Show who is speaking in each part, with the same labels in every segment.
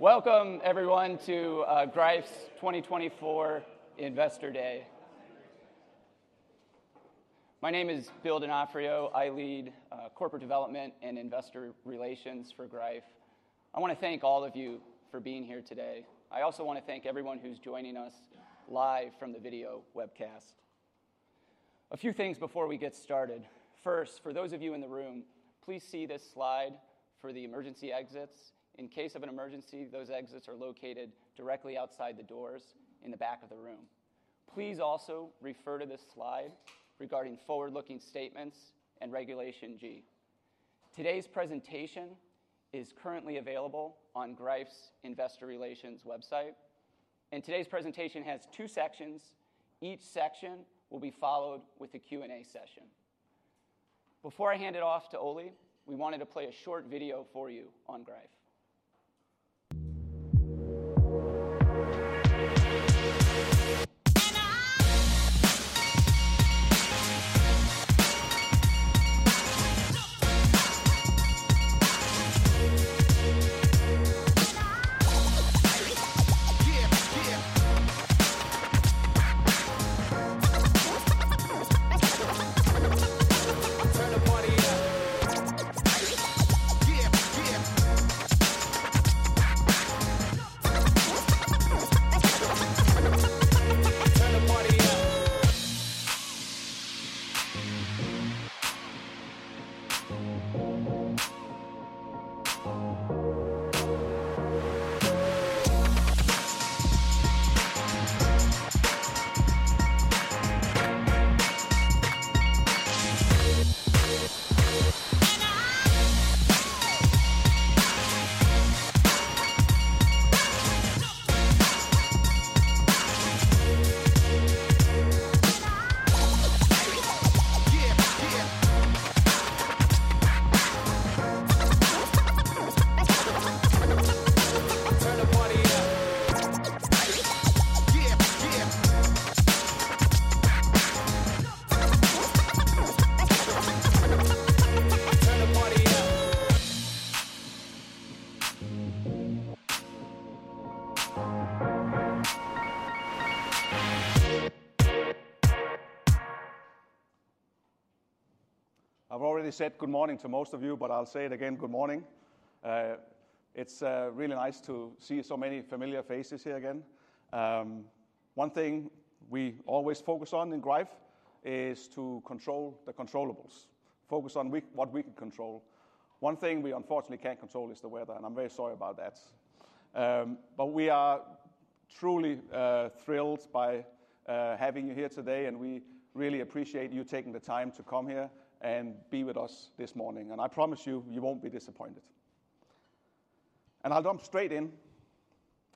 Speaker 1: Welcome, everyone, to Greif's 2024 Investor Day. My name is Bill D'Onofrio. I lead corporate development and investor relations for Greif. I want to thank all of you for being here today. I also want to thank everyone who's joining us live from the video webcast. A few things before we get started. First, for those of you in the room, please see this slide for the emergency exits. In case of an emergency, those exits are located directly outside the doors in the back of the room. Please also refer to this slide regarding forward-looking statements and Regulation G. Today's presentation is currently available on Greif's investor relations website, and today's presentation has two sections. Each section will be followed with a Q&A session. Before I hand it off to Ole, we wanted to play a short video for you on Greif.
Speaker 2: I've already said good morning to most of you, but I'll say it again: good morning. It's really nice to see so many familiar faces here again. One thing we always focus on in Greif is to control the controllables, focus on what we can control. One thing we, unfortunately, can't control is the weather, and I'm very sorry about that. But we are truly thrilled by having you here today, and we really appreciate you taking the time to come here and be with us this morning. And I promise you, you won't be disappointed. And I'll jump straight in.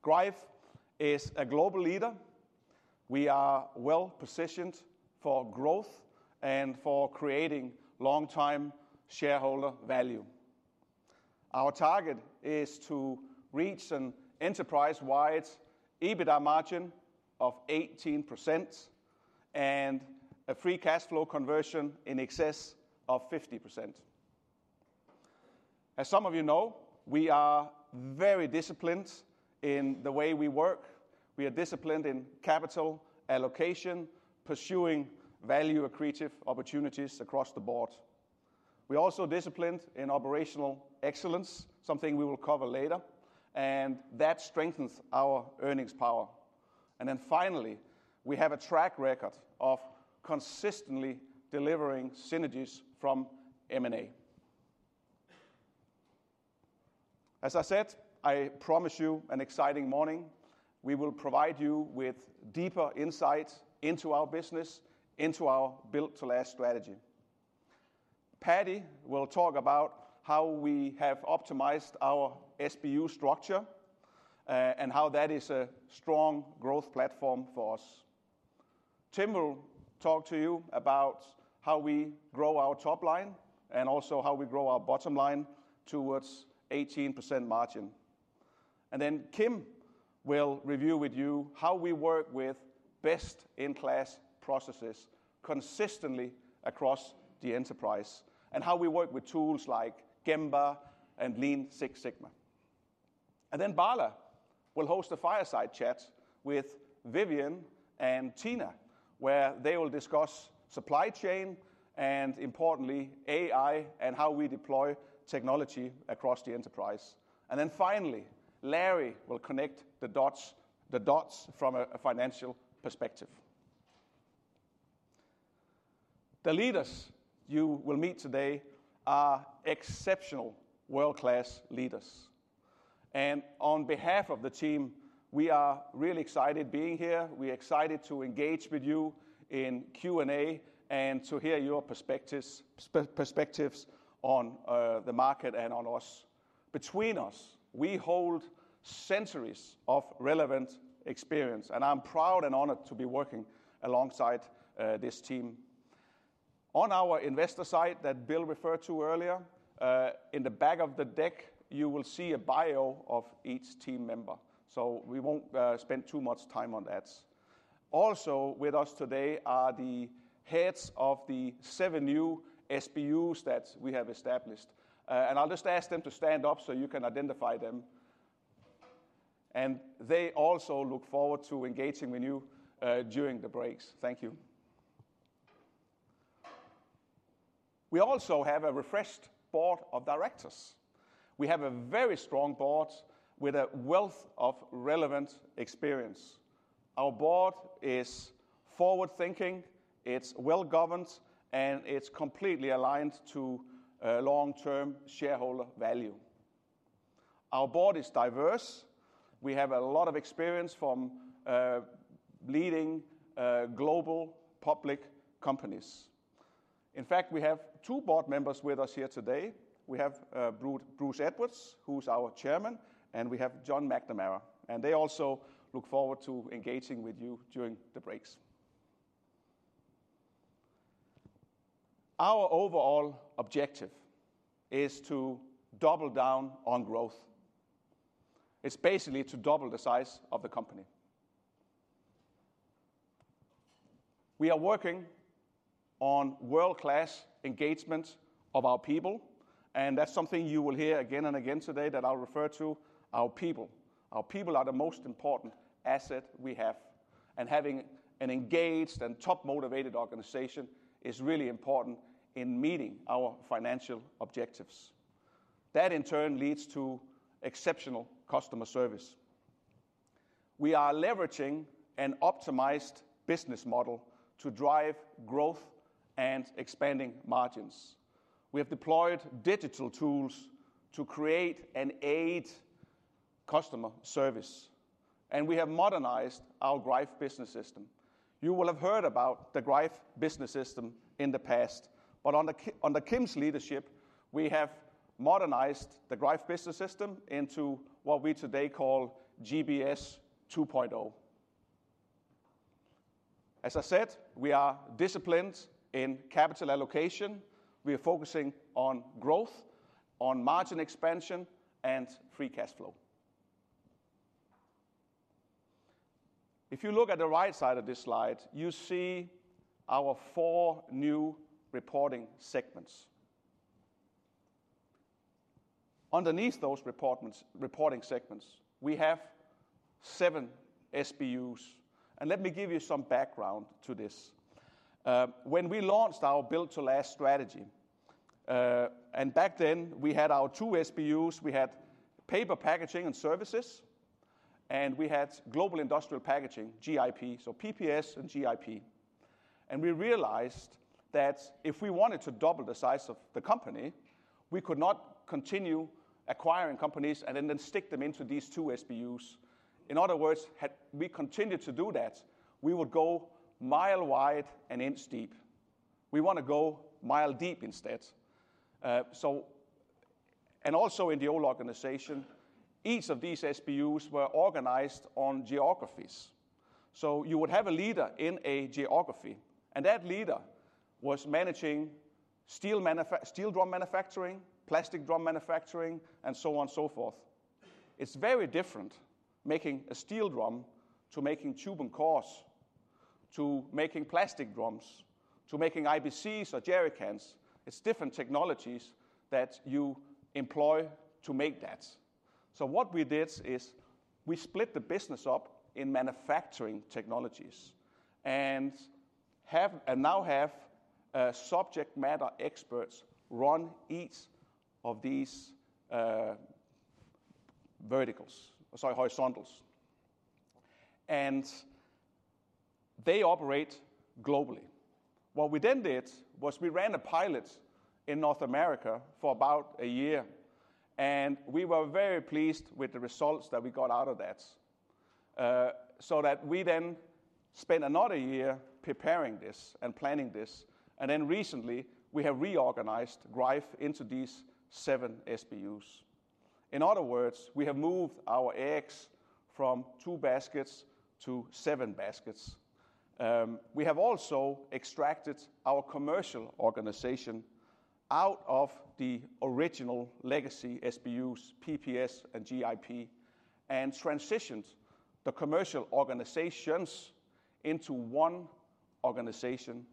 Speaker 2: Greif is a global leader. We are well-positioned for growth and for creating long-term shareholder value. Our target is to reach an enterprise-wide EBITDA margin of 18% and a free cash flow conversion in excess of 50%. As some of you know, we are very disciplined in the way we work. We are disciplined in capital allocation, pursuing value-accretive opportunities across the board. We are also disciplined in operational excellence, something we will cover later, and that strengthens our earnings power. And then finally, we have a track record of consistently delivering synergies from M&A. As I said, I promise you an exciting morning. We will provide you with deeper insights into our business, into our Build to Last strategy. Paddy will talk about how we have optimized our SBU structure and how that is a strong growth platform for us. Tim will talk to you about how we grow our top line and also how we grow our bottom line towards 18% margin. Kim will review with you how we work with best-in-class processes consistently across the enterprise and how we work with tools like Gemba and Lean Six Sigma. Bala will host a fireside chat with Vivian and Tina, where they will discuss supply chain and, importantly, AI and how we deploy technology across the enterprise. Finally, Larry will connect the dots from a financial perspective. The leaders you will meet today are exceptional world-class leaders. On behalf of the team, we are really excited being here. We are excited to engage with you in Q&A and to hear your perspectives on the market and on us. Between us, we hold centuries of relevant experience, and I'm proud and honored to be working alongside this team. On our investor side that Bill referred to earlier, in the back of the deck, you will see a bio of each team member. So we won't spend too much time on that. Also with us today are the heads of the seven new SBUs that we have established. And I'll just ask them to stand up so you can identify them. And they also look forward to engaging with you during the breaks. Thank you. We also have a refreshed board of directors. We have a very strong board with a wealth of relevant experience. Our board is forward-thinking. It's well-governed, and it's completely aligned to long-term shareholder value. Our board is diverse. We have a lot of experience from leading global public companies. In fact, we have two board members with us here today. We have Bruce Edwards, who's our Chairman, and we have John McNamara. And they also look forward to engaging with you during the breaks. Our overall objective is to double down on growth. It's basically to double the size of the company. We are working on world-class engagement of our people, and that's something you will hear again and again today that I'll refer to our people. Our people are the most important asset we have, and having an engaged and top-motivated organization is really important in meeting our financial objectives. That, in turn, leads to exceptional customer service. We are leveraging an optimized business model to drive growth and expanding margins. We have deployed digital tools to create and aid customer service, and we have modernized our Greif Business System. You will have heard about the Greif Business System in the past, but under Kim's leadership, we have modernized the Greif Business System into what we today call GBS 2.0. As I said, we are disciplined in capital allocation. We are focusing on growth, on margin expansion, and free cash flow. If you look at the right side of this slide, you see our four new reporting segments. Underneath those reporting segments, we have seven SBUs. And let me give you some background to this. When we launched our Build to Last strategy, and back then, we had our two SBUs. We had paper packaging and services, and we had global industrial packaging, GIP, so PPS and GIP. And we realized that if we wanted to double the size of the company, we could not continue acquiring companies and then stick them into these two SBUs. In other words, had we continued to do that, we would go mile wide and inch deep. We want to go mile deep instead. And also in the old organization, each of these SBUs were organized on geographies. So you would have a leader in a geography, and that leader was managing steel drum manufacturing, plastic drum manufacturing, and so on and so forth. It's very different making a steel drum to making Tubes and Cores, to making plastic drums, to making IBCs or Jerry cans. It's different technologies that you employ to make that. So what we did is we split the business up in manufacturing technologies and now have subject matter experts run each of these verticals, sorry, horizontals. And they operate globally. What we then did was we ran a pilot in North America for about a year, and we were very pleased with the results that we got out of that. So that we then spent another year preparing this and planning this. And then, recently, we have reorganized Greif into these seven SBUs. In other words, we have moved our eggs from two baskets to seven baskets. We have also extracted our commercial organization out of the original legacy SBUs, PPS, and GIP, and transitioned the commercial organizations into one organization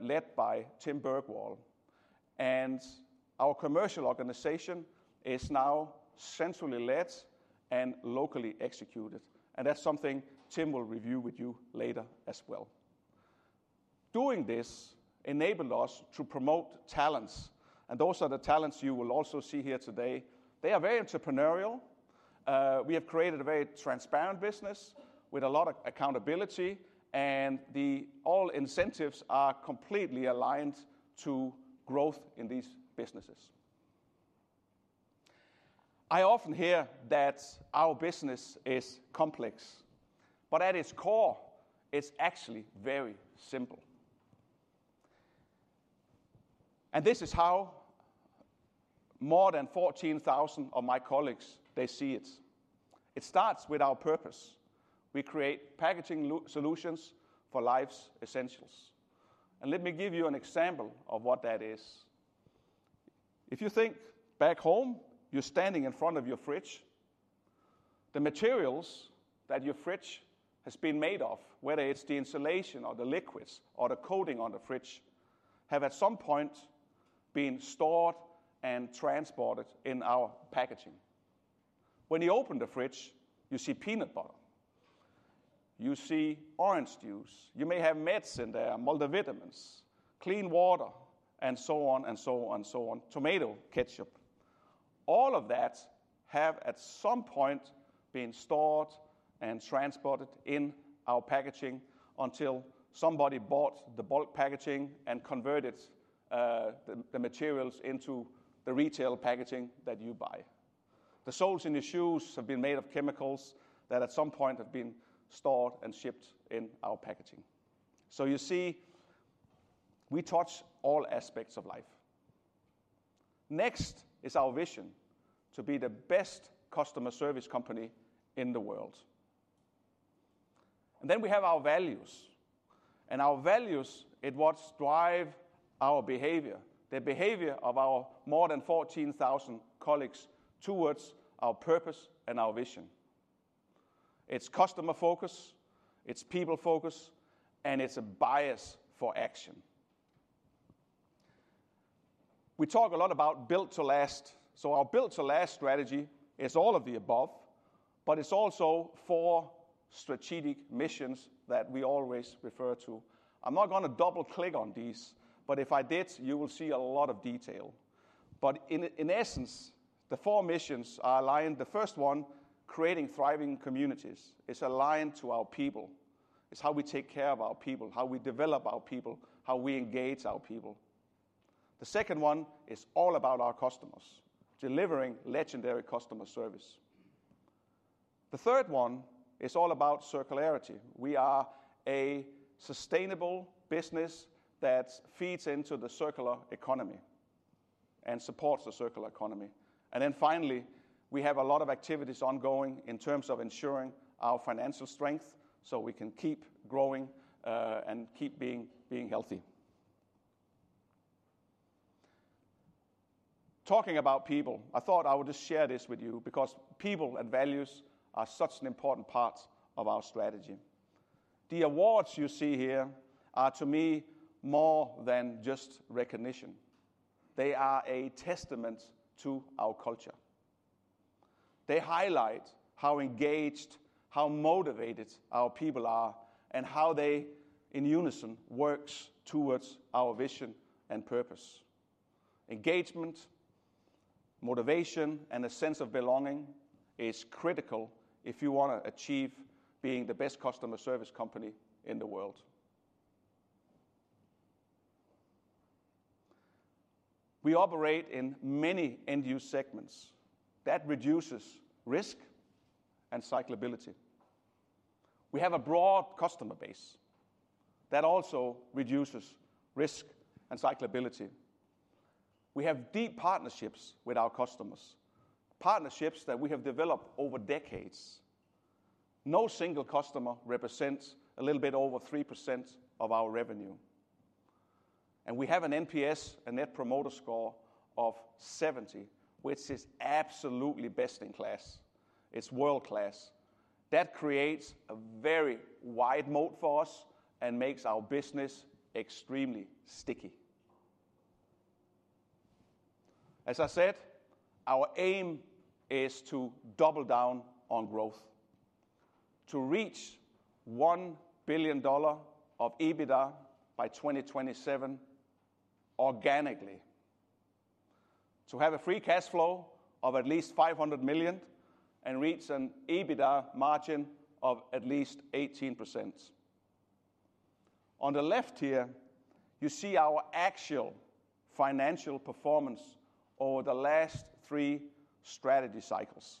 Speaker 2: led by Tim Bergwall. And our commercial organization is now centrally led and locally executed. And that's something Tim will review with you later as well. Doing this enabled us to promote talents, and those are the talents you will also see here today. They are very entrepreneurial. We have created a very transparent business with a lot of accountability, and all incentives are completely aligned to growth in these businesses. I often hear that our business is complex, but at its core, it's actually very simple. And this is how more than 14,000 of my colleagues, they see it. It starts with our purpose. We create packaging solutions for life's essentials. And let me give you an example of what that is. If you think back home, you're standing in front of your fridge. The materials that your fridge has been made of, whether it's the insulation or the liquids or the coating on the fridge, have at some point been stored and transported in our packaging. When you open the fridge, you see peanut butter. You see orange juice. You may have meds in there, multivitamins, clean water, and so on and so on and so on, tomato ketchup. All of that have at some point been stored and transported in our packaging until somebody bought the bulk packaging and converted the materials into the retail packaging that you buy. The soles in your shoes have been made of chemicals that at some point have been stored and shipped in our packaging. So you see, we touch all aspects of life. Next is our vision to be the best customer service company in the world. And then we have our values. And our values are what drive our behavior, the behavior of our more than 14,000 colleagues towards our purpose and our vision. It's customer focus, it's people focus, and it's a bias for action. We talk a lot about Build to Last. So our Build to Last strategy is all of the above, but it's also four strategic missions that we always refer to. I'm not going to double-click on these, but if I did, you will see a lot of detail. But in essence, the four missions are aligned. The first one, creating thriving communities, is aligned to our people. It's how we take care of our people, how we develop our people, how we engage our people. The second one is all about our customers, delivering legendary customer service. The third one is all about circularity. We are a sustainable business that feeds into the circular economy and supports the circular economy, and then finally, we have a lot of activities ongoing in terms of ensuring our financial strength so we can keep growing and keep being healthy. Talking about people, I thought I would just share this with you because people and values are such an important part of our strategy. The awards you see here are, to me, more than just recognition. They are a testament to our culture. They highlight how engaged, how motivated our people are, and how they, in unison, work towards our vision and purpose. Engagement, motivation, and a sense of belonging are critical if you want to achieve being the best customer service company in the world. We operate in many end-use segments. That reduces risk and cyclicality. We have a broad customer base. That also reduces risk and cyclicality. We have deep partnerships with our customers, partnerships that we have developed over decades. No single customer represents a little bit over 3% of our revenue, and we have an NPS, a Net Promoter Score of 70, which is absolutely best in class. It's world-class. That creates a very wide moat for us and makes our business extremely sticky. As I said, our aim is to double down on growth, to reach $1 billion of EBITDA by 2027 organically, to have a free cash flow of at least $500 million and reach an EBITDA margin of at least 18%. On the left here, you see our actual financial performance over the last three strategy cycles.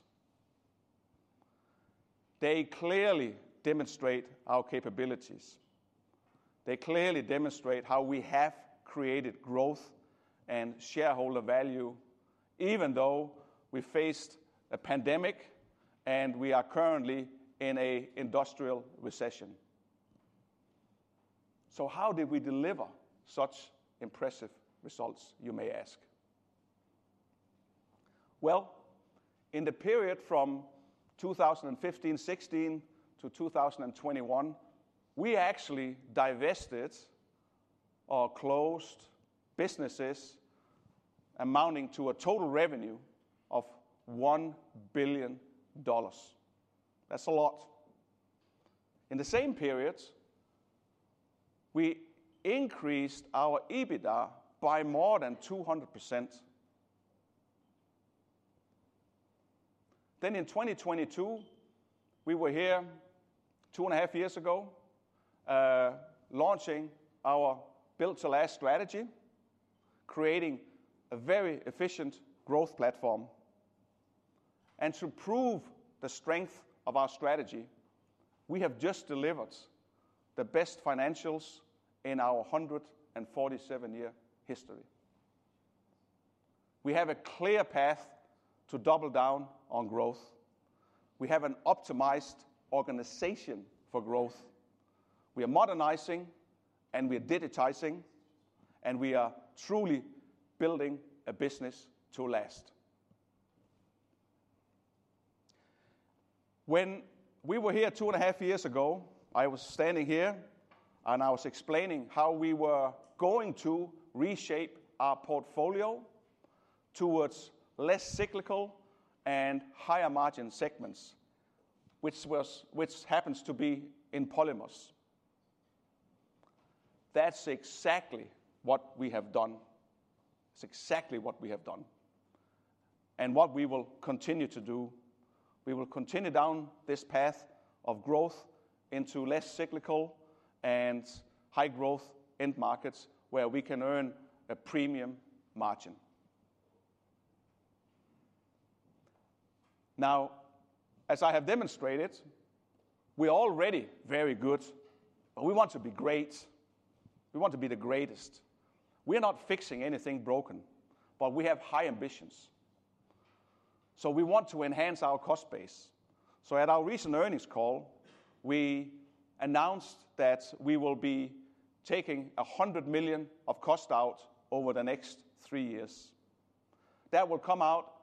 Speaker 2: They clearly demonstrate our capabilities. They clearly demonstrate how we have created growth and shareholder value, even though we faced a pandemic and we are currently in an industrial recession. So how did we deliver such impressive results, you may ask? Well, in the period from 2015-16 to 2021, we actually divested or closed businesses amounting to a total revenue of $1 billion. That's a lot. In the same period, we increased our EBITDA by more than 200%. Then in 2022, we were here two and a half years ago, launching our Build to Last strategy, creating a very efficient growth platform. And to prove the strength of our strategy, we have just delivered the best financials in our 147-year history. We have a clear path to double down on growth. We have an optimized organization for growth. We are modernizing, and we are digitizing, and we are truly building a business to last. When we were here two and a half years ago, I was standing here, and I was explaining how we were going to reshape our portfolio towards less cyclical and higher margin segments, which happens to be in Polymers. That's exactly what we have done. It's exactly what we have done and what we will continue to do. We will continue down this path of growth into less cyclical and high-growth end markets where we can earn a premium margin. Now, as I have demonstrated, we are already very good, but we want to be great. We want to be the greatest. We are not fixing anything broken, but we have high ambitions. So we want to enhance our cost base. So at our recent earnings call, we announced that we will be taking $100 million of cost out over the next three years. That will come out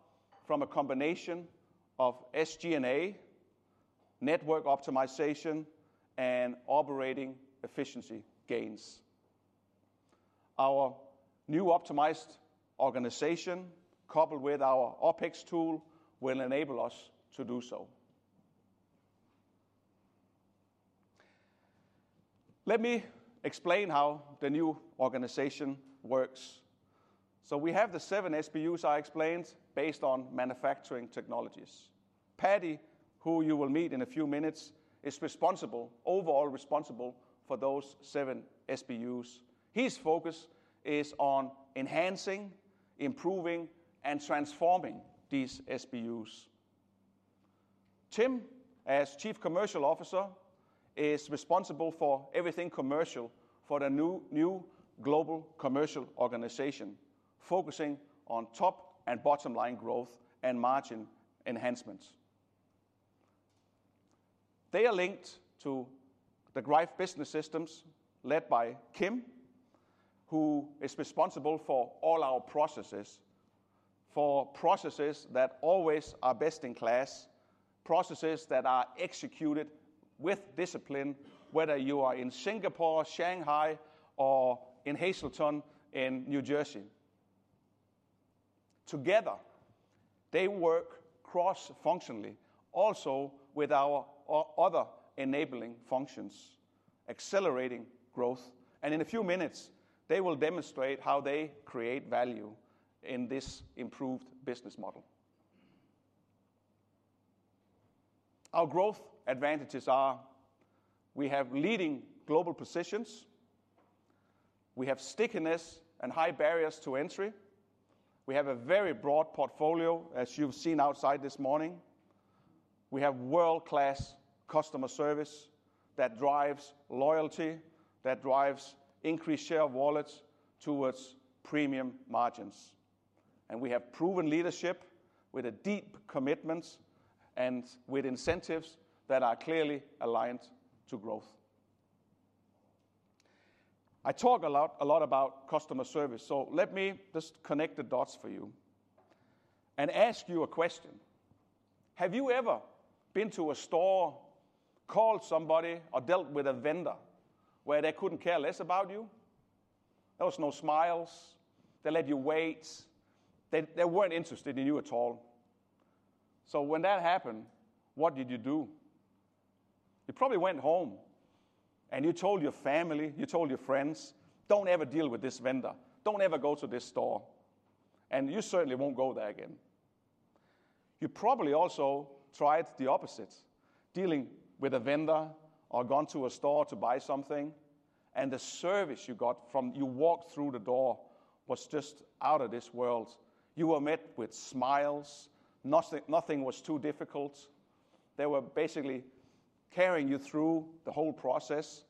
Speaker 2: from a combination of SG&A, network optimization, and operating efficiency gains. Our new optimized organization, coupled with our OpEx tool, will enable us to do so. Let me explain how the new organization works. So we have the seven SBUs I explained based on manufacturing technologies. Paddy, who you will meet in a few minutes, is overall responsible for those seven SBUs. His focus is on enhancing, improving, and transforming these SBUs. Tim, as Chief Commercial Officer, is responsible for everything commercial for the new global commercial organization, focusing on top and bottom line growth and margin enhancements. They are linked to the Greif Business Systems led by Kim, who is responsible for all our processes, for processes that always are best in class, processes that are executed with discipline, whether you are in Singapore, Shanghai, or in Hazleton in Pennsylvania. Together, they work cross-functionally, also with our other enabling functions, accelerating growth. And in a few minutes, they will demonstrate how they create value in this improved business model. Our growth advantages are we have leading global positions. We have stickiness and high barriers to entry. We have a very broad portfolio, as you've seen outside this morning. We have world-class customer service that drives loyalty, that drives increased share of wallets towards premium margins, and we have proven leadership with a deep commitment and with incentives that are clearly aligned to growth. I talk a lot about customer service, so let me just connect the dots for you and ask you a question. Have you ever been to a store, called somebody, or dealt with a vendor where they couldn't care less about you? There were no smiles. They let you wait. They weren't interested in you at all. So when that happened, what did you do? You probably went home and you told your family, you told your friends, "Don't ever deal with this vendor. Don't ever go to this store," and you certainly won't go there again. You probably also tried the opposite, dealing with a vendor or gone to a store to buy something, and the service you got from the moment you walked through the door was just out of this world. You were met with smiles. Nothing was too difficult. They were basically carrying you through the whole process,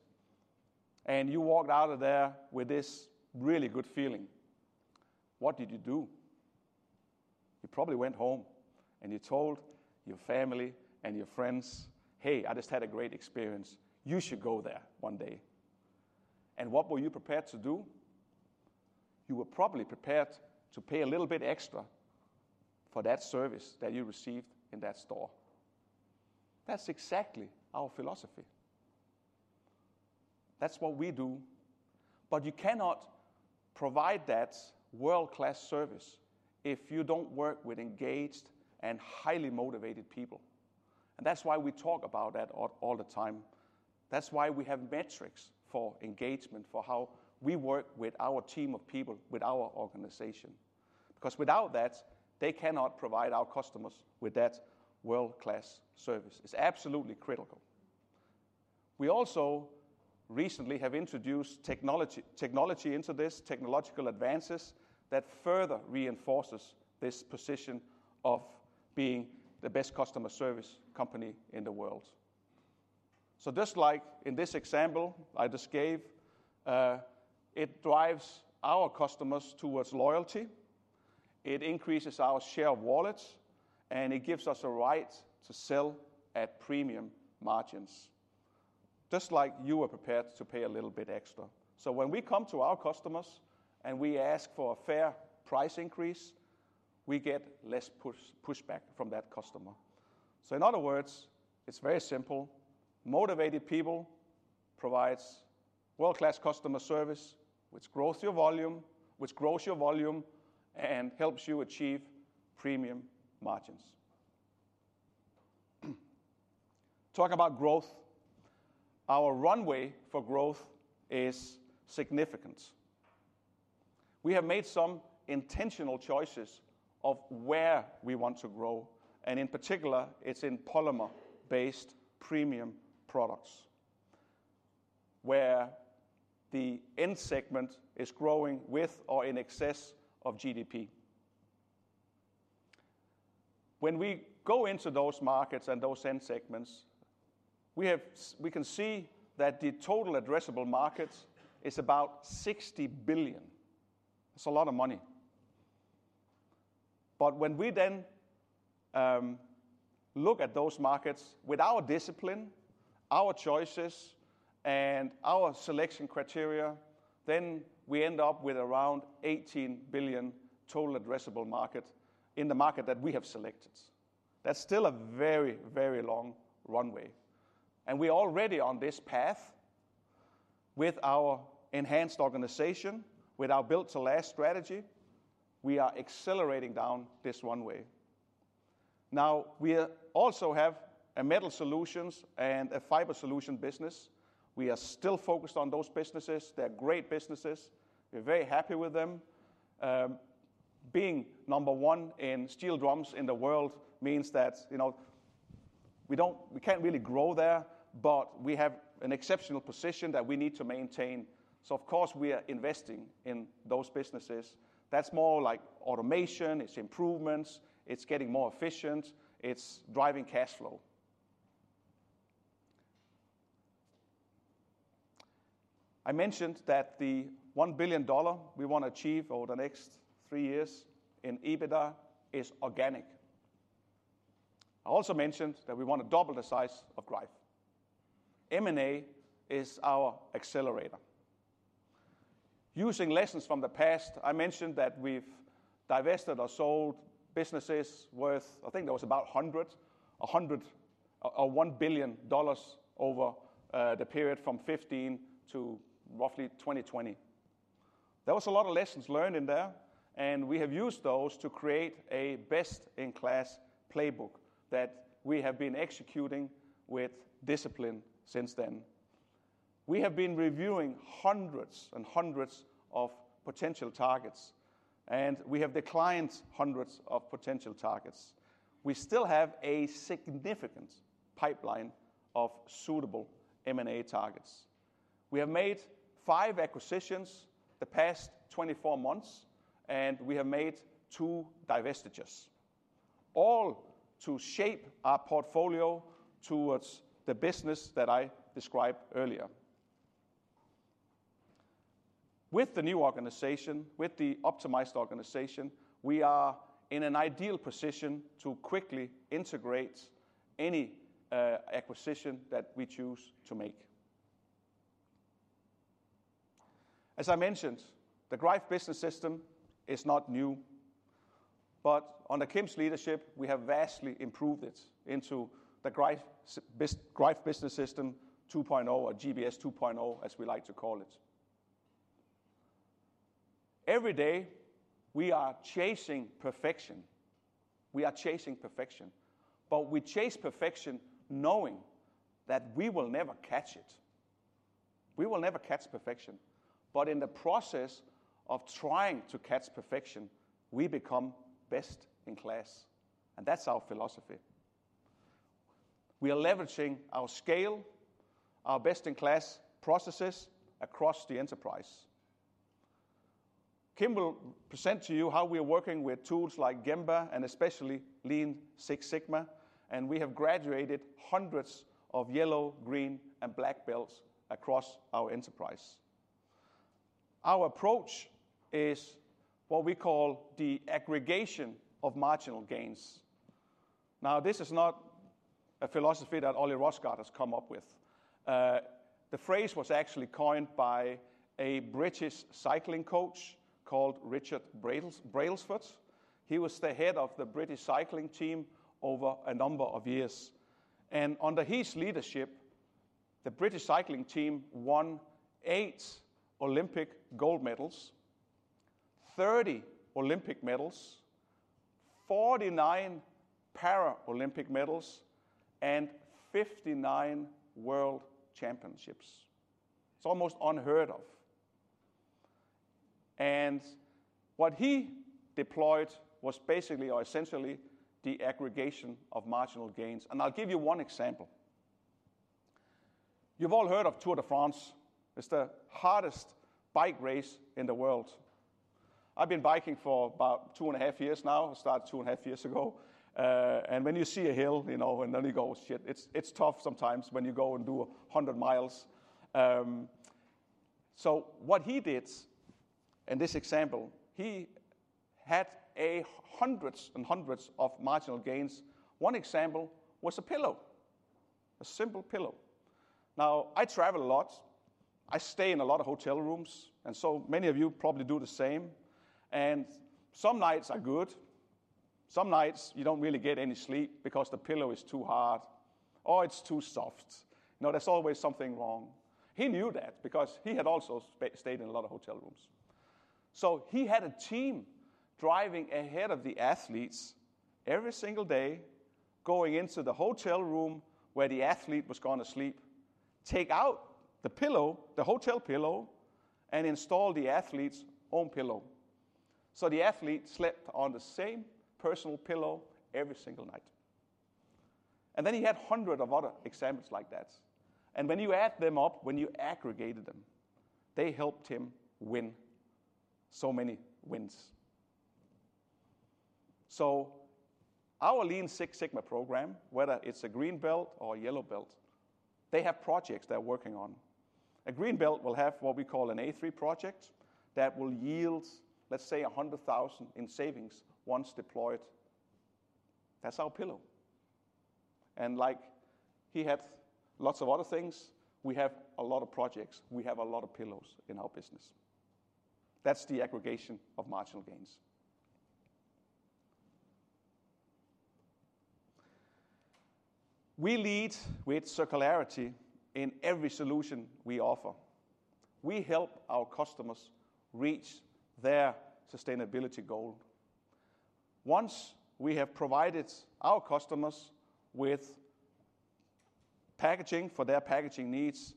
Speaker 2: and you walked out of there with this really good feeling. What did you do? You probably went home and you told your family and your friends, "Hey, I just had a great experience. You should go there one day," and what were you prepared to do? You were probably prepared to pay a little bit extra for that service that you received in that store. That's exactly our philosophy. That's what we do, but you cannot provide that world-class service if you don't work with engaged and highly motivated people. And that's why we talk about that all the time. That's why we have metrics for engagement, for how we work with our team of people, with our organization. Because without that, they cannot provide our customers with that world-class service. It's absolutely critical. We also recently have introduced technology into this, technological advances that further reinforce this position of being the best customer service company in the world. So just like in this example I just gave, it drives our customers towards loyalty. It increases our share of wallets, and it gives us a right to sell at premium margins, just like you are prepared to pay a little bit extra. So when we come to our customers and we ask for a fair price increase, we get less pushback from that customer. So in other words, it's very simple. Motivated people provide world-class customer service, which grows your volume, which grows your volume and helps you achieve premium margins. Talking about growth, our runway for growth is significant. We have made some intentional choices of where we want to grow. And in particular, it's in polymer-based premium products where the end segment is growing with or in excess of GDP. When we go into those markets and those end segments, we can see that the total addressable market is about $60 billion. That's a lot of money. But when we then look at those markets with our discipline, our choices, and our selection criteria, then we end up with around $18 billion total addressable market in the market that we have selected. That's still a very, very long runway. And we are already on this path with our enhanced organization, with our Build to Last strategy. We are accelerating down this runway. Now, we also have a metal solutions and a fiber solution business. We are still focused on those businesses. They're great businesses. We're very happy with them. Being number one in steel drums in the world means that we can't really grow there, but we have an exceptional position that we need to maintain. So of course, we are investing in those businesses. That's more like automation. It's improvements. It's getting more efficient. It's driving cash flow. I mentioned that the $1 billion we want to achieve over the next three years in EBITDA is organic. I also mentioned that we want to double the size of Greif. M&A is our accelerator. Using lessons from the past, I mentioned that we've divested or sold businesses worth, I think there was about $100 or $1 billion over the period from 2015 to roughly 2020. There was a lot of lessons learned in there, and we have used those to create a best-in-class playbook that we have been executing with discipline since then. We have been reviewing hundreds and hundreds of potential targets, and we have declined hundreds of potential targets. We still have a significant pipeline of suitable M&A targets. We have made five acquisitions the past 24 months, and we have made two divestitures, all to shape our portfolio towards the business that I described earlier. With the new organization, with the optimized organization, we are in an ideal position to quickly integrate any acquisition that we choose to make. As I mentioned, the Greif Business System is not new, but under Kim's leadership, we have vastly improved it into the Greif Business System 2.0 or GBS 2.0, as we like to call it. Every day, we are chasing perfection. We are chasing perfection. But we chase perfection knowing that we will never catch it. We will never catch perfection. But in the process of trying to catch perfection, we become best-in-class. And that's our philosophy. We are leveraging our scale, our best-in-class processes across the enterprise. Kim will present to you how we are working with tools like Gemba and especially Lean Six Sigma. And we have graduated hundreds of yellow, green, and black belts across our enterprise. Our approach is what we call the aggregation of marginal gains. Now, this is not a philosophy that Ole Rosgaard has come up with. The phrase was actually coined by a British cycling coach called Dave Brailsford. He was the head of the British cycling team over a number of years. Under his leadership, the British cycling team won eight Olympic gold medals, 30 Olympic medals, 49 Paralympic medals, and 59 World Championships. It's almost unheard of. What he deployed was basically or essentially the aggregation of marginal gains. I'll give you one example. You've all heard of Tour de France. It's the hardest bike race in the world. I've been biking for about two and a half years now. I started two and a half years ago. When you see a hill, and then you go, "Shit." It's tough sometimes when you go and do 100 miles. What he did in this example, he had hundreds and hundreds of marginal gains. One example was a pillow, a simple pillow. Now, I travel a lot. I stay in a lot of hotel rooms. So many of you probably do the same. Some nights are good. Some nights, you don't really get any sleep because the pillow is too hard or it's too soft. There's always something wrong. He knew that because he had also stayed in a lot of hotel rooms. He had a team driving ahead of the athletes every single day, going into the hotel room where the athlete was going to sleep, take out the hotel pillow, and install the athlete's own pillow. The athlete slept on the same personal pillow every single night. Then he had hundreds of other examples like that. When you add them up, when you aggregated them, they helped him win so many wins. Our Lean Six Sigma program, whether it's a green belt or a yellow belt, they have projects they're working on. A green belt will have what we call an A3 Project that will yield, let's say, $100,000 in savings once deployed. That's our pillar. And like he had lots of other things, we have a lot of projects. We have a lot of pillars in our business. That's the Aggregation of Marginal Gains. We lead with circularity in every solution we offer. We help our customers reach their sustainability goal. Once we have provided our customers with packaging for their packaging needs,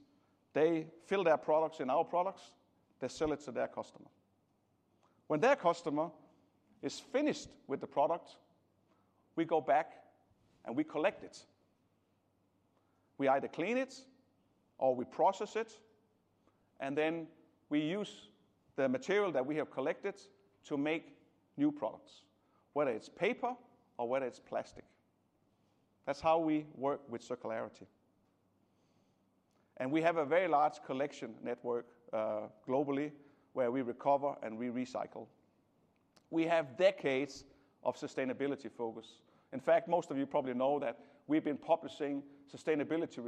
Speaker 2: they fill their products in our products. They sell it to their customer. When their customer is finished with the product, we go back and we collect it. We either clean it or we process it. And then we use the material that we have collected to make new products, whether it's paper or whether it's plastic. That's how we work with circularity. We have a very large collection network globally where we recover and we recycle. We have decades of sustainability focus. In fact, most of you probably know that we've been publishing sustainability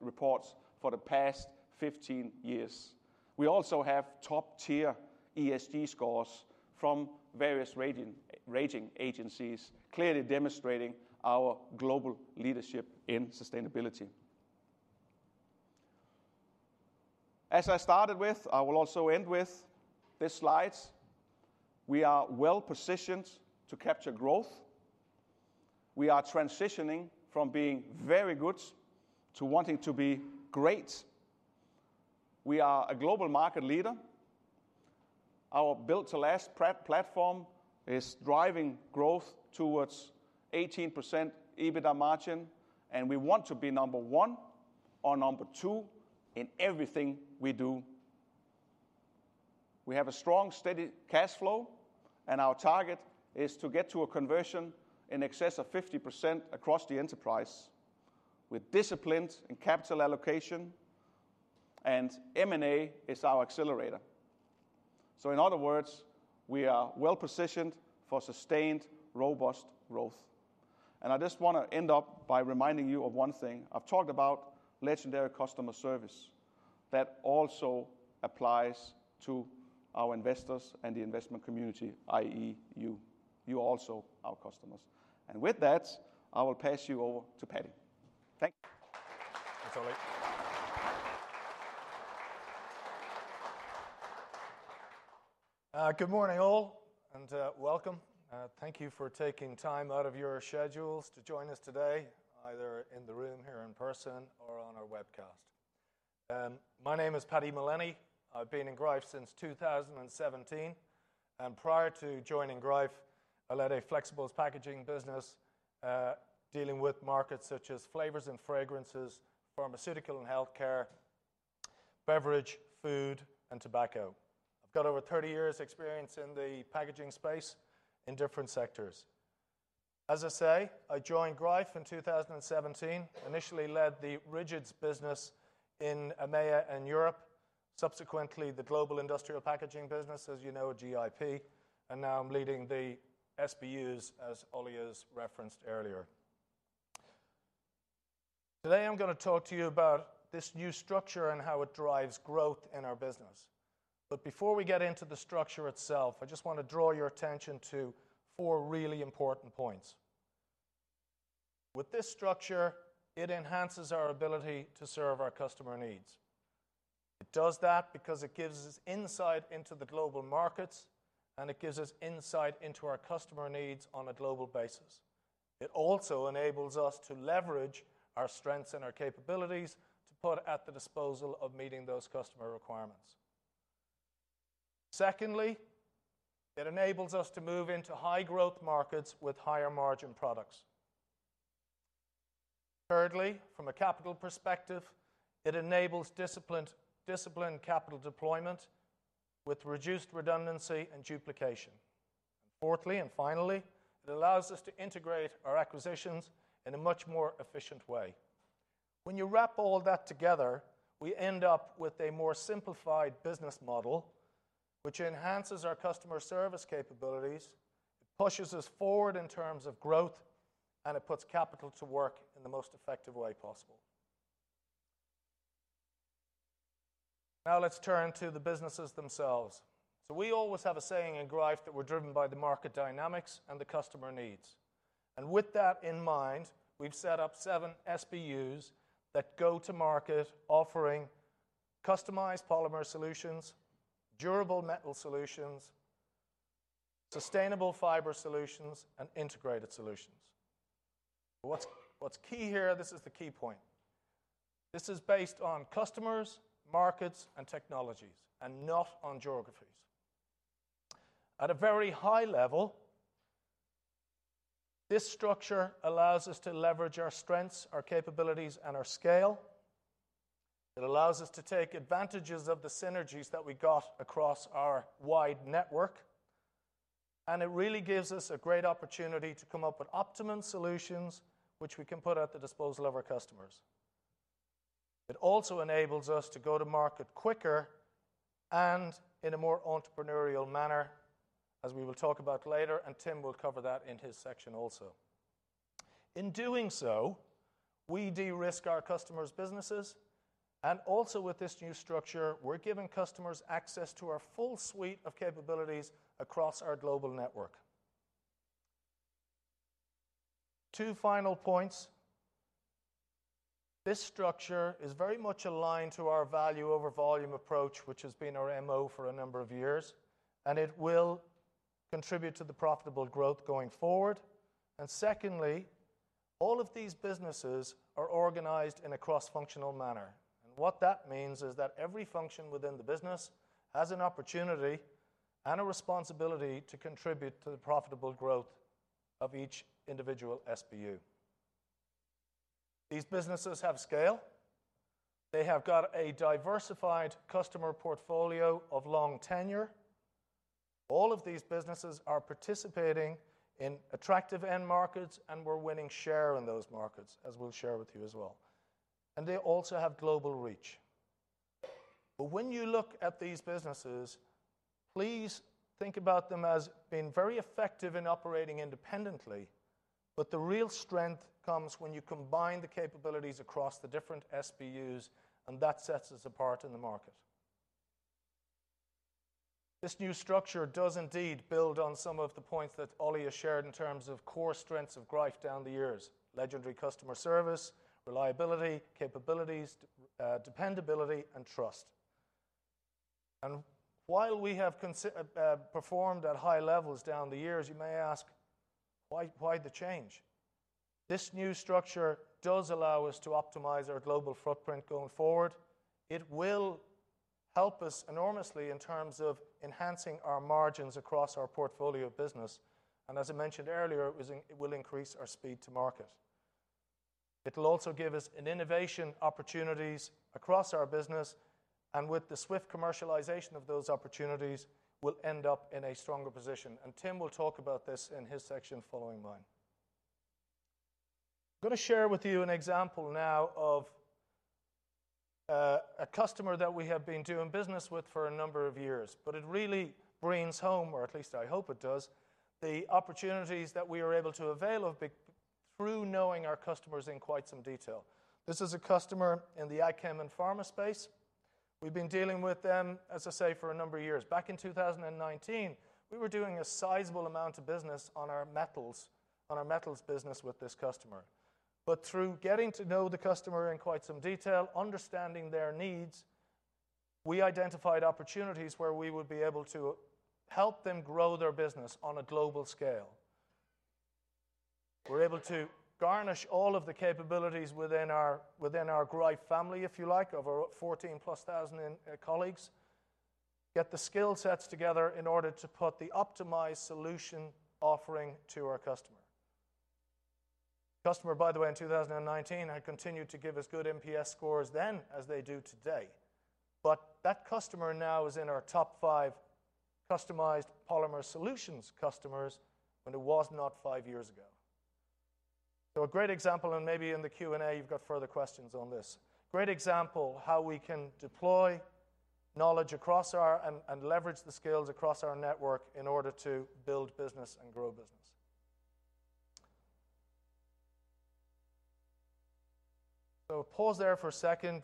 Speaker 2: reports for the past 15 years. We also have top-tier ESG scores from various rating agencies, clearly demonstrating our global leadership in sustainability. As I started with, I will also end with this slide. We are well-positioned to capture growth. We are transitioning from being very good to wanting to be great. We are a global market leader. Our Build to Last platform is driving growth towards 18% EBITDA margin. We want to be number one or number two in everything we do. We have a strong, steady cash flow. Our target is to get to a conversion in excess of 50% across the enterprise with discipline and capital allocation. M&A is our accelerator. So in other words, we are well-positioned for sustained, robust growth. And I just want to end up by reminding you of one thing. I've talked about legendary customer service that also applies to our investors and the investment community, i.e., you, you also our customers. And with that, I will pass you over to Paddy. Thank you.
Speaker 1: Thanks, Ole.
Speaker 3: Good morning, all, and welcome. Thank you for taking time out of your schedules to join us today, either in the room here in person or on our webcast. My name is Paddy Mullaney. I've been in Greif since 2017, and prior to joining Greif, I led a flexible packaging business dealing with markets such as flavors and fragrances, pharmaceutical and healthcare, beverage, food, and tobacco. I've got over 30 years' experience in the packaging space in different sectors. As I say, I joined Greif in 2017, initially led the Rigids business in EMEA and Europe, subsequently the global industrial packaging business, as you know, GIP, and now I'm leading the SBUs, as Ole has referenced earlier. Today, I'm going to talk to you about this new structure and how it drives growth in our business. But before we get into the structure itself, I just want to draw your attention to four really important points. With this structure, it enhances our ability to serve our customer needs. It does that because it gives us insight into the global markets, and it gives us insight into our customer needs on a global basis. It also enables us to leverage our strengths and our capabilities to put at the disposal of meeting those customer requirements. Secondly, it enables us to move into high-growth markets with higher margin products. Thirdly, from a capital perspective, it enables disciplined capital deployment with reduced redundancy and duplication. And fourthly and finally, it allows us to integrate our acquisitions in a much more efficient way. When you wrap all that together, we end up with a more simplified business model, which enhances our customer service capabilities. It pushes us forward in terms of growth, and it puts capital to work in the most effective way possible. Now, let's turn to the businesses themselves. So we always have a saying in Greif that we're driven by the market dynamics and the customer needs. And with that in mind, we've set up seven SBUs that go to market offering customized polymer solutions, durable metal solutions, sustainable fiber solutions, and integrated solutions. What's key here? This is the key point. This is based on customers, markets, and technologies, and not on geographies. At a very high level, this structure allows us to leverage our strengths, our capabilities, and our scale. It allows us to take advantages of the synergies that we got across our wide network. And it really gives us a great opportunity to come up with optimum solutions, which we can put at the disposal of our customers. It also enables us to go to market quicker and in a more entrepreneurial manner, as we will talk about later. And Tim will cover that in his section also. In doing so, we de-risk our customers' businesses. And also, with this new structure, we're giving customers access to our full suite of capabilities across our global network. Two final points. This structure is very much aligned to our value over volume approach, which has been our MO for a number of years. And it will contribute to the profitable growth going forward. And secondly, all of these businesses are organized in a cross-functional manner. What that means is that every function within the business has an opportunity and a responsibility to contribute to the profitable growth of each individual SBU. These businesses have scale. They have got a diversified customer portfolio of long tenure. All of these businesses are participating in attractive end markets, and we're winning share in those markets, as we'll share with you as well. They also have global reach. When you look at these businesses, please think about them as being very effective in operating independently. The real strength comes when you combine the capabilities across the different SBUs, and that sets us apart in the market. This new structure does indeed build on some of the points that Ole has shared in terms of core strengths of Greif down the years: legendary customer service, reliability, capabilities, dependability, and trust. While we have performed at high levels down the years, you may ask, "Why the change?" This new structure does allow us to optimize our global footprint going forward. It will help us enormously in terms of enhancing our margins across our portfolio of business. As I mentioned earlier, it will increase our speed to market. It will also give us innovation opportunities across our business. With the swift commercialization of those opportunities, we'll end up in a stronger position. Tim will talk about this in his section following mine. I'm going to share with you an example now of a customer that we have been doing business with for a number of years. It really brings home, or at least I hope it does, the opportunities that we are able to avail of through knowing our customers in quite some detail. This is a customer in the AgChem and pharma space. We've been dealing with them, as I say, for a number of years. Back in 2019, we were doing a sizable amount of business on our metals business with this customer. But through getting to know the customer in quite some detail, understanding their needs, we identified opportunities where we would be able to help them grow their business on a global scale. We're able to harness all of the capabilities within our Greif family, if you like, of our 14,000+ colleagues, get the skill sets together in order to put the optimized solution offering to our customer. Customer, by the way, in 2019, had continued to give us good NPS scores then as they do today. But that customer now is in our top five customized polymer solutions customers when it was not five years ago. So a great example, and maybe in the Q&A, you've got further questions on this. Great example how we can deploy knowledge across our and leverage the skills across our network in order to build business and grow business. So pause there for a second.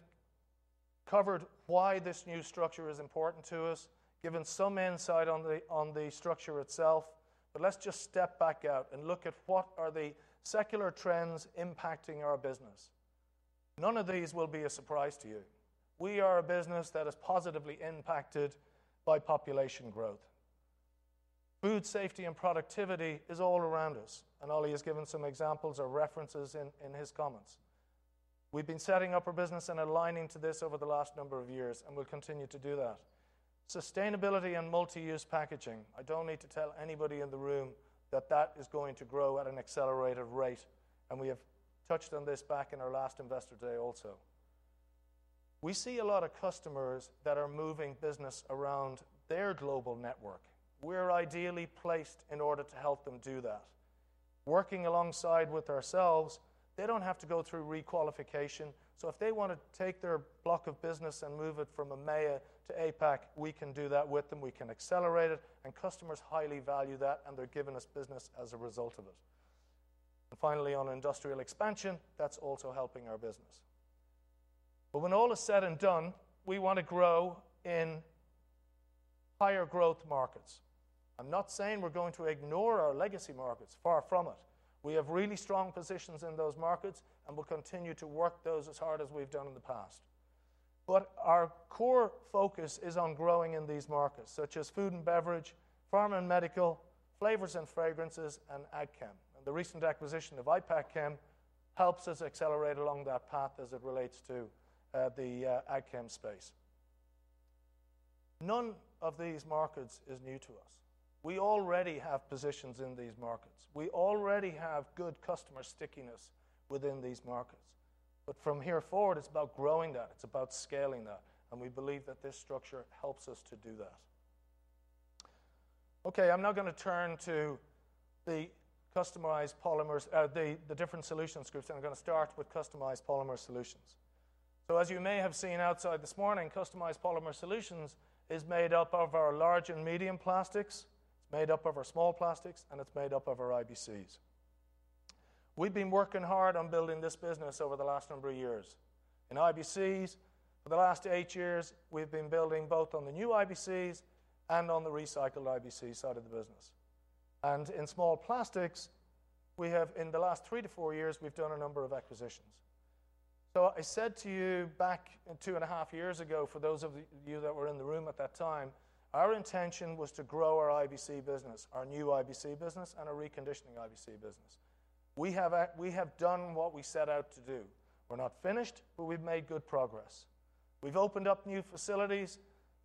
Speaker 3: Covered why this new structure is important to us, given some insight on the structure itself. But let's just step back out and look at what are the secular trends impacting our business. None of these will be a surprise to you. We are a business that is positively impacted by population growth. Food safety and productivity is all around us. And Ole has given some examples or references in his comments. We've been setting up our business and aligning to this over the last number of years and will continue to do that. Sustainability and multi-use packaging. I don't need to tell anybody in the room that that is going to grow at an accelerated rate. And we have touched on this back in our last investor day also. We see a lot of customers that are moving business around their global network. We're ideally placed in order to help them do that. Working alongside with ourselves, they don't have to go through requalification. So if they want to take their block of business and move it from EMEA to APAC, we can do that with them. We can accelerate it. And customers highly value that, and they're giving us business as a result of it. And finally, on industrial expansion, that's also helping our business. But when all is said and done, we want to grow in higher growth markets. I'm not saying we're going to ignore our legacy markets. Far from it. We have really strong positions in those markets, and we'll continue to work those as hard as we've done in the past. But our core focus is on growing in these markets, such as food and beverage, pharma and medical, flavors and fragrances, and AGCHEM. And the recent acquisition of Ipackchem helps us accelerate along that path as it relates to the AGCHEM space. None of these markets is new to us. We already have positions in these markets. We already have good customer stickiness within these markets. But from here forward, it's about growing that. It's about scaling that. And we believe that this structure helps us to do that. Okay, I'm now going to turn to the customized polymers, the different solutions groups. And I'm going to start with customized polymer solutions. So as you may have seen outside this morning, customized polymer solutions is made up of our large and medium plastics. It's made up of our small plastics, and it's made up of our IBCs. We've been working hard on building this business over the last number of years. In IBCs, for the last eight years, we've been building both on the new IBCs and on the recycled IBC side of the business, and in small plastics we have, in the last three to four years, we've done a number of acquisitions, so I said to you back two and a half years ago, for those of you that were in the room at that time, our intention was to grow our IBC business, our new IBC business, and our reconditioning IBC business. We have done what we set out to do. We're not finished, but we've made good progress. We've opened up new facilities,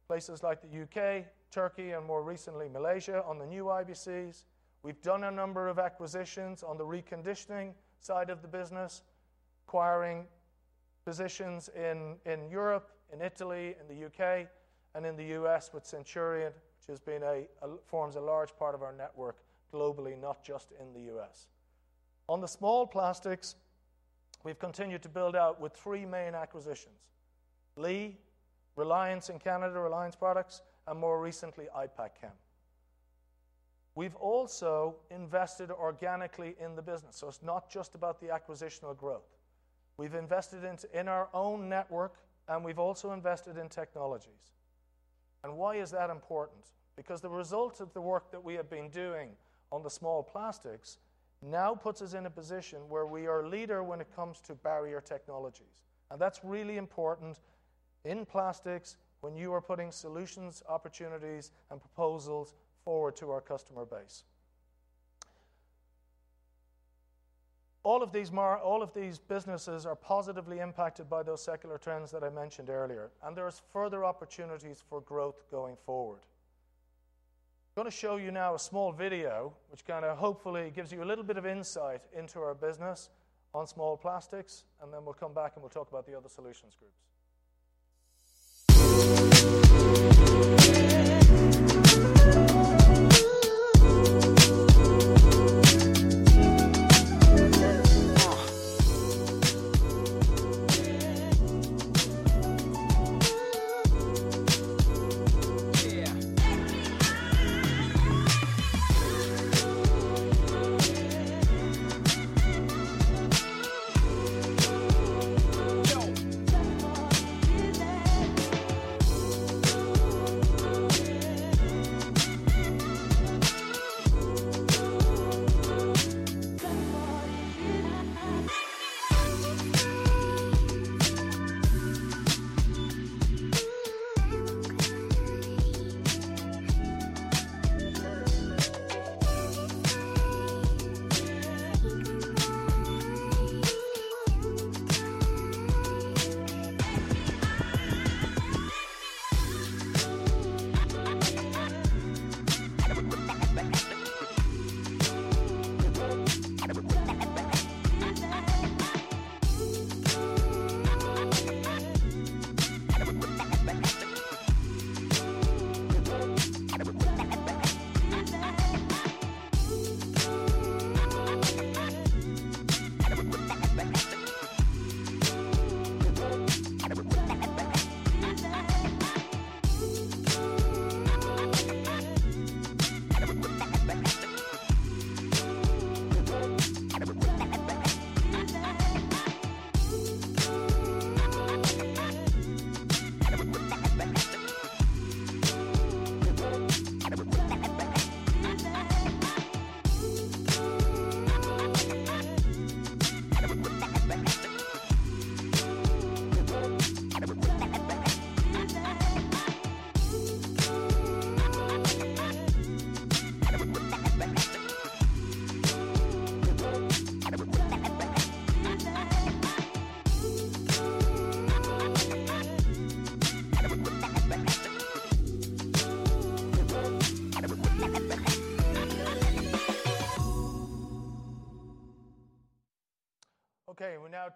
Speaker 3: places like the U.K., Turkey, and more recently Malaysia on the new IBCs. We've done a number of acquisitions on the reconditioning side of the business, acquiring positions in Europe, in Italy, in the U.K., and in the U.S. with Centurion, which forms a large part of our network globally, not just in the U.S. On the small plastics, we've continued to build out with three main acquisitions: Lee, Reliance in Canada, Reliance Products, and more recently Ipackchem. We've also invested organically in the business. So it's not just about the acquisition or growth. We've invested in our own network, and we've also invested in technologies. And why is that important? Because the result of the work that we have been doing on the small plastics now puts us in a position where we are a leader when it comes to barrier technologies. And that's really important in plastics when you are putting solutions, opportunities, and proposals forward to our customer base. All of these businesses are positively impacted by those secular trends that I mentioned earlier. And there are further opportunities for growth going forward. I'm going to show you now a small video, which kind of hopefully gives you a little bit of insight into our business on small plastics. And then we'll come back and we'll talk about the other solutions groups. Okay, we now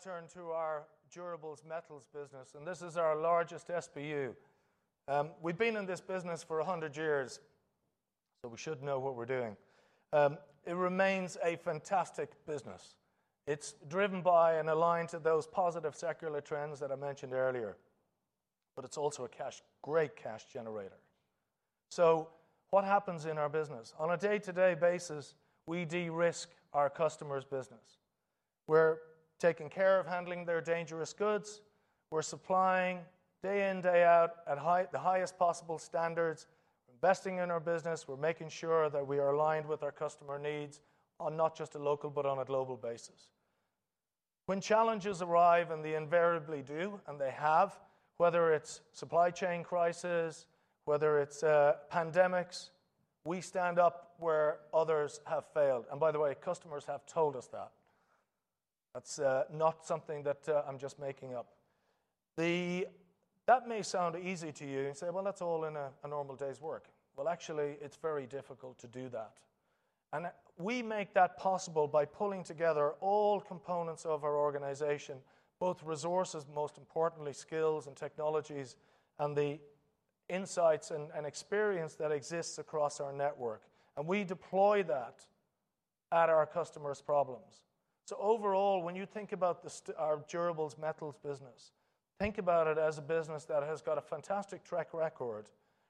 Speaker 3: turn to our durables metals business. And this is our largest SBU. We've been in this business for 100 years, so we should know what we're doing. It remains a fantastic business. It's driven by and aligned to those positive secular trends that I mentioned earlier. But it's also a great cash generator. So what happens in our business? On a day-to-day basis, we de-risk our customers' business. We're taking care of handling their dangerous goods. We're supplying day in, day out at the highest possible standards. We're investing in our business. We're making sure that we are aligned with our customer needs on not just a local but on a global basis. When challenges arise, and they invariably do, and they have, whether it's supply chain crisis, whether it's pandemics, we stand up where others have failed. And by the way, customers have told us that. That's not something that I'm just making up. That may sound easy to you and say, "Well, that's all in a normal day's work." Well, actually, it's very difficult to do that. We make that possible by pulling together all components of our organization, both resources, most importantly, skills and technologies, and the insights and experience that exists across our network. We deploy that at our customers' problems. Overall, when you think about our durables metals business, think about it as a business that has got a fantastic track record.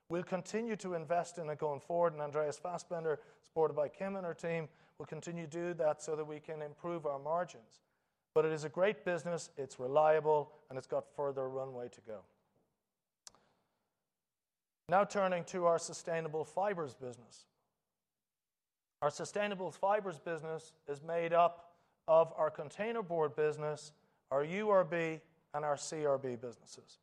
Speaker 3: We'll continue to invest in it going forward. Andreas Fassbender, supported by Kim and her team, will continue to do that so that we can improve our margins. It is a great business. It's reliable, and it's got further runway to go. Now turning to our sustainable fibers business. Our sustainable fibers business is made up of our containerboard business, our URB, and our CRB businesses.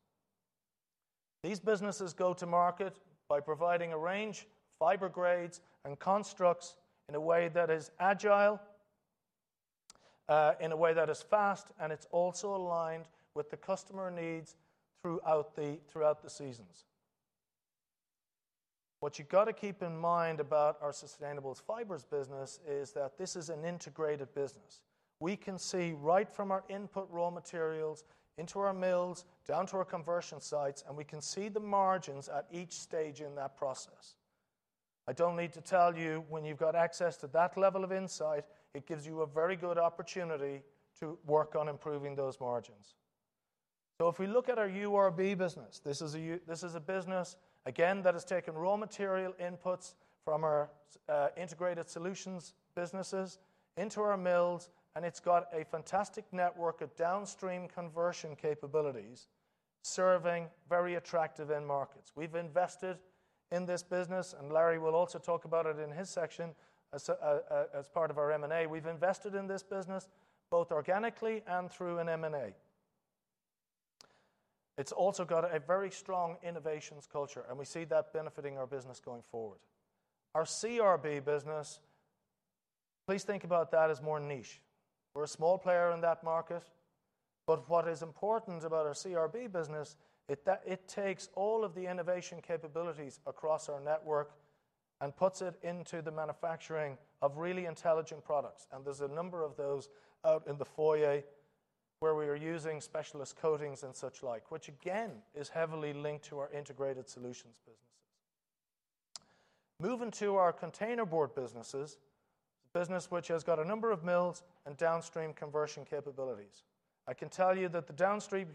Speaker 3: These businesses go to market by providing a range of fiber grades and constructs in a way that is agile, in a way that is fast, and it's also aligned with the customer needs throughout the seasons. What you've got to keep in mind about our sustainable fibers business is that this is an integrated business. We can see right from our input raw materials into our mills, down to our conversion sites, and we can see the margins at each stage in that process. I don't need to tell you, when you've got access to that level of insight, it gives you a very good opportunity to work on improving those margins. If we look at our URB business, this is a business, again, that has taken raw material inputs from our integrated solutions businesses into our mills, and it's got a fantastic network of downstream conversion capabilities serving very attractive end markets. We've invested in this business, and Larry will also talk about it in his section as part of our M&A. We've invested in this business both organically and through an M&A. It's also got a very strong innovations culture, and we see that benefiting our business going forward. Our CRB business, please think about that as more niche. We're a small player in that market. But what is important about our CRB business, it takes all of the innovation capabilities across our network and puts it into the manufacturing of really intelligent products. And there's a number of those out in the foyer where we are using specialist coatings and such like, which again is heavily linked to our integrated solutions businesses. Moving to our container board businesses, a business which has got a number of mills and downstream conversion capabilities. I can tell you that the downstream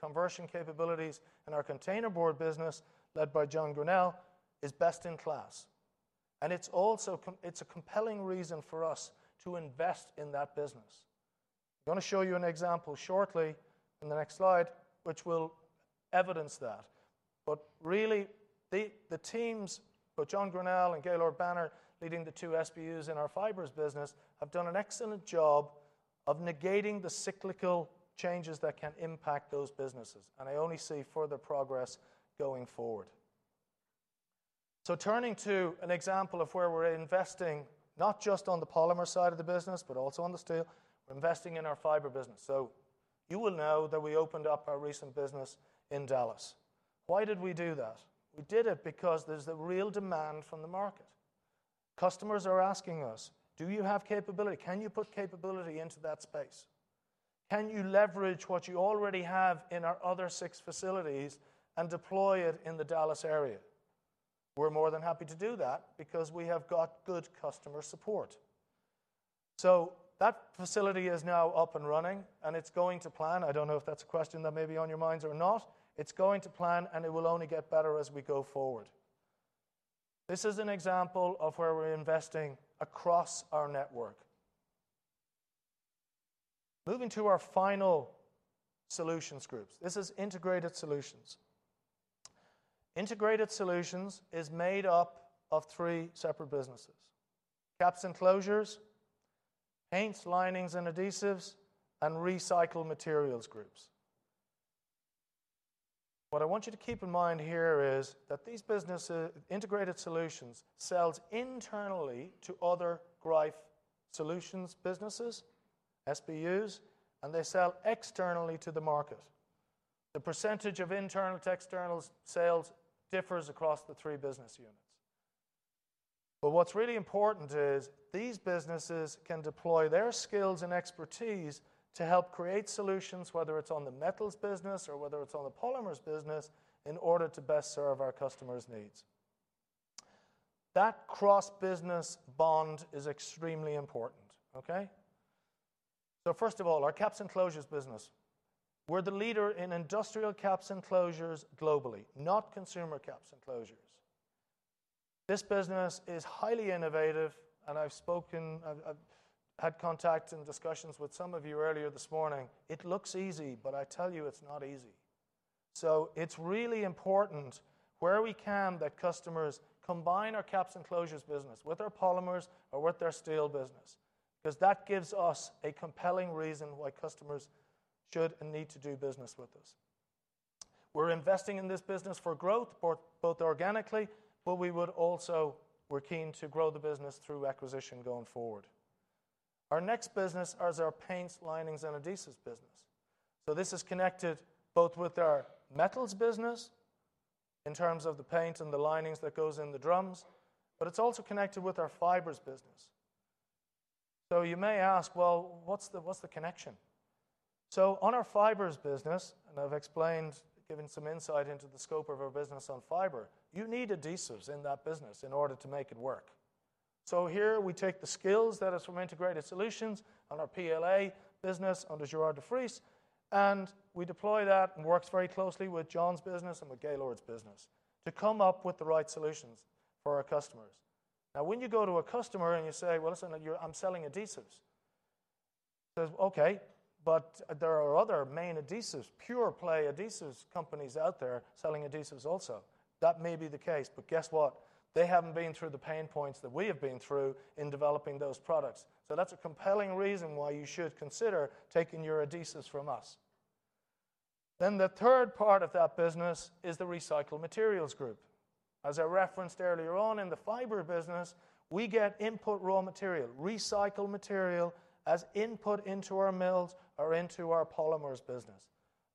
Speaker 3: conversion capabilities in our container board business, led by John Gunnell, is best in class. And it's a compelling reason for us to invest in that business. I'm going to show you an example shortly in the next slide, which will evidence that. But really, the teams of John Grunnell and Gaylord Banner, leading the two SBUs in our fibers business, have done an excellent job of negating the cyclical changes that can impact those businesses. And I only see further progress going forward. So turning to an example of where we're investing, not just on the polymer side of the business, but also on the steel, we're investing in our fiber business. So you will know that we opened up our recent business in Dallas. Why did we do that? We did it because there's a real demand from the market. Customers are asking us, "Do you have capability? Can you put capability into that space? Can you leverage what you already have in our other six facilities and deploy it in the Dallas area?" We're more than happy to do that because we have got good customer support. So that facility is now up and running, and it's going to plan. I don't know if that's a question that may be on your minds or not. It's going to plan, and it will only get better as we go forward. This is an example of where we're investing across our network. Moving to our final solutions groups. This is integrated solutions. Integrated solutions is made up of three separate businesses: caps and closures, paints, linings, and adhesives, and recycled materials groups. What I want you to keep in mind here is that these businesses, integrated solutions, sell internally to other Greif solutions businesses, SBUs, and they sell externally to the market. The percentage of internal to external sales differs across the three business units. But what's really important is these businesses can deploy their skills and expertise to help create solutions, whether it's on the metals business or whether it's on the polymers business, in order to best serve our customers' needs. That cross-business bond is extremely important. Okay? So first of all, our caps and closures business. We're the leader in industrial caps and closures globally, not consumer caps and closures. This business is highly innovative, and I've spoken. I've had contact and discussions with some of you earlier this morning. It looks easy, but I tell you, it's not easy. So it's really important where we can that customers combine our caps and closures business with our polymers or with their steel business, because that gives us a compelling reason why customers should and need to do business with us. We're investing in this business for growth, both organically, but we would also be keen to grow the business through acquisition going forward. Our next business is our paints, linings, and adhesives business. So this is connected both with our metals business in terms of the paint and the linings that goes in the drums, but it's also connected with our fibers business. So you may ask, "Well, what's the connection?" So on our fibers business, and I've explained, given some insight into the scope of our business on fiber, you need adhesives in that business in order to make it work. So here we take the skills that are from integrated solutions on our PLA business under Gerard de Vries, and we deploy that and work very closely with John's business and with Gaylord's business to come up with the right solutions for our customers. Now, when you go to a customer and you say, "Well, listen, I'm selling adhesives," he says, "Okay, but there are other main adhesives, pure play adhesives companies out there selling adhesives also." That may be the case, but guess what? They haven't been through the pain points that we have been through in developing those products. So that's a compelling reason why you should consider taking your adhesives from us. Then the third part of that business is the recycled materials group. As I referenced earlier on in the fiber business, we get input raw material, recycled material as input into our mills or into our polymers business.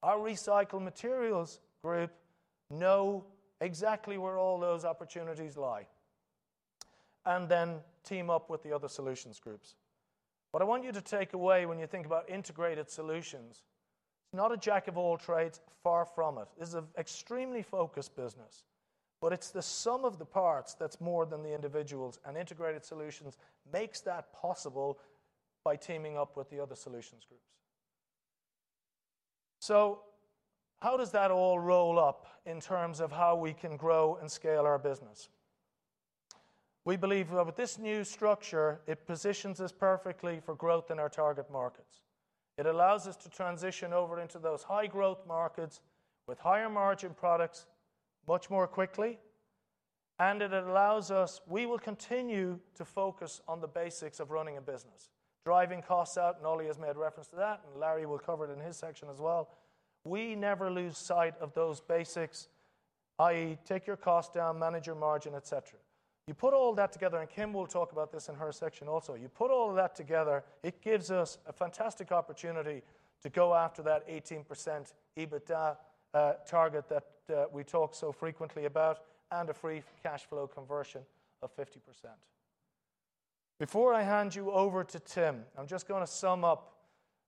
Speaker 3: Our recycled materials group knows exactly where all those opportunities lie and then teams up with the other solutions groups. What I want you to take away when you think about integrated solutions is not a jack of all trades, far from it. This is an extremely focused business, but it's the sum of the parts that's more than the individuals, and integrated solutions make that possible by teaming up with the other solutions groups. So how does that all roll up in terms of how we can grow and scale our business? We believe that with this new structure, it positions us perfectly for growth in our target markets. It allows us to transition over into those high-growth markets with higher margin products much more quickly, and it allows us, we will continue to focus on the basics of running a business. Driving costs out, Ole has made reference to that, and Larry will cover it in his section as well. We never lose sight of those basics, i.e., take your costs down, manage your margin, etc. You put all that together, and Kim will talk about this in her section also. You put all that together, it gives us a fantastic opportunity to go after that 18% EBITDA target that we talk so frequently about and a free cash flow conversion of 50%. Before I hand you over to Tim, I'm just going to sum up.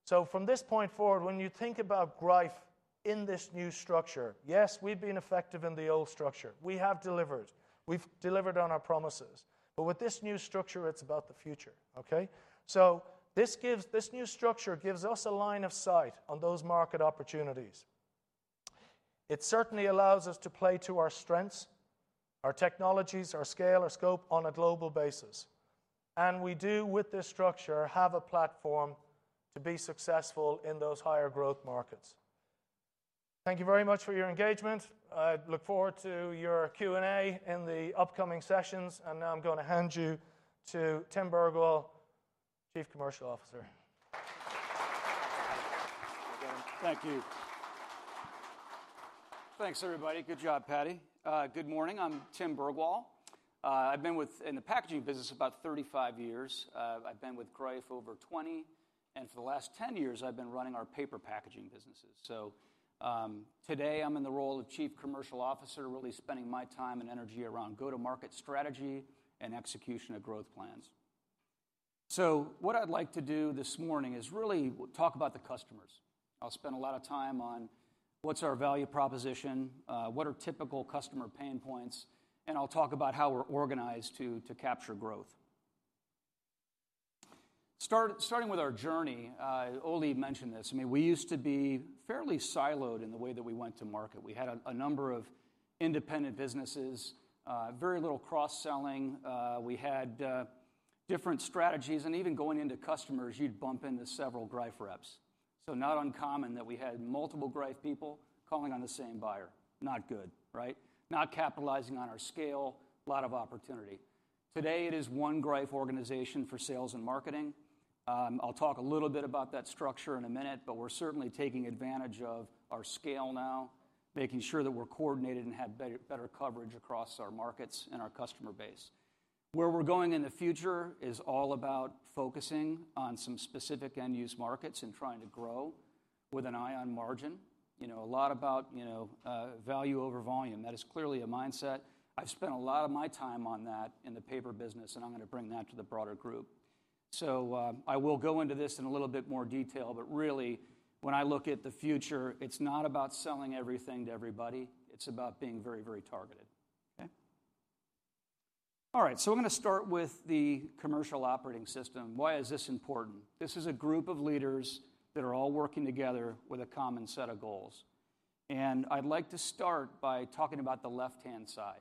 Speaker 3: So from this point forward, when you think about Greif in this new structure, yes, we've been effective in the old structure. We have delivered. We've delivered on our promises. But with this new structure, it's about the future. Okay? So this new structure gives us a line of sight on those market opportunities. It certainly allows us to play to our strengths, our technologies, our scale, our scope on a global basis. And we do, with this structure, have a platform to be successful in those higher growth markets. Thank you very much for your engagement. I look forward to your Q&A in the upcoming sessions. And now I'm going to hand you to Tim Bergwall, Chief Commercial Officer.
Speaker 4: Thank you. Thanks, everybody. Good job, Paddy. Good morning. I'm Tim Bergwall. I've been within the packaging business about 35 years. I've been with Greif over 20, and for the last 10 years, I've been running our paper packaging businesses. So today, I'm in the role of Chief Commercial Officer, really spending my time and energy around go-to-market strategy and execution of growth plans. So what I'd like to do this morning is really talk about the customers. I'll spend a lot of time on what's our value proposition, what are typical customer pain points, and I'll talk about how we're organized to capture growth. Starting with our journey, Ole mentioned this. I mean, we used to be fairly siloed in the way that we went to market. We had a number of independent businesses, very little cross-selling. We had different strategies, and even going into customers, you'd bump into several Greif reps. So not uncommon that we had multiple Greif people calling on the same buyer. Not good, right? Not capitalizing on our scale, a lot of opportunity. Today, it is one Greif organization for sales and marketing. I'll talk a little bit about that structure in a minute, but we're certainly taking advantage of our scale now, making sure that we're coordinated and have better coverage across our markets and our customer base. Where we're going in the future is all about focusing on some specific end-use markets and trying to grow with an eye on margin. A lot about value over volume. That is clearly a mindset. I've spent a lot of my time on that in the paper business, and I'm going to bring that to the broader group. So I will go into this in a little bit more detail, but really, when I look at the future, it's not about selling everything to everybody. It's about being very, very targeted. Okay? All right. So I'm going to start with the commercial operating system. Why is this important? This is a group of leaders that are all working together with a common set of goals. And I'd like to start by talking about the left-hand side.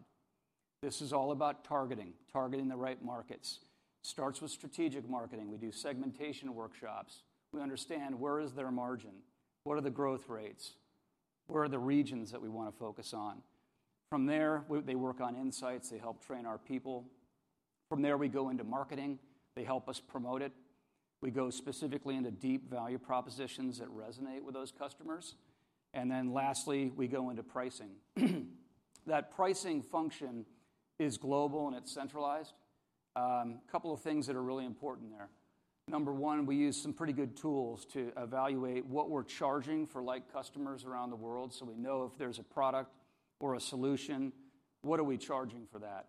Speaker 4: This is all about targeting, targeting the right markets. It starts with strategic marketing. We do segmentation workshops. We understand where is their margin, what are the growth rates, where are the regions that we want to focus on. From there, they work on insights. They help train our people. From there, we go into marketing. They help us promote it. We go specifically into deep value propositions that resonate with those customers. And then lastly, we go into pricing. That pricing function is global, and it's centralized. A couple of things that are really important there. Number one, we use some pretty good tools to evaluate what we're charging for like customers around the world, so we know if there's a product or a solution, what are we charging for that?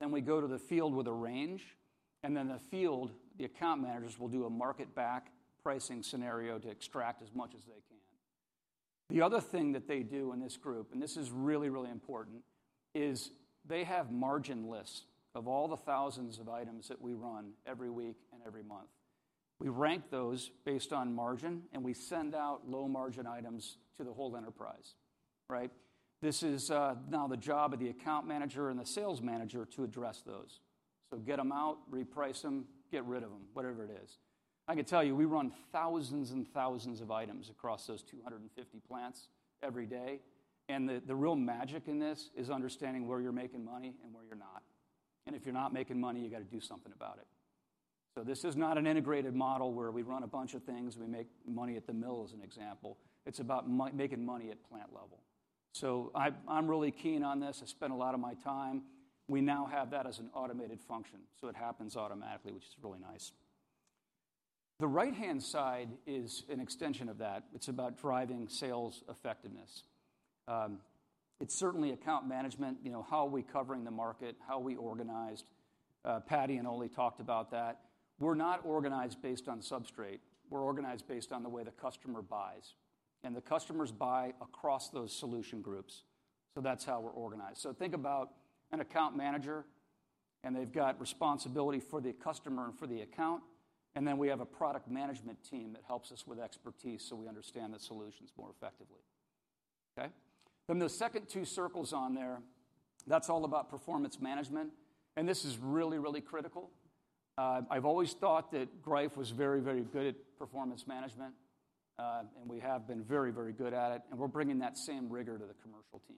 Speaker 4: Then we go to the field with a range, and then the field, the account managers will do a market-back pricing scenario to extract as much as they can. The other thing that they do in this group, and this is really, really important, is they have margin lists of all the thousands of items that we run every week and every month. We rank those based on margin, and we send out low-margin items to the whole enterprise. Right? This is now the job of the account manager and the sales manager to address those. So get them out, reprice them, get rid of them, whatever it is. I can tell you, we run thousands and thousands of items across those 250 plants every day. And the real magic in this is understanding where you're making money and where you're not. And if you're not making money, you got to do something about it. So this is not an integrated model where we run a bunch of things. We make money at the mill, as an example. It's about making money at plant level. So I'm really keen on this. I spend a lot of my time. We now have that as an automated function, so it happens automatically, which is really nice. The right-hand side is an extension of that. It's about driving sales effectiveness. It's certainly account management, how are we covering the market, how are we organized. Paddy and Ole talked about that. We're not organized based on substrate. We're organized based on the way the customer buys. And the customers buy across those solution groups. So that's how we're organized. So think about an account manager, and they've got responsibility for the customer and for the account. And then we have a product management team that helps us with expertise so we understand the solutions more effectively. Okay? Then the second two circles on there, that's all about performance management. And this is really, really critical. I've always thought that Greif was very, very good at performance management, and we have been very, very good at it. And we're bringing that same rigor to the commercial team.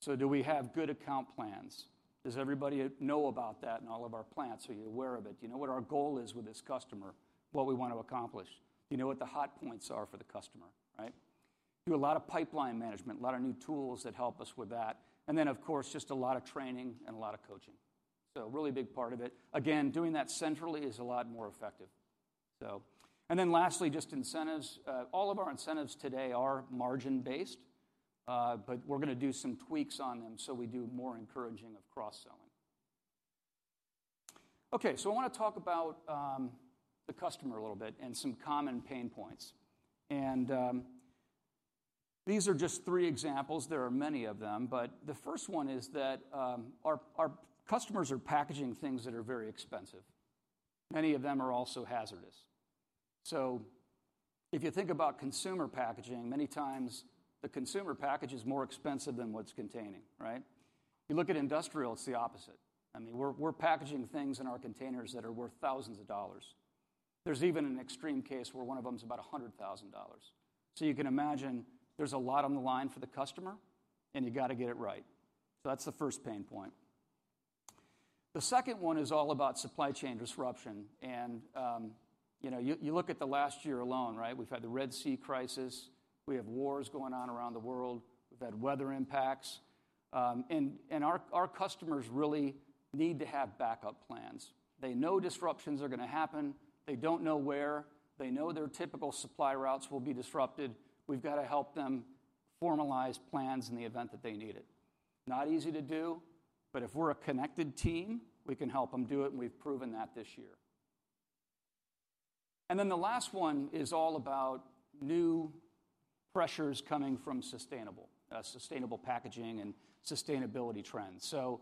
Speaker 4: So do we have good account plans? Does everybody know about that in all of our plants? Are you aware of it? Do you know what our goal is with this customer, what we want to accomplish? Do you know what the hot points are for the customer? Right? We do a lot of pipeline management, a lot of new tools that help us with that. And then, of course, just a lot of training and a lot of coaching. So a really big part of it. Again, doing that centrally is a lot more effective. So. And then lastly, just incentives. All of our incentives today are margin-based, but we're going to do some tweaks on them so we do more encouraging of cross-selling. Okay. So I want to talk about the customer a little bit and some common pain points. And these are just three examples. There are many of them. But the first one is that our customers are packaging things that are very expensive. Many of them are also hazardous. So if you think about consumer packaging, many times the consumer package is more expensive than what's containing. Right? You look at industrial, it's the opposite. I mean, we're packaging things in our containers that are worth thousands of dollars. There's even an extreme case where one of them is about $100,000. So you can imagine there's a lot on the line for the customer, and you got to get it right. So that's the first pain point. The second one is all about supply chain disruption. And you look at the last year alone, right? We've had the Red Sea crisis. We have wars going on around the world. We've had weather impacts. And our customers really need to have backup plans. They know disruptions are going to happen. They don't know where. They know their typical supply routes will be disrupted. We've got to help them formalize plans in the event that they need it. Not easy to do, but if we're a connected team, we can help them do it, and we've proven that this year. And then the last one is all about new pressures coming from sustainable packaging and sustainability trends. So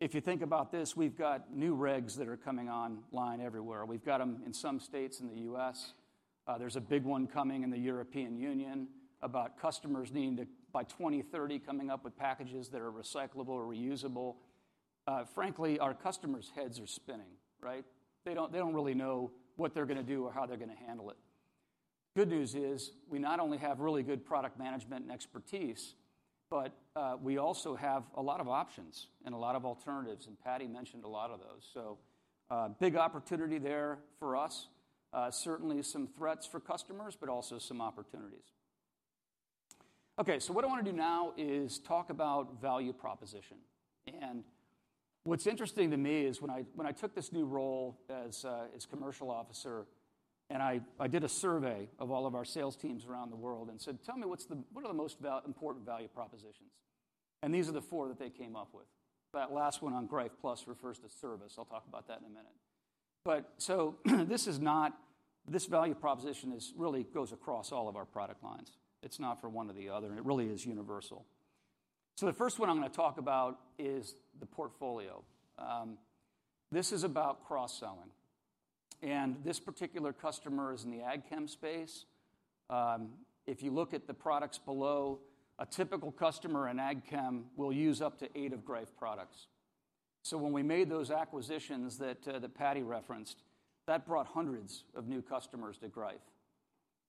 Speaker 4: if you think about this, we've got new regs that are coming online everywhere. We've got them in some states in the U.S. There's a big one coming in the European Union about customers needing to, by 2030, come up with packages that are recyclable or reusable. Frankly, our customers' heads are spinning. Right? They don't really know what they're going to do or how they're going to handle it. The good news is we not only have really good product management and expertise, but we also have a lot of options and a lot of alternatives. And Paddy mentioned a lot of those. So big opportunity there for us, certainly some threats for customers, but also some opportunities. Okay. So what I want to do now is talk about value proposition. And what's interesting to me is when I took this new role as commercial officer, and I did a survey of all of our sales teams around the world and said, "Tell me what are the most important value propositions." And these are the four that they came up with. That last one on Greif Plus refers to service. I'll talk about that in a minute. But so this is not, this value proposition really goes across all of our product lines. It's not for one or the other. It really is universal. So the first one I'm going to talk about is the portfolio. This is about cross-selling. And this particular customer is in the AgChem space. If you look at the products below, a typical customer in AgChem will use up to eight of Greif products. So when we made those acquisitions that Paddy referenced, that brought hundreds of new customers to Greif.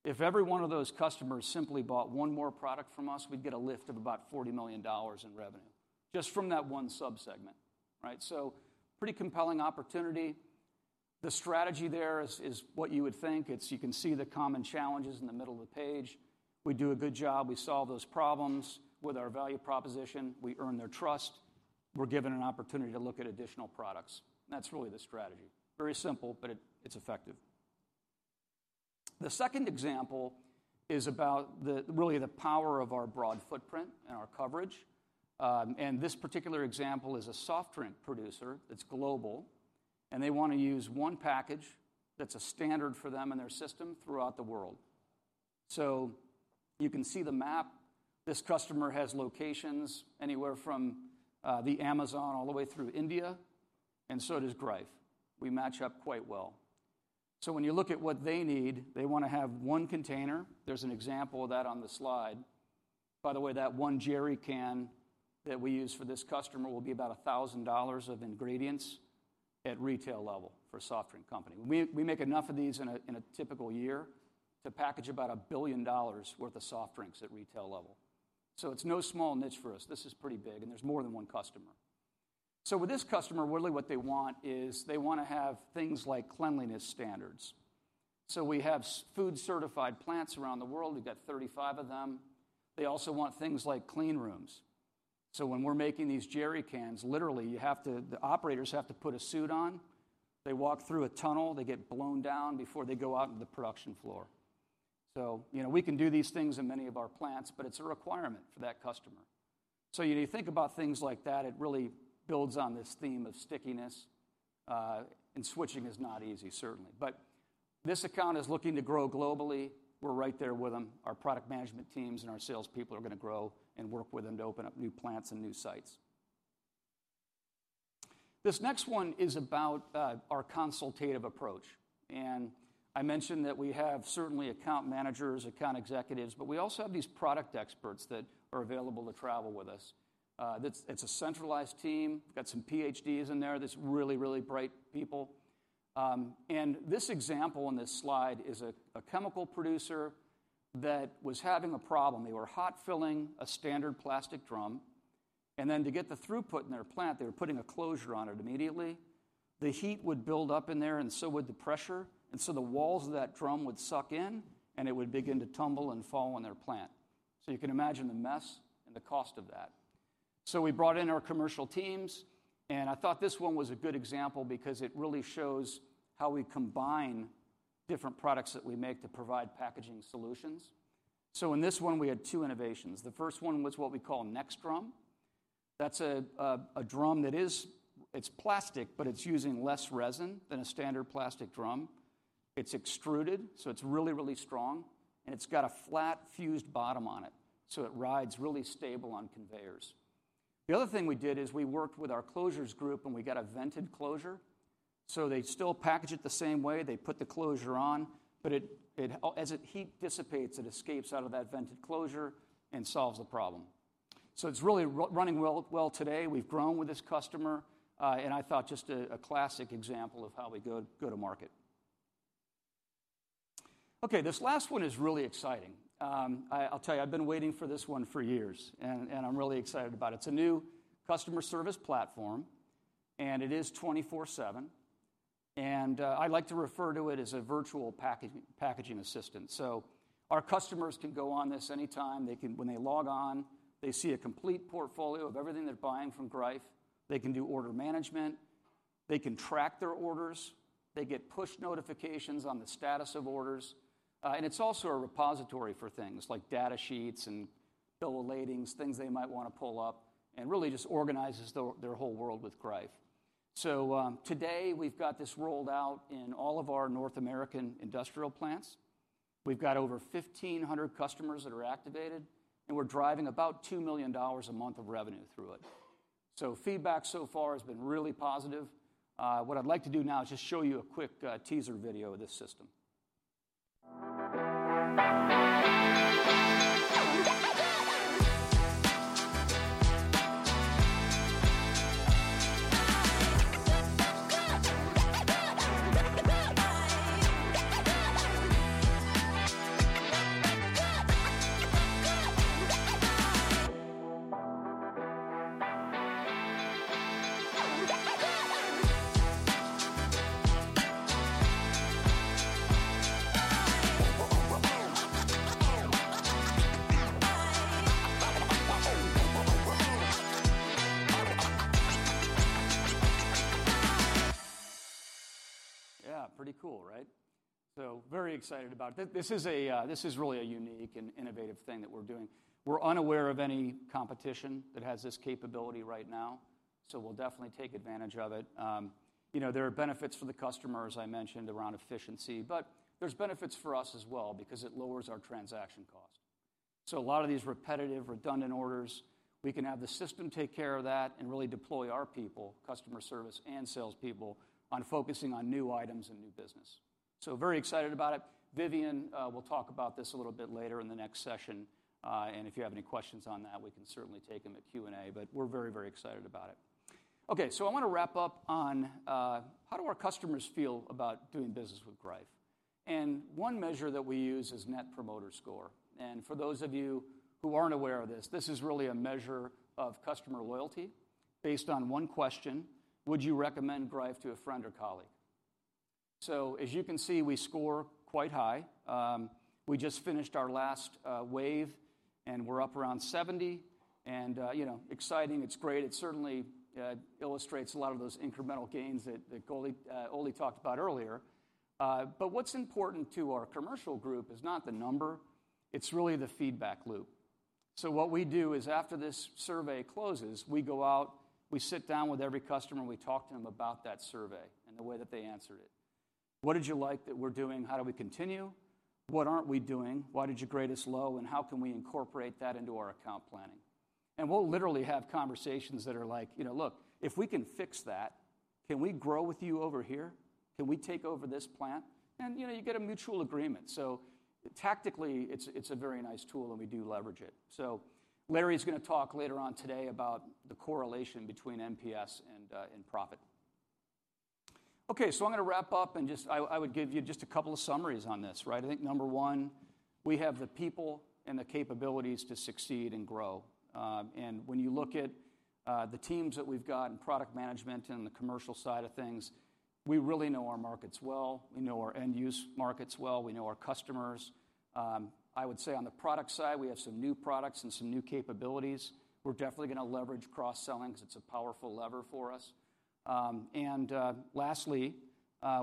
Speaker 4: If every one of those customers simply bought one more product from us, we'd get a lift of about $40 million in revenue just from that one subsegment. Right? So pretty compelling opportunity. The strategy there is what you would think. You can see the common challenges in the middle of the page. We do a good job. We solve those problems with our value proposition. We earn their trust. We're given an opportunity to look at additional products. And that's really the strategy. Very simple, but it's effective. The second example is about really the power of our broad footprint and our coverage. And this particular example is a soft drink producer that's global. And they want to use one package that's a standard for them and their system throughout the world. So you can see the map. This customer has locations anywhere from the Amazon all the way through India. And so does Greif. We match up quite well. So when you look at what they need, they want to have one container. There's an example of that on the slide. By the way, that one jerry can that we use for this customer will be about $1,000 of ingredients at retail level for a soft drink company. We make enough of these in a typical year to package about $1 billion worth of soft drinks at retail level. So it's no small niche for us. This is pretty big, and there's more than one customer. So with this customer, really what they want is they want to have things like cleanliness standards. So we have food-certified plants around the world. We've got 35 of them. They also want things like clean rooms. So when we're making these jerry cans, literally, the operators have to put a suit on. They walk through a tunnel. They get blown down before they go out on the production floor. So we can do these things in many of our plants, but it's a requirement for that customer. So you think about things like that. It really builds on this theme of stickiness. And switching is not easy, certainly. But this account is looking to grow globally. We're right there with them. Our product management teams and our salespeople are going to grow and work with them to open up new plants and new sites. This next one is about our consultative approach. And I mentioned that we have certainly account managers, account executives, but we also have these product experts that are available to travel with us. It's a centralized team. We've got some PhDs in there. There's really, really bright people. And this example on this slide is a chemical producer that was having a problem. They were hot filling a standard plastic drum. And then to get the throughput in their plant, they were putting a closure on it immediately. The heat would build up in there, and so would the pressure. And so the walls of that drum would suck in, and it would begin to tumble and fall on their plant. So you can imagine the mess and the cost of that. So we brought in our commercial teams. And I thought this one was a good example because it really shows how we combine different products that we make to provide packaging solutions. So in this one, we had two innovations. The first one was what we call NexDrum. That's a drum that is, it's plastic, but it's using less resin than a standard plastic drum. It's extruded, so it's really, really strong. And it's got a flat fused bottom on it, so it rides really stable on conveyors. The other thing we did is we worked with our closures group, and we got a vented closure. So they still package it the same way. They put the closure on, but as the heat dissipates, it escapes out of that vented closure and solves the problem. So it's really running well today. We've grown with this customer. And I thought just a classic example of how we go to market. Okay. This last one is really exciting. I'll tell you, I've been waiting for this one for years, and I'm really excited about it. It's a new customer service platform, and it is 24/7. And I like to refer to it as a virtual packaging assistant. So our customers can go on this anytime. When they log on, they see a complete portfolio of everything they're buying from Greif. They can do order management. They can track their orders. They get push notifications on the status of orders. And it's also a repository for things like data sheets and bills of lading, things they might want to pull up, and really just organizes their whole world with Greif. So today, we've got this rolled out in all of our North American industrial plants. We've got over 1,500 customers that are activated, and we're driving about $2 million a month of revenue through it. So feedback so far has been really positive. What I'd like to do now is just show you a quick teaser video of this system. Yeah. Pretty cool. Right? So very excited about it. This is really a unique and innovative thing that we're doing. We're unaware of any competition that has this capability right now, so we'll definitely take advantage of it. There are benefits for the customers, I mentioned, around efficiency, but there's benefits for us as well because it lowers our transaction cost. So a lot of these repetitive, redundant orders, we can have the system take care of that and really deploy our people, customer service and salespeople, on focusing on new items and new business. So very excited about it. Vivian will talk about this a little bit later in the next session. And if you have any questions on that, we can certainly take them at Q&A, but we're very, very excited about it. Okay. So I want to wrap up on how do our customers feel about doing business with Greif. And one measure that we use is Net Promoter Score. For those of you who aren't aware of this, this is really a measure of customer loyalty based on one question: Would you recommend Greif to a friend or colleague? So as you can see, we score quite high. We just finished our last wave, and we're up around 70. And exciting. It's great. It certainly illustrates a lot of those incremental gains that Ole talked about earlier. But what's important to our commercial group is not the number. It's really the feedback loop. So what we do is after this survey closes, we go out, we sit down with every customer, and we talk to them about that survey and the way that they answered it. What did you like that we're doing? How do we continue? What aren't we doing? Why did you grade us low? And how can we incorporate that into our account planning? We'll literally have conversations that are like, "Look, if we can fix that, can we grow with you over here? Can we take over this plant?" And you get a mutual agreement. So tactically, it's a very nice tool, and we do leverage it. So Larry's going to talk later on today about the correlation between NPS and profit. Okay. So I'm going to wrap up, and I would give you just a couple of summaries on this. Right? I think number one, we have the people and the capabilities to succeed and grow. And when you look at the teams that we've got in product management and the commercial side of things, we really know our markets well. We know our end-use markets well. We know our customers. I would say on the product side, we have some new products and some new capabilities. We're definitely going to leverage cross-selling because it's a powerful lever for us. And lastly,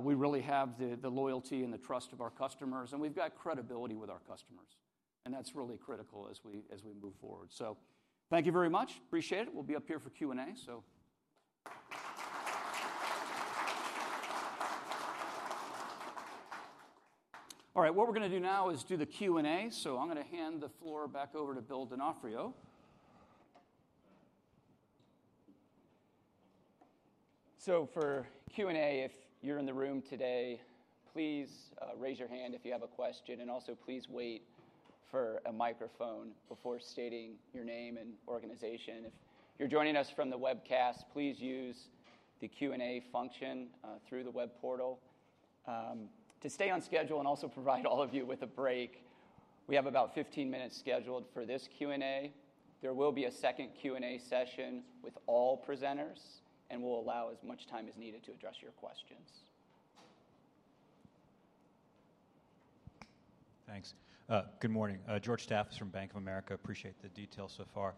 Speaker 4: we really have the loyalty and the trust of our customers, and we've got credibility with our customers. And that's really critical as we move forward. So thank you very much. Appreciate it. We'll be up here for Q&A, so. All right. What we're going to do now is do the Q&A. So I'm going to hand the floor back over to Bill D’Onofrio.
Speaker 1: So for Q&A, if you're in the room today, please raise your hand if you have a question. And also, please wait for a microphone before stating your name and organization. If you're joining us from the webcast, please use the Q&A function through the web portal. To stay on schedule and also provide all of you with a break, we have about 15 minutes scheduled for this Q&A. There will be a second Q&A session with all presenters, and we'll allow as much time as needed to address your questions.
Speaker 5: Thanks. Good morning. George Staphos is from Bank of America. Appreciate the details so far.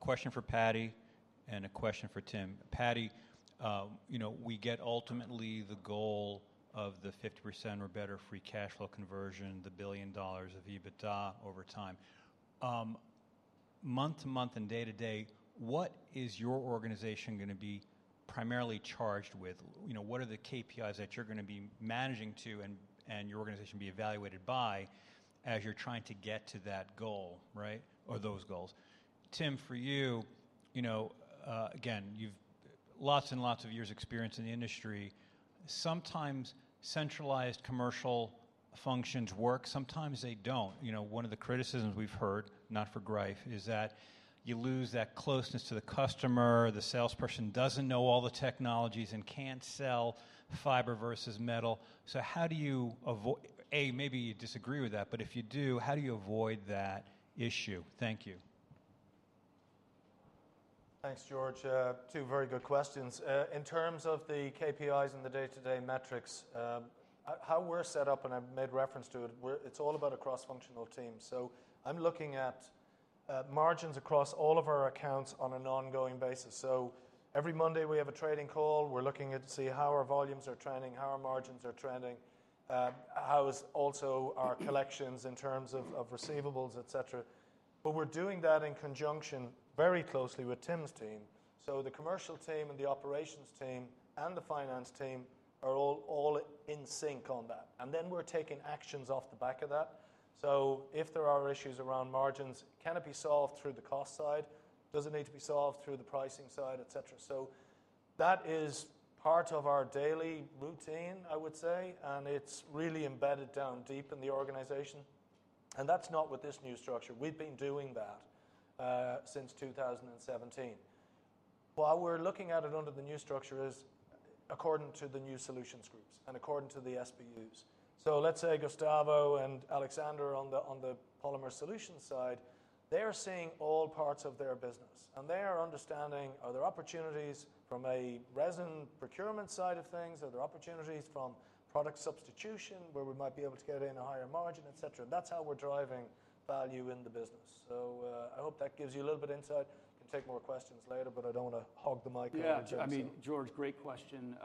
Speaker 5: Question for Paddy and a question for Tim. Paddy, we get ultimately the goal of the 50% or better free cash flow conversion, the $1 billion of EBITDA over time. Month to month and day to day, what is your organization going to be primarily charged with? What are the KPIs that you're going to be managing to and your organization be evaluated by as you're trying to get to that goal, right, or those goals? Tim, for you, again, you've lots and lots of years' experience in the industry. Sometimes centralized commercial functions work. Sometimes they don't. One of the criticisms we've heard, not for Greif, is that you lose that closeness to the customer. The salesperson doesn't know all the technologies and can't sell fiber versus metal. So how do you avoid that? A: maybe you disagree with that, but if you do, how do you avoid that issue? Thank you.
Speaker 3: Thanks, George. Two very good questions. In terms of the KPIs and the day-to-day metrics, how we're set up, and I made reference to it, it's all about a cross-functional team. So I'm looking at margins across all of our accounts on an ongoing basis. So every Monday, we have a trading call. We're looking to see how our volumes are trending, how our margins are trending, how is also our collections in terms of receivables, etc. But we're doing that in conjunction very closely with Tim's team. So the commercial team and the operations team and the finance team are all in sync on that. And then we're taking actions off the back of that. So if there are issues around margins, can it be solved through the cost side? Does it need to be solved through the pricing side, etc.? So that is part of our daily routine, I would say, and it's really embedded down deep in the organization. And that's not with this new structure. We've been doing that since 2017. While we're looking at it under the new structure is according to the new solutions groups and according to the SBUs. So let's say Gustavo and Alexander on the polymer solution side, they're seeing all parts of their business. And they are understanding, are there opportunities from a resin procurement side of things? Are there opportunities from product substitution where we might be able to get in a higher margin, etc.? That's how we're driving value in the business. So I hope that gives you a little bit of insight. Can take more questions later, but I don't want to hog the microphone with you.
Speaker 4: Yeah. I mean, George, great question.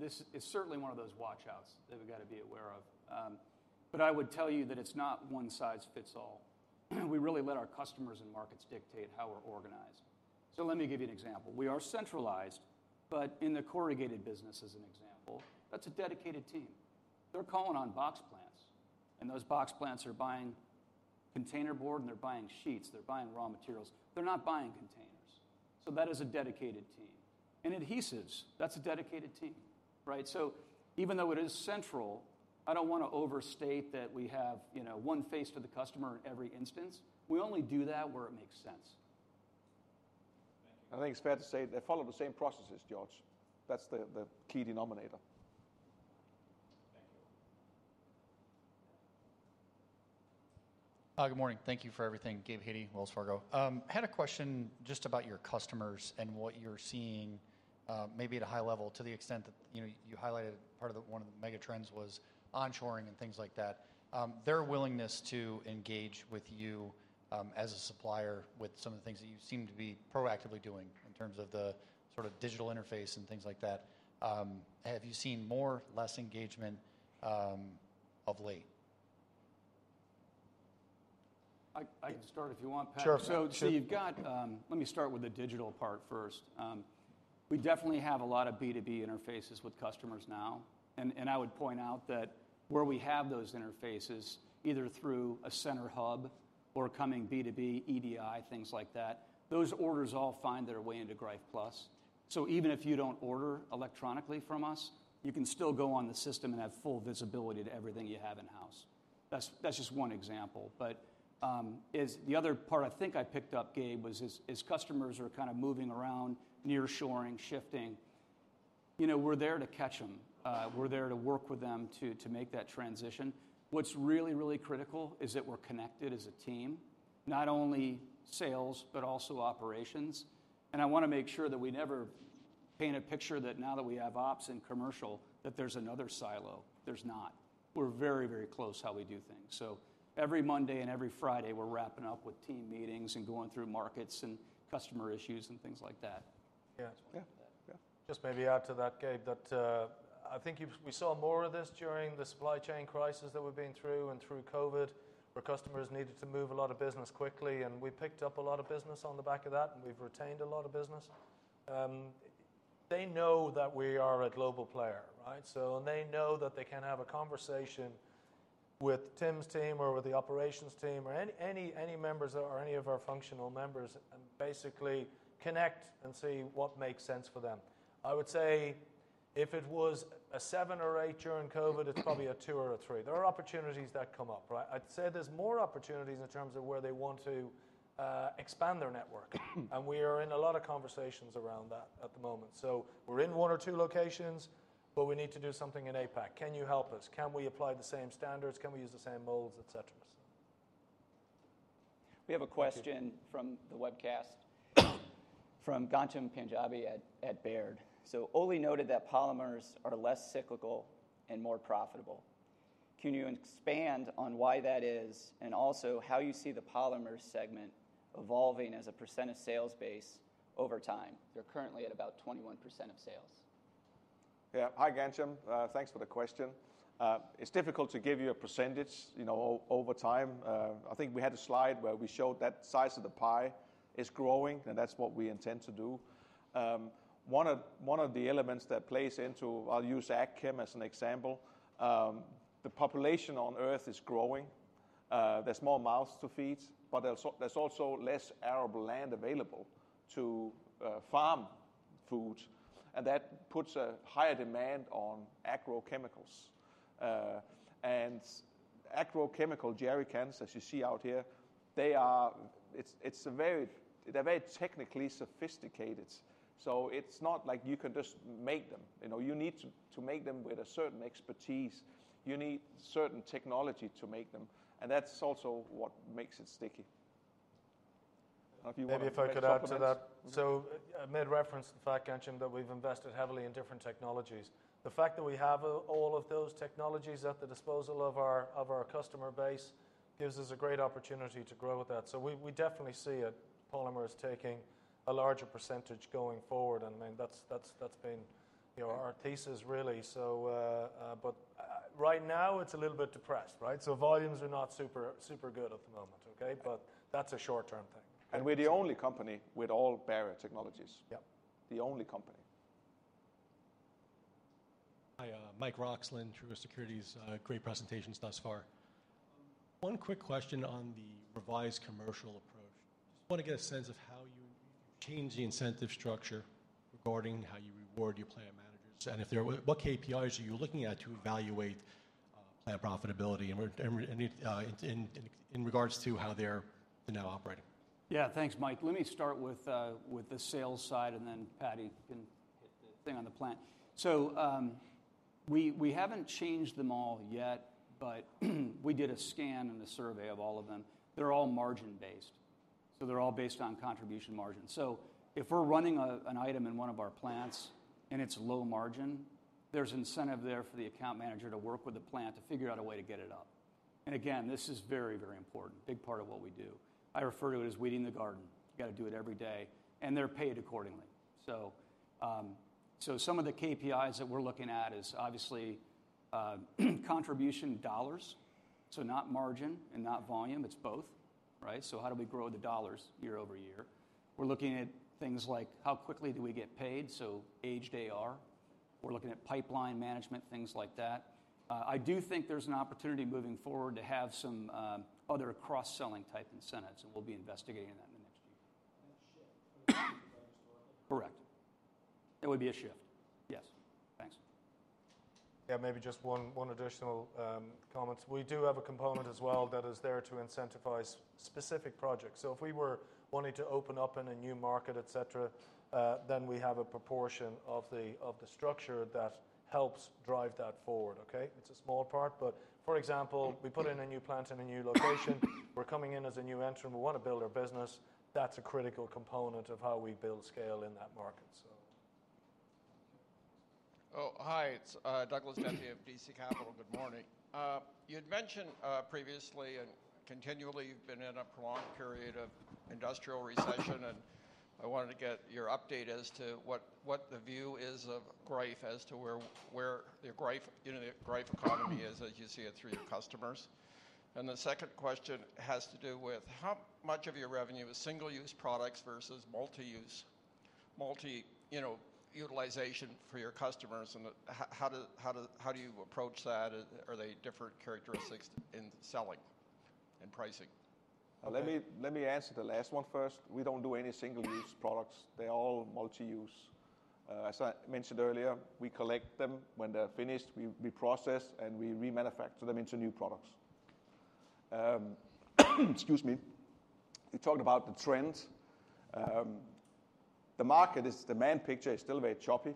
Speaker 4: This is certainly one of those watch-outs that we've got to be aware of. But I would tell you that it's not one size fits all. We really let our customers and markets dictate how we're organized. So let me give you an example. We are centralized, but in the corrugated business, as an example, that's a dedicated team. They're calling on box plants. And those box plants are buying containerboard, and they're buying sheets. They're buying raw materials. They're not buying containers. So that is a dedicated team. And adhesives, that's a dedicated team. Right? So even though it is central, I don't want to overstate that we have one face for the customer in every instance. We only do that where it makes sense. Thank you.
Speaker 2: I think it's fair to say they follow the same processes, George. That's the key denominator. Thank you.
Speaker 6: Good morning. Thank you for everything, Gabe Hajde, Wells Fargo. I had a question just about your customers and what you're seeing maybe at a high level to the extent that you highlighted part of one of the mega trends was onshoring and things like that. Their willingness to engage with you as a supplier with some of the things that you seem to be proactively doing in terms of the sort of digital interface and things like that. Have you seen more, less engagement of late?
Speaker 1: I can start if you want, Pat. Sure. So let me start with the digital part first. We definitely have a lot of B2B interfaces with customers now. And I would point out that where we have those interfaces, either through a center hub or coming B2B, EDI, things like that, those orders all find their way into Greif Plus. So even if you don't order electronically from us, you can still go on the system and have full visibility to everything you have in-house. That's just one example. But the other part I think I picked up, Gabe, was as customers are kind of moving around, nearshoring, shifting, we're there to catch them. We're there to work with them to make that transition. What's really, really critical is that we're connected as a team, not only sales, but also operations. I want to make sure that we never paint a picture that now that we have ops and commercial, that there's another silo. There's not. We're very, very close how we do things. So every Monday and every Friday, we're wrapping up with team meetings and going through markets and customer issues and things like that.
Speaker 3: Yeah. Just maybe add to that, Gabe, that I think we saw more of this during the supply chain crisis that we've been through and through COVID, where customers needed to move a lot of business quickly. And we picked up a lot of business on the back of that, and we've retained a lot of business. They know that we are a global player, right? And they know that they can have a conversation with Tim's team or with the operations team or any members or any of our functional members and basically connect and see what makes sense for them. I would say if it was a seven or eight during COVID, it's probably a two or a three. There are opportunities that come up, right? I'd say there's more opportunities in terms of where they want to expand their network. And we are in a lot of conversations around that at the moment. So we're in one or two locations, but we need to do something in APAC. Can you help us? Can we apply the same standards? Can we use the same molds, etc.?
Speaker 2: We have a question from the webcast from Ghansham Panjabi at Baird.
Speaker 7: So Ole noted that polymers are less cyclical and more profitable. Can you expand on why that is and also how you see the polymer segment evolving as a % of sales base over time? They're currently at about 21% of sales.
Speaker 2: Yeah. Hi, Ghansham. Thanks for the question. It's difficult to give you a percentage over time. I think we had a slide where we showed that size of the pie is growing, and that's what we intend to do. One of the elements that plays into, I'll use Ipackchem as an example, the population on Earth is growing. There's more mouths to feed, but there's also less arable land available to farm food. And that puts a higher demand on agrochemicals. And agrochemical jerrycans, as you see out here, they are very technically sophisticated. So it's not like you can just make them. You need to make them with a certain expertise. You need certain technology to make them. And that's also what makes it sticky.
Speaker 3: Maybe if I could add to that. So I made reference to the fact that we've invested heavily in different technologies. The fact that we have all of those technologies at the disposal of our customer base gives us a great opportunity to grow with that. So we definitely see that polymer is taking a larger percentage going forward. And I mean, that's been our thesis, really. But right now, it's a little bit depressed, right? So volumes are not super good at the moment. Okay? But that's a short-term thing.
Speaker 2: And we're the only company with all barrier technologies. The only company.
Speaker 8: Hi, Mike Roxland, Truist Securities. Great presentations thus far. One quick question on the revised commercial approach. Just want to get a sense of how you change the incentive structure regarding how you reward your plant managers? What KPIs are you looking at to evaluate plant profitability in regards to how they're now operating?
Speaker 2: Yeah. Thanks, Mike. Let me start with the sales side, and then Patty can hit the thing on the plant. We haven't changed them all yet, but we did a scan and a survey of all of them. They're all margin-based. They're all based on contribution margin. If we're running an item in one of our plants and it's low margin, there's incentive there for the account manager to work with the plant to figure out a way to get it up. Again, this is very, very important, a big part of what we do. I refer to it as weeding the garden. You got to do it every day. They're paid accordingly. Some of the KPIs that we're looking at is obviously contribution dollars. So not margin and not volume. It's both, right? So how do we grow the dollars year over year? We're looking at things like how quickly do we get paid. So aged AR. We're looking at pipeline management, things like that. I do think there's an opportunity moving forward to have some other cross-selling type incentives. And we'll be investigating that in the next few years. That's a shift. Correct. That would be a shift. Yes. Thanks.
Speaker 3: Yeah. Maybe just one additional comment. We do have a component as well that is there to incentivize specific projects. So if we were wanting to open up in a new market, etc., then we have a proportion of the structure that helps drive that forward. Okay? It's a small part. But for example, we put in a new plant in a new location. We're coming in as a new entrant. We want to build our business. That's a critical component of how we build scale in that market, so.
Speaker 9: Oh, hi. It's Douglas Dentley of DC Capital. Good morning. You had mentioned previously and continually you've been in a prolonged period of industrial recession, and I wanted to get your update as to what the view is of Greif as to where the Greif economy is as you see it through your customers, and the second question has to do with how much of your revenue is single-use products versus multi-use utilization for your customers? And how do you approach that? Are there different characteristics in selling and pricing? Let me answer the last one first. We don't do any single-use products. They're all multi-use. As I mentioned earlier, we collect them when they're finished. We process and we remanufacture them into new products. Excuse me.
Speaker 2: You talked about the trends. The market is, the main picture, is still a bit choppy.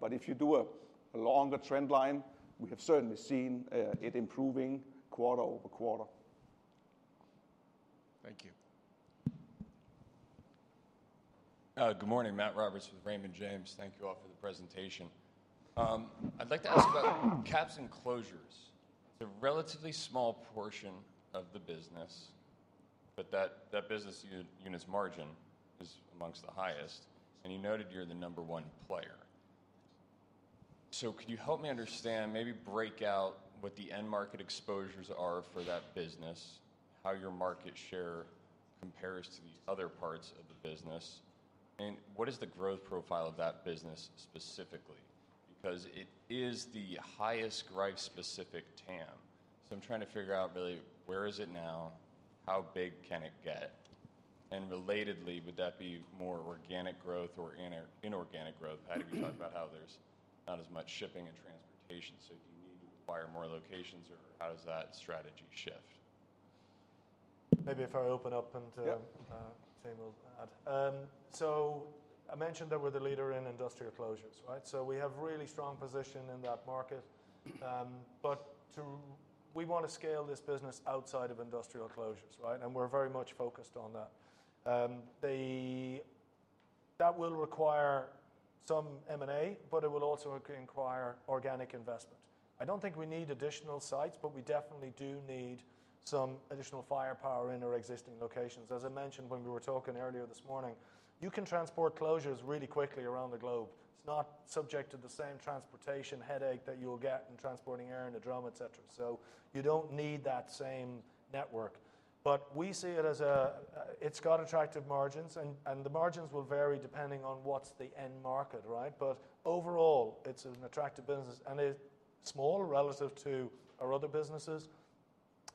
Speaker 2: But if you do a longer trend line, we have certainly seen it improving quarter over quarter. Thank you.
Speaker 10: Good morning. Matt Riedel with Raymond James. Thank you all for the presentation. I'd like to ask about caps and closures. It's a relatively small portion of the business, but that business unit's margin is among the highest. And you noted you're the number one player. So could you help me understand, maybe break out what the end market exposures are for that business, how your market share compares to the other parts of the business? And what is the growth profile of that business specifically? Because it is the highest Greif-specific TAM. So I'm trying to figure out really where is it now, how big can it get? Relatedly, would that be more organic growth or inorganic growth? Paddy, you talked about how there's not as much shipping and transportation. So do you need to acquire more locations, or how does that strategy shift?
Speaker 3: Maybe I'll open up and Tim will add. So I mentioned that we're the leader in industrial closures, right? So we have a really strong position in that market. But we want to scale this business outside of industrial closures, right? And we're very much focused on that. That will require some M&A, but it will also require organic investment. I don't think we need additional sites, but we definitely do need some additional firepower in our existing locations. As I mentioned when we were talking earlier this morning, you can transport closures really quickly around the globe. It's not subject to the same transportation headache that you'll get in transporting air and a drum, etc. So you don't need that same network. But we see it as a it's got attractive margins. And the margins will vary depending on what's the end market, right? But overall, it's an attractive business. And it's small relative to our other businesses,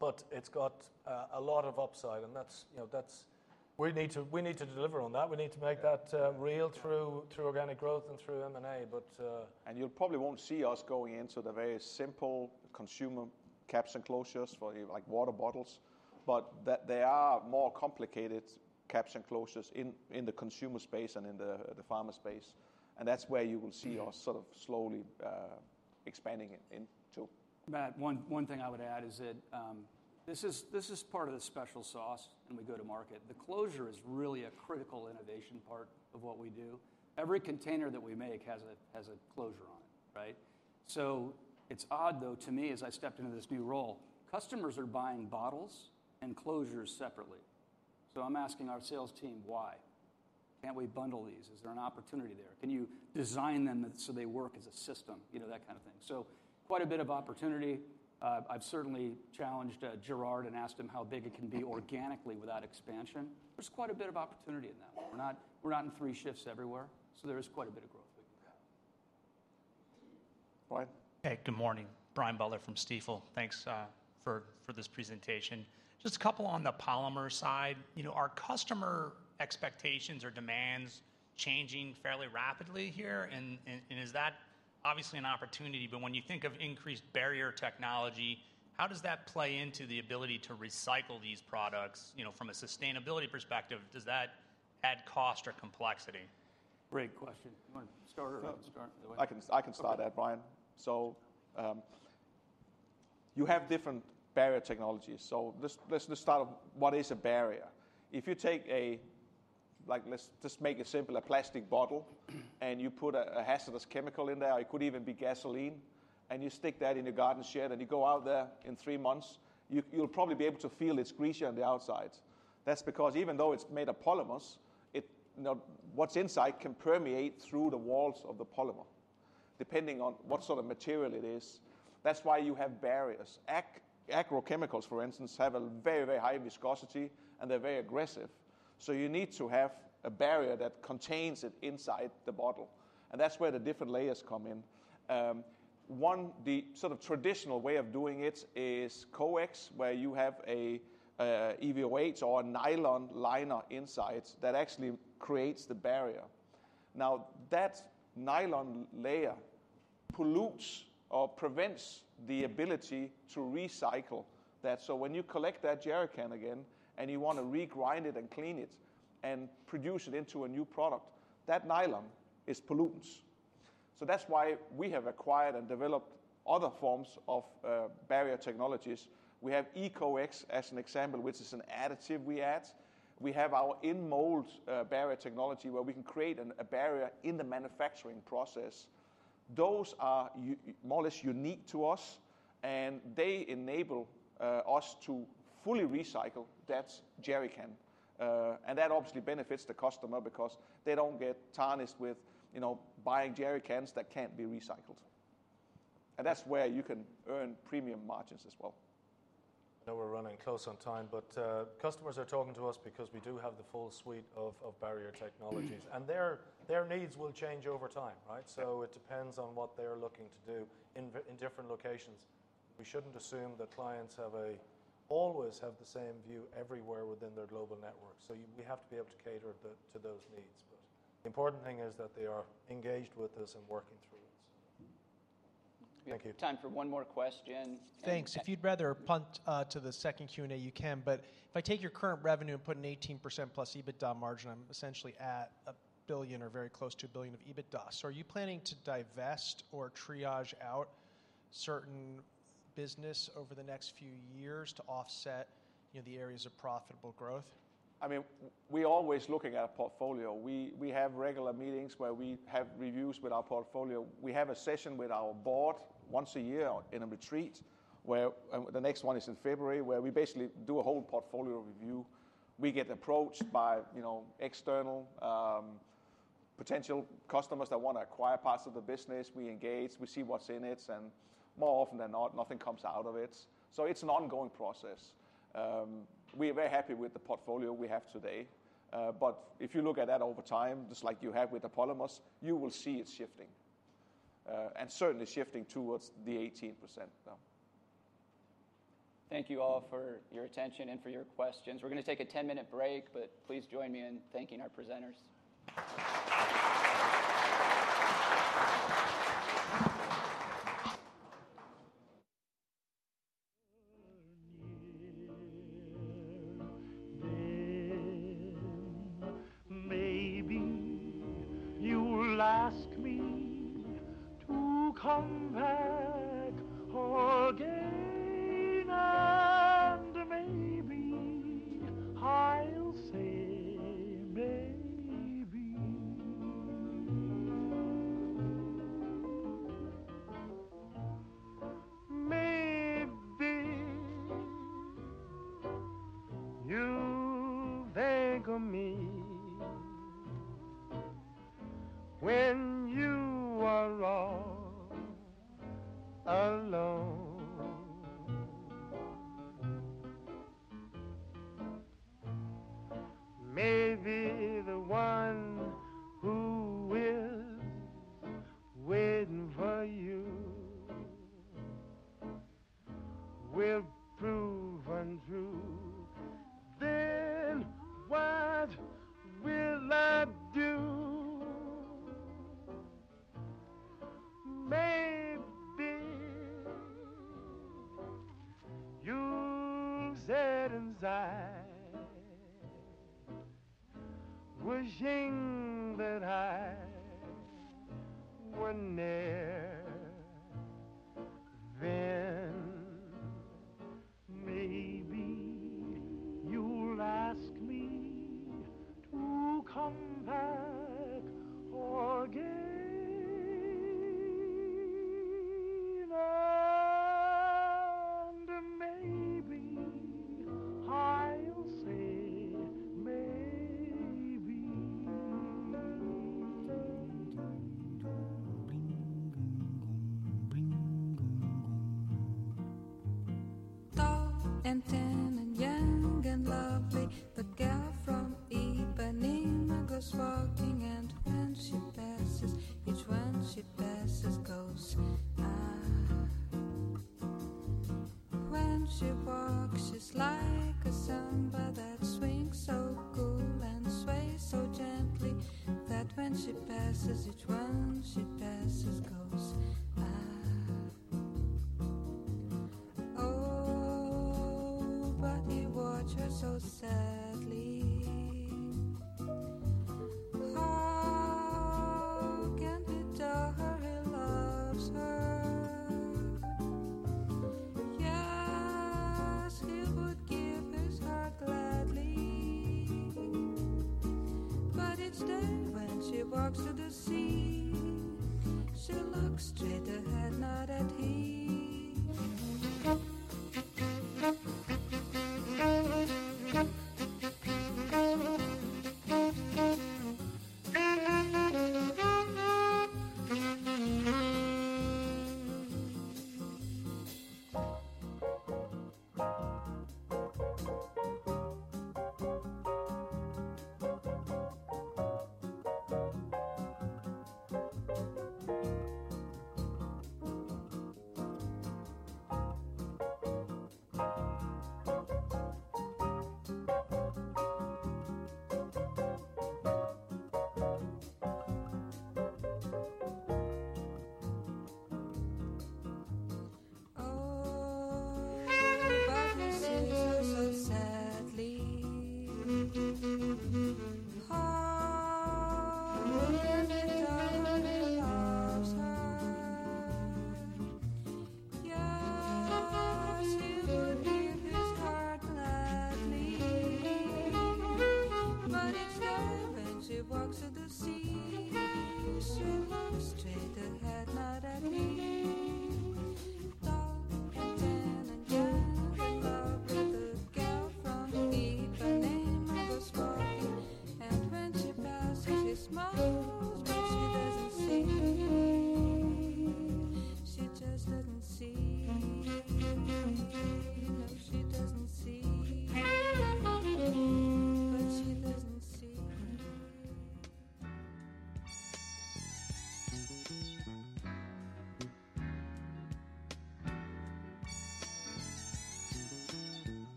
Speaker 3: but it's got a lot of upside. And we need to deliver on that. We need to make that real through organic growth and through M&A, but. And you probably won't see us going into the very simple consumer caps and closures for water bottles. But there are more complicated caps and closures in the consumer space and in the pharma space. And that's where you will see us sort of slowly expanding into.
Speaker 4: Matt, one thing I would add is that this is part of the special sauce when we go to market. The closure is really a critical innovation part of what we do. Every container that we make has a closure on it, right? So it's odd, though, to me, as I stepped into this new role, customers are buying bottles and closures separately. So I'm asking our sales team, "Why? Can't we bundle these? Is there an opportunity there? Can you design them so they work as a system?" That kind of thing. So quite a bit of opportunity. I've certainly challenged Gerard and asked him how big it can be organically without expansion. There's quite a bit of opportunity in that. We're not in three shifts everywhere. So there is quite a bit of growth we can do. Right.
Speaker 11: Hey, good morning. Brian Butler from Stifel. Thanks for this presentation. Just a couple on the polymer side. Are customer expectations or demands changing fairly rapidly here? And is that obviously an opportunity? But when you think of increased barrier technology, how does that play into the ability to recycle these products? From a sustainability perspective, does that add cost or complexity?
Speaker 2: Great question. You want to start, by the way? I can start that, Brian. So you have different barrier technologies. So let's start with what is a barrier. If you take a, let's just make it simple, a plastic bottle, and you put a hazardous chemical in there, or it could even be gasoline, and you stick that in your garden shed and you go out there in three months, you'll probably be able to feel it's greasy on the outside. That's because even though it's made of polymers, what's inside can permeate through the walls of the polymer, depending on what sort of material it is. That's why you have barriers. Agrochemicals, for instance, have a very, very high viscosity, and they're very aggressive. So you need to have a barrier that contains it inside the bottle. And that's where the different layers come in. One sort of traditional way of doing it is coextruded, where you have an EVOH or a nylon liner inside that actually creates the barrier. Now, that nylon layer pollutes or prevents the ability to recycle that. So when you collect that jerrycan again and you want to regrind it and clean it and produce it into a new product, that nylon is pollutants. So that's why we have acquired and developed other forms of barrier technologies. We have Eco-X as an example, which is an additive we add. We have our in-mold barrier technology where we can create a barrier in the manufacturing process. Those are more or less unique to us, and they enable us to fully recycle that jerrycan, and that obviously benefits the customer because they don't get tarnished with buying jerrycans that can't be recycled, and that's where you can earn premium margins as well. I know we're running close on time, but customers are talking to us because we do have the full suite of barrier technologies, and their needs will change over time, right? So it depends on what they're looking to do in different locations. We shouldn't assume that clients always have the same view everywhere within their global network, so we have to be able to cater to those needs. But the important thing is that they are engaged with us and working through it. Thank you. Time for one more question.
Speaker 12: Thanks. If you'd rather punt to the second Q&A, you can. But if I take your current revenue and put in 18% plus EBITDA margin, I'm essentially at a billion or very close to a billion of EBITDA. So are you planning to divest or triage out certain business over the next few years to offset the areas of profitable growth?
Speaker 2: I mean, we're always looking at a portfolio. We have regular meetings where we have reviews with our portfolio. We have a session with our board once a year in a retreat, where the next one is in February, where we basically do a whole portfolio review. We get approached by external potential customers that want to acquire parts of the business. We engage. We see what's in it. And more often than not, nothing comes out of it. So it's an ongoing process. We're very happy with the portfolio we have today. But if you look at that over time, just like you have with the polymers, you will see it shifting and certainly shifting towards the 18%.
Speaker 13: Thank you all for your attention and for your questions. We're going to take a 10-minute break, but please join me in thanking our presenters.
Speaker 14: Near then, maybe you'll ask me to come back again, and maybe I'll say maybe. Maybe you'll think of me when you are all alone. Maybe the one who is waiting for you will prove untrue. Then what will I do? Maybe you'll sit inside wishing that I were near. Then maybe you'll ask me to come back again, and maybe I'll say maybe. Tall and thin and young and lovely, the girl from Ipanema goes walking, and when she passes, each one she passes goes. When she walks, she's like a samba that swings so cool and sways so gently that when she passes, each one she passes goes. Oh, but he watched her so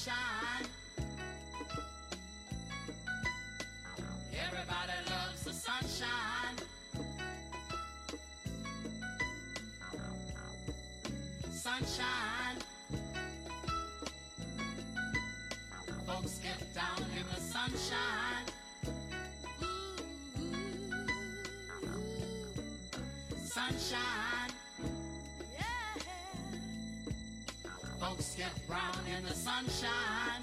Speaker 14: looks straight ahead, not at he. Tall and thin and young and lovely, the girl from Ipanema goes walking. And when she passes, she smiles, but she doesn't see. She just doesn't see. No, she doesn't see. But she doesn't see. My life, my life, my life, my life in the sunshine. Everybody loves the sunshine. Sunshine. Everybody loves the sunshine. Sunshine. Folks get down in the sunshine. Ooh, ooh. Sunshine. Yeah. Folks get brown in the sunshine. Just bees and things and flowers. Just bees and things and flowers. Just bees and things and flowers. Just bees and things and flowers. My life, my life, my life, my life in the sunshine. Everybody loves the sunshine. Sunshine. Everybody loves the sunshine. Sunshine. Folks get down in the sunshine. Sunshine. Folks get brown in the sunshine.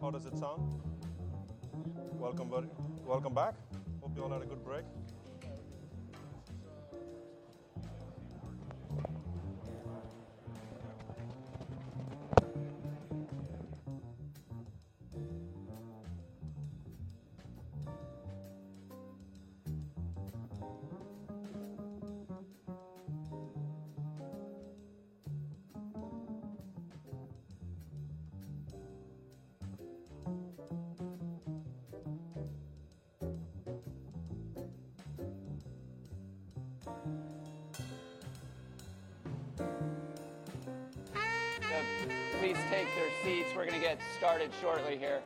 Speaker 13: How does it sound? Welcome back. Hope you all had a good break. Please take your seats. We're going to get started shortly here.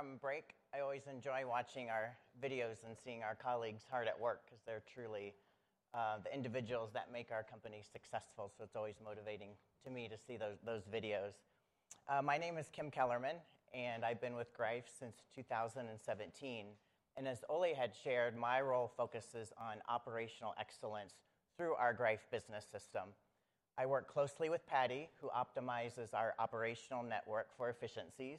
Speaker 13: Right.
Speaker 15: Welcome back from break. I always enjoy watching our videos and seeing our colleagues hard at work because they're truly the individuals that make our company successful. So it's always motivating to me to see those videos. My name is Kim Kellerman, and I've been with Greif since 2017. As Ole had shared, my role focuses on operational excellence through our Greif Business System. I work closely with Paddy, who optimizes our operational network for efficiencies.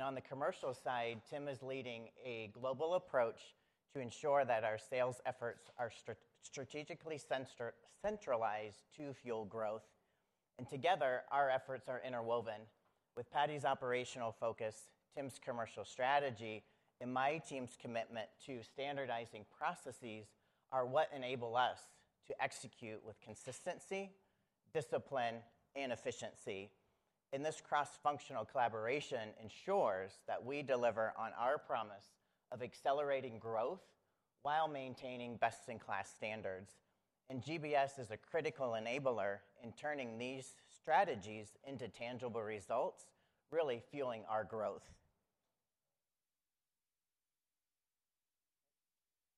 Speaker 15: On the commercial side, Tim is leading a global approach to ensure that our sales efforts are strategically centralized to fuel growth. Together, our efforts are interwoven with Paddy's operational focus, Tim's commercial strategy, and my team's commitment to standardizing processes, are what enable us to execute with consistency, discipline, and efficiency. This cross-functional collaboration ensures that we deliver on our promise of accelerating growth while maintaining best-in-class standards. GBS is a critical enabler in turning these strategies into tangible results, really fueling our growth.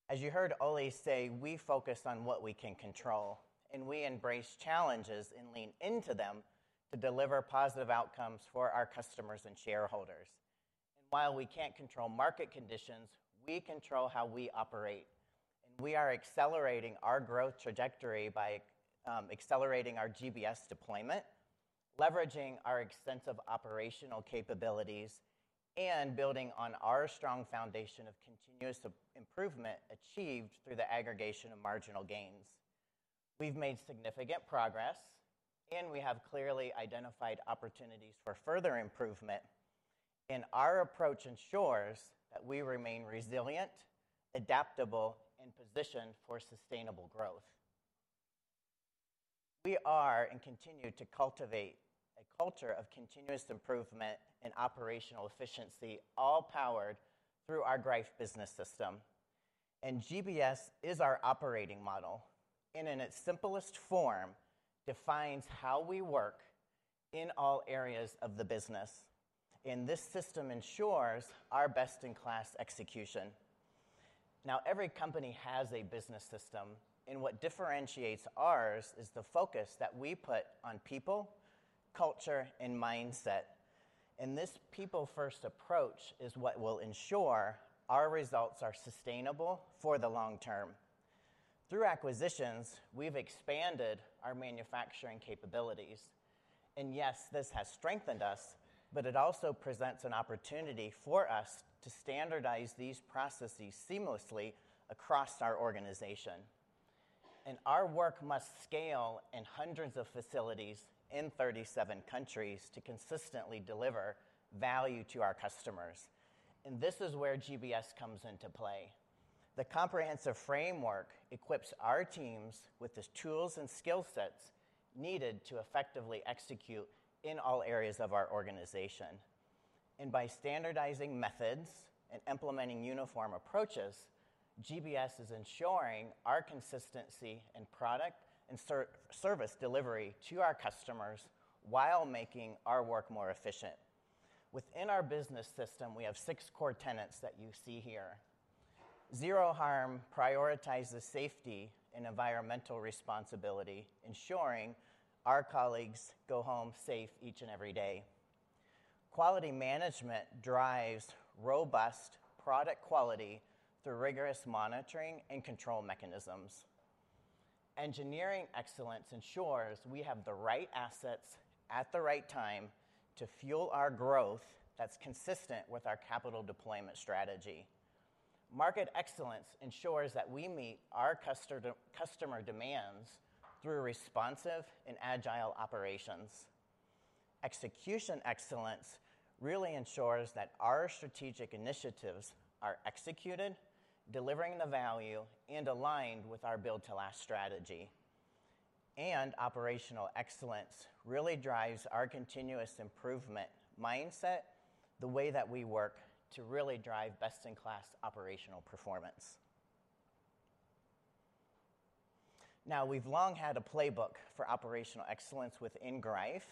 Speaker 15: As you heard Ole say, we focus on what we can control, and we embrace challenges and lean into them to deliver positive outcomes for our customers and shareholders. While we can't control market conditions, we control how we operate. We are accelerating our growth trajectory by accelerating our GBS deployment, leveraging our extensive operational capabilities, and building on our strong foundation of continuous improvement achieved through the aggregation of marginal gains. We've made significant progress, and we have clearly identified opportunities for further improvement. Our approach ensures that we remain resilient, adaptable, and positioned for sustainable growth. We continue to cultivate a culture of continuous improvement and operational efficiency, all powered through our Greif business system. GBS is our operating model, and in its simplest form, defines how we work in all areas of the business. This system ensures our best-in-class execution. Now, every company has a business system, and what differentiates ours is the focus that we put on people, culture, and mindset. This people-first approach is what will ensure our results are sustainable for the long term. Through acquisitions, we've expanded our manufacturing capabilities, and yes, this has strengthened us, but it also presents an opportunity for us to standardize these processes seamlessly across our organization, and our work must scale in hundreds of facilities in 37 countries to consistently deliver value to our customers, and this is where GBS comes into play. The comprehensive framework equips our teams with the tools and skill sets needed to effectively execute in all areas of our organization, and by standardizing methods and implementing uniform approaches, GBS is ensuring our consistency in product and service delivery to our customers while making our work more efficient. Within our business system, we have six core tenets that you see here. Zero harm prioritizes safety and environmental responsibility, ensuring our colleagues go home safe each and every day. Quality management drives robust product quality through rigorous monitoring and control mechanisms. Engineering excellence ensures we have the right assets at the right time to fuel our growth that's consistent with our capital deployment strategy. Market excellence ensures that we meet our customer demands through responsive and agile operations. Execution excellence really ensures that our strategic initiatives are executed, delivering the value and aligned with our Build to Last strategy. Operational excellence really drives our continuous improvement mindset, the way that we work to really drive best-in-class operational performance. Now, we've long had a playbook for operational excellence within Greif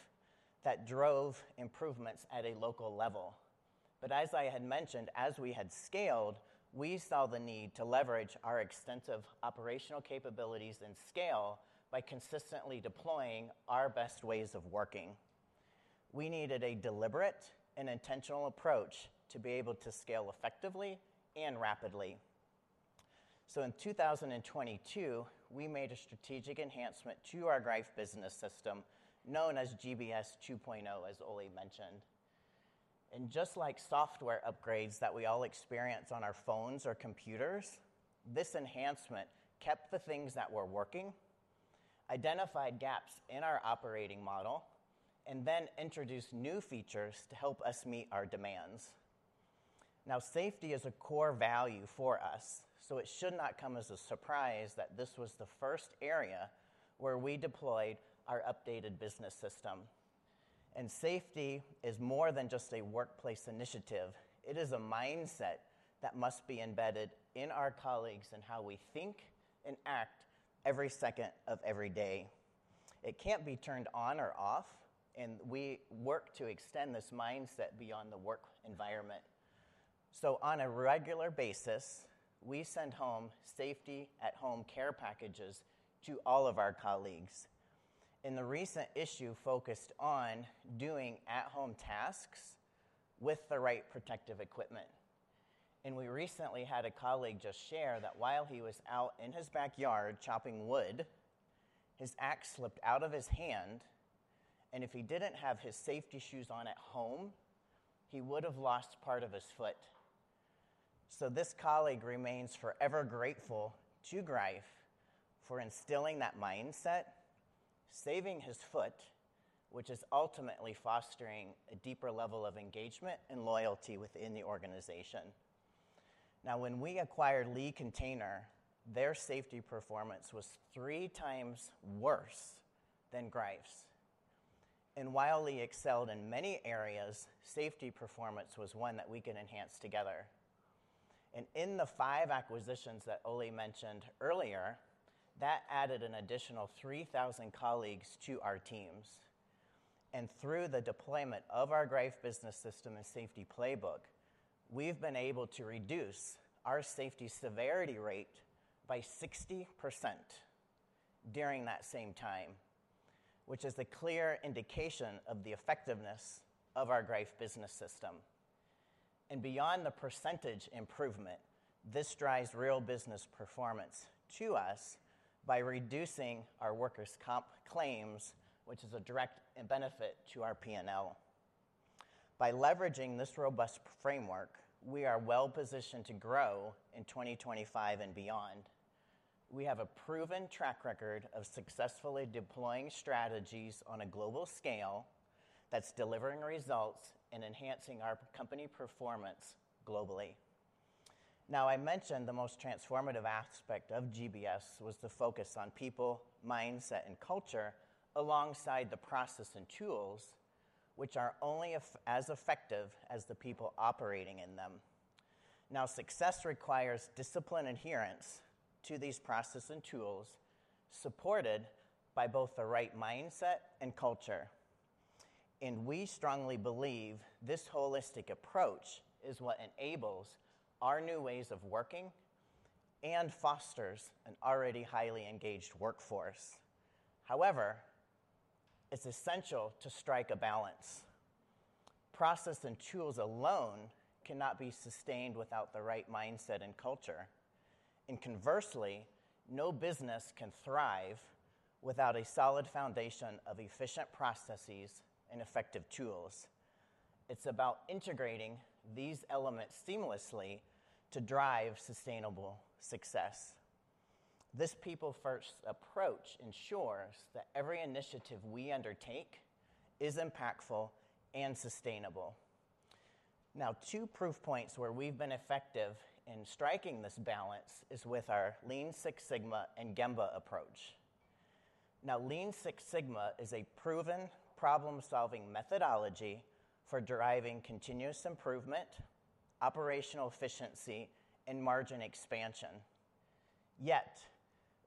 Speaker 15: that drove improvements at a local level. As I had mentioned, as we had scaled, we saw the need to leverage our extensive operational capabilities and scale by consistently deploying our best ways of working. We needed a deliberate and intentional approach to be able to scale effectively and rapidly. In 2022, we made a strategic enhancement to our Greif business system known as GBS 2.0, as Ole mentioned. Just like software upgrades that we all experience on our phones or computers, this enhancement kept the things that were working, identified gaps in our operating model, and then introduced new features to help us meet our demands. Now, safety is a core value for us, so it should not come as a surprise that this was the first area where we deployed our updated business system. Safety is more than just a workplace initiative. It is a mindset that must be embedded in our colleagues and how we think and act every second of every day. It can't be turned on or off, and we work to extend this mindset beyond the work environment. On a regular basis, we send home safety at-home care packages to all of our colleagues. The recent issue focused on doing at-home tasks with the right protective equipment. We recently had a colleague just share that while he was out in his backyard chopping wood, his axe slipped out of his hand, and if he didn't have his safety shoes on at home, he would have lost part of his foot. This colleague remains forever grateful to Greif for instilling that mindset, saving his foot, which is ultimately fostering a deeper level of engagement and loyalty within the organization. Now, when we acquired Lee Container, their safety performance was three times worse than Greif's. While Lee excelled in many areas, safety performance was one that we can enhance together. In the five acquisitions that Ole mentioned earlier, that added an additional 3,000 colleagues to our teams. Through the deployment of our Greif business system and safety playbook, we've been able to reduce our safety severity rate by 60% during that same time, which is a clear indication of the effectiveness of our Greif business system. Beyond the percentage improvement, this drives real business performance to us by reducing our workers' comp claims, which is a direct benefit to our P&L. By leveraging this robust framework, we are well positioned to grow in 2025 and beyond. We have a proven track record of successfully deploying strategies on a global scale that's delivering results and enhancing our company performance globally. Now, I mentioned the most transformative aspect of GBS was the focus on people, mindset, and culture alongside the process and tools, which are only as effective as the people operating in them. Now, success requires discipline and adherence to these process and tools supported by both the right mindset and culture, and we strongly believe this holistic approach is what enables our new ways of working and fosters an already highly engaged workforce. However, it's essential to strike a balance. Process and tools alone cannot be sustained without the right mindset and culture, and conversely, no business can thrive without a solid foundation of efficient processes and effective tools. It's about integrating these elements seamlessly to drive sustainable success. This people-first approach ensures that every initiative we undertake is impactful and sustainable. Now, two proof points where we've been effective in striking this balance is with our Lean Six Sigma and Gemba approach. Now, Lean Six Sigma is a proven problem-solving methodology for driving continuous improvement, operational efficiency, and margin expansion. Yet,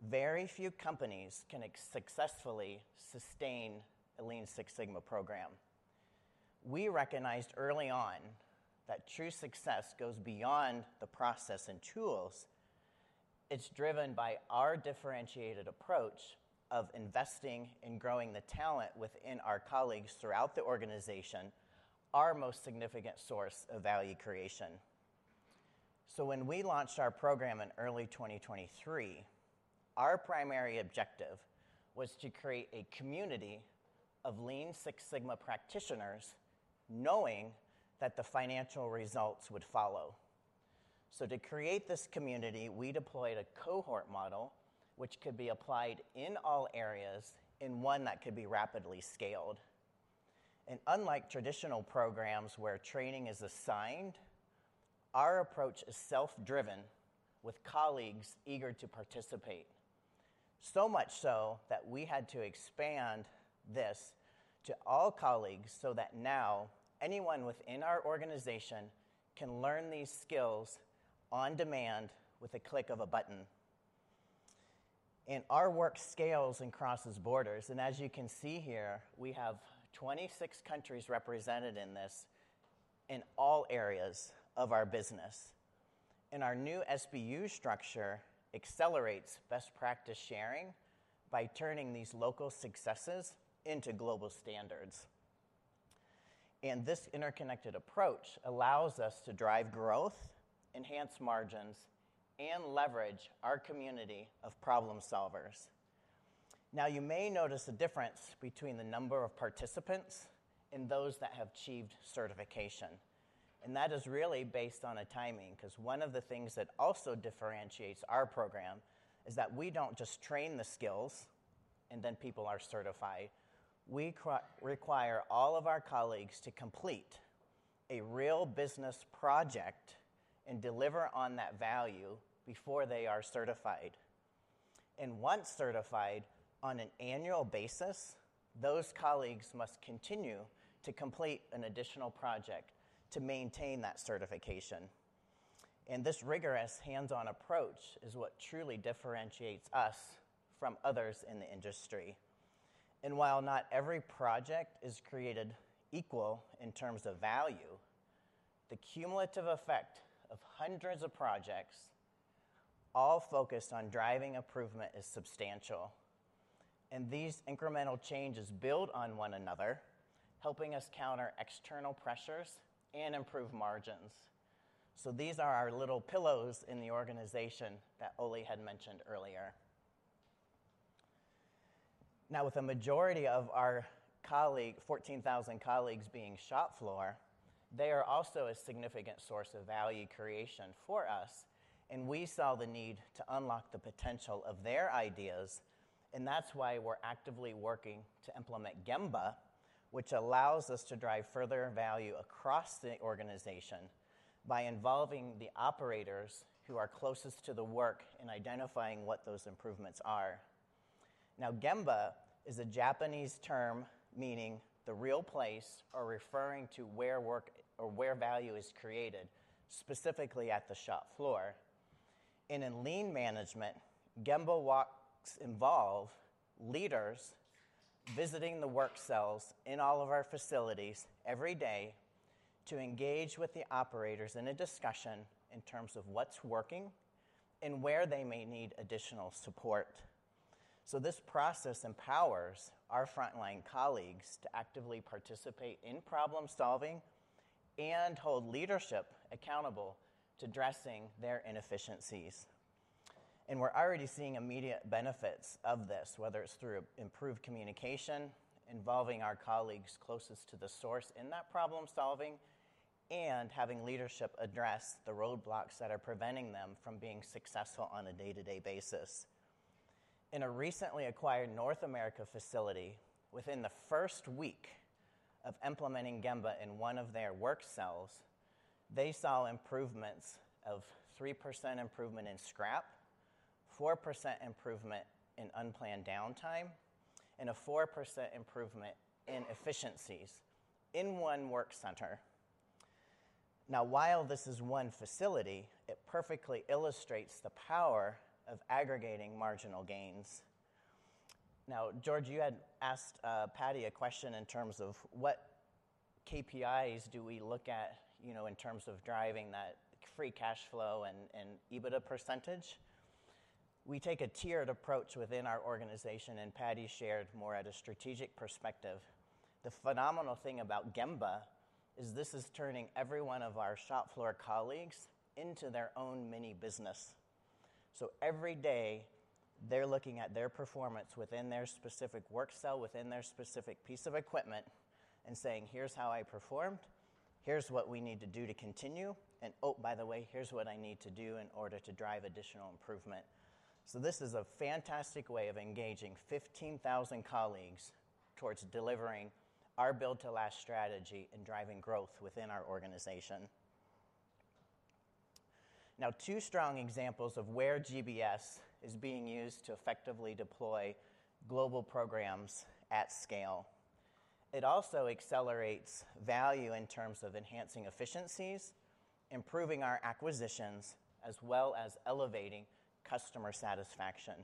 Speaker 15: very few companies can successfully sustain a Lean Six Sigma program. We recognized early on that true success goes beyond the process and tools. It's driven by our differentiated approach of investing and growing the talent within our colleagues throughout the organization, our most significant source of value creation. So when we launched our program in early 2023, our primary objective was to create a community of Lean Six Sigma practitioners knowing that the financial results would follow. So to create this community, we deployed a cohort model, which could be applied in all areas and one that could be rapidly scaled. And unlike traditional programs where training is assigned, our approach is self-driven with colleagues eager to participate. So much so that we had to expand this to all colleagues so that now anyone within our organization can learn these skills on demand with a click of a button. And our work scales and crosses borders. And as you can see here, we have 26 countries represented in this in all areas of our business. And our new SBU structure accelerates best practice sharing by turning these local successes into global standards. And this interconnected approach allows us to drive growth, enhance margins, and leverage our community of problem solvers. Now, you may notice a difference between the number of participants and those that have achieved certification. And that is really based on a timing because one of the things that also differentiates our program is that we don't just train the skills and then people are certified. We require all of our colleagues to complete a real business project and deliver on that value before they are certified. And once certified on an annual basis, those colleagues must continue to complete an additional project to maintain that certification. And this rigorous hands-on approach is what truly differentiates us from others in the industry. And while not every project is created equal in terms of value, the cumulative effect of hundreds of projects all focused on driving improvement is substantial. And these incremental changes build on one another, helping us counter external pressures and improve margins. So these are our little pillows in the organization that Ole had mentioned earlier. Now, with a majority of our 14,000 colleagues being shop floor, they are also a significant source of value creation for us, and we saw the need to unlock the potential of their ideas, and that's why we're actively working to implement Gemba, which allows us to drive further value across the organization by involving the operators who are closest to the work in identifying what those improvements are. Now, Gemba is a Japanese term meaning the real place or referring to where work or where value is created, specifically at the shop floor, and in lean management, Gemba walks involve leaders visiting the work cells in all of our facilities every day to engage with the operators in a discussion in terms of what's working and where they may need additional support. This process empowers our frontline colleagues to actively participate in problem-solving and hold leadership accountable to addressing their inefficiencies. We're already seeing immediate benefits of this, whether it's through improved communication involving our colleagues closest to the source in that problem-solving and having leadership address the roadblocks that are preventing them from being successful on a day-to-day basis. In a recently acquired North America facility, within the first week of implementing Gemba in one of their work cells, they saw improvements of 3% improvement in scrap, 4% improvement in unplanned downtime, and a 4% improvement in efficiencies in one work center. Now, while this is one facility, it perfectly illustrates the power of aggregating marginal gains. Now, George, you had asked Paddy a question in terms of what KPIs do we look at in terms of driving that free cash flow and EBITDA percentage. We take a tiered approach within our organization, and Paddy shared more at a strategic perspective. The phenomenal thing about Gemba is this is turning every one of our shop floor colleagues into their own mini business. So every day, they're looking at their performance within their specific work cell, within their specific piece of equipment, and saying, "Here's how I performed. Here's what we need to do to continue. And oh, by the way, here's what I need to do in order to drive additional improvement." So this is a fantastic way of engaging 15,000 colleagues towards delivering our Build to Last strategy and driving growth within our organization. Now, two strong examples of where GBS is being used to effectively deploy global programs at scale. It also accelerates value in terms of enhancing efficiencies, improving our acquisitions, as well as elevating customer satisfaction.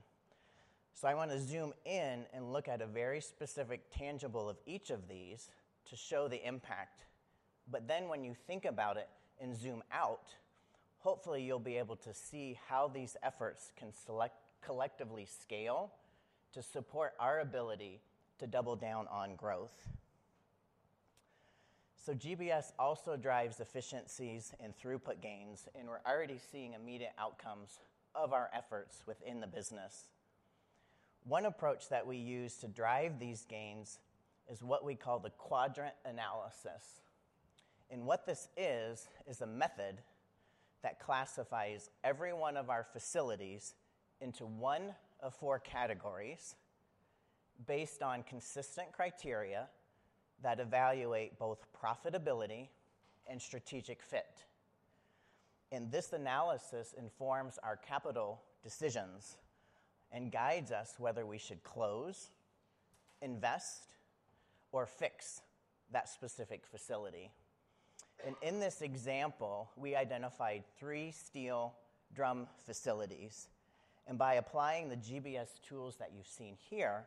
Speaker 15: So I want to zoom in and look at a very specific tangible of each of these to show the impact. But then when you think about it and zoom out, hopefully you'll be able to see how these efforts can collectively scale to support our ability to double down on growth. So GBS also drives efficiencies and throughput gains, and we're already seeing immediate outcomes of our efforts within the business. One approach that we use to drive these gains is what we call the quadrant analysis. And what this is, is a method that classifies every one of our facilities into one of four categories based on consistent criteria that evaluate both profitability and strategic fit. And this analysis informs our capital decisions and guides us whether we should close, invest, or fix that specific facility. And in this example, we identified three steel drum facilities. By applying the GBS tools that you've seen here,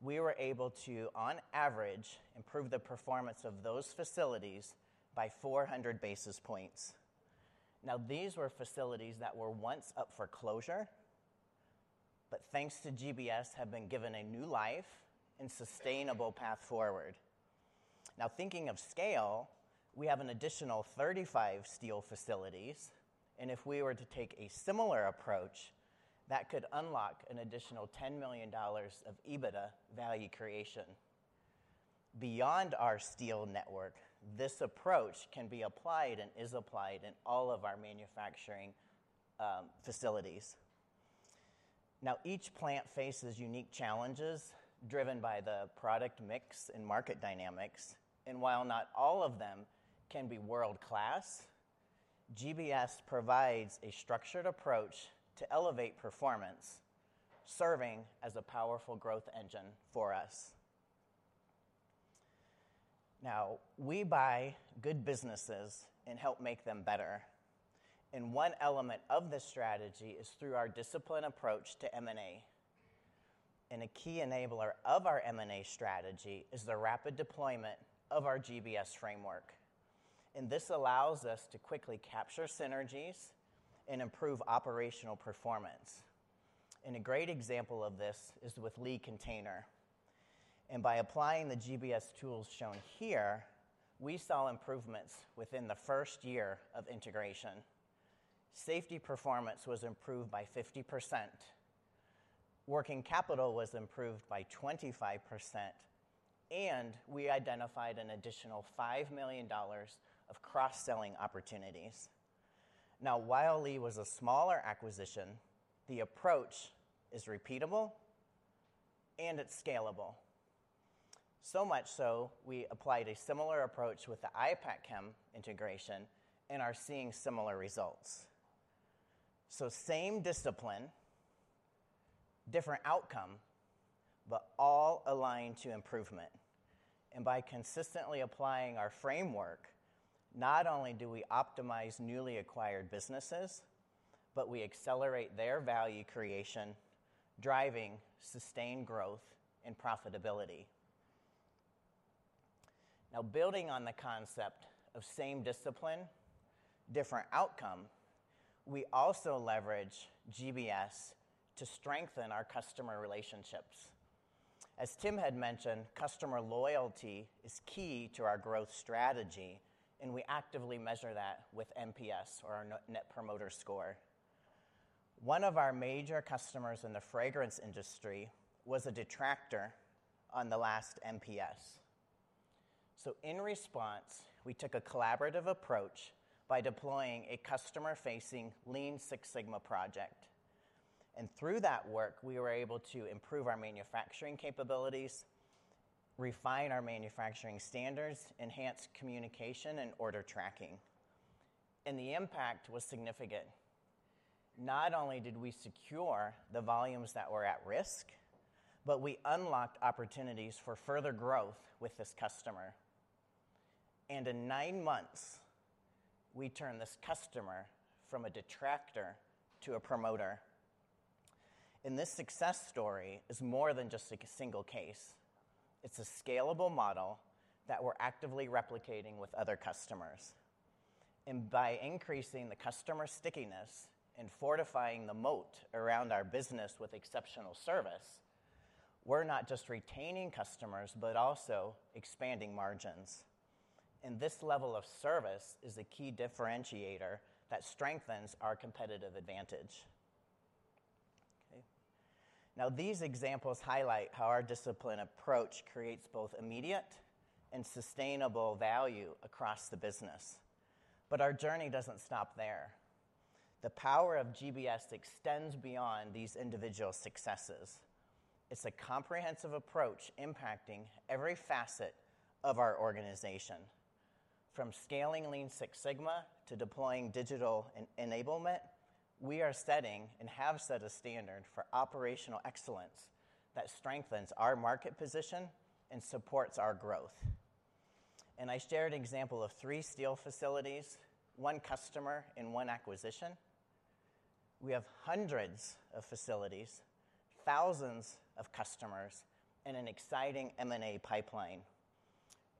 Speaker 15: we were able to, on average, improve the performance of those facilities by 400 basis points. Now, these were facilities that were once up for closure, but thanks to GBS, have been given a new life and sustainable path forward. Now, thinking of scale, we have an additional 35 steel facilities. If we were to take a similar approach, that could unlock an additional $10 million of EBITDA value creation. Beyond our steel network, this approach can be applied and is applied in all of our manufacturing facilities. Now, each plant faces unique challenges driven by the product mix and market dynamics. While not all of them can be world-class, GBS provides a structured approach to elevate performance, serving as a powerful growth engine for us. Now, we buy good businesses and help make them better. One element of this strategy is through our disciplined approach to M&A. A key enabler of our M&A strategy is the rapid deployment of our GBS framework. This allows us to quickly capture synergies and improve operational performance. A great example of this is with Lee Container. By applying the GBS tools shown here, we saw improvements within the first year of integration. Safety performance was improved by 50%. Working capital was improved by 25%. We identified an additional $5 million of cross-selling opportunities. Now, while Lee was a smaller acquisition, the approach is repeatable and it's scalable. So much so we applied a similar approach with the Ipackchem integration and are seeing similar results. Same discipline, different outcome, but all aligned to improvement. And by consistently applying our framework, not only do we optimize newly acquired businesses, but we accelerate their value creation, driving sustained growth and profitability. Now, building on the concept of same discipline, different outcome, we also leverage GBS to strengthen our customer relationships. As Tim had mentioned, customer loyalty is key to our growth strategy, and we actively measure that with NPS, or our Net Promoter Score. One of our major customers in the fragrance industry was a detractor on the last NPS. So in response, we took a collaborative approach by deploying a customer-facing Lean Six Sigma project. And through that work, we were able to improve our manufacturing capabilities, refine our manufacturing standards, enhance communication, and order tracking. And the impact was significant. Not only did we secure the volumes that were at risk, but we unlocked opportunities for further growth with this customer. In nine months, we turned this customer from a detractor to a promoter. This success story is more than just a single case. It's a scalable model that we're actively replicating with other customers. By increasing the customer stickiness and fortifying the moat around our business with exceptional service, we're not just retaining customers, but also expanding margins. This level of service is a key differentiator that strengthens our competitive advantage. Okay. Now, these examples highlight how our disciplined approach creates both immediate and sustainable value across the business. Our journey doesn't stop there. The power of GBS extends beyond these individual successes. It's a comprehensive approach impacting every facet of our organization. From scaling Lean Six Sigma to deploying digital enablement, we are setting and have set a standard for operational excellence that strengthens our market position and supports our growth. And I shared an example of three steel facilities, one customer, and one acquisition. We have hundreds of facilities, thousands of customers, and an exciting M&A pipeline.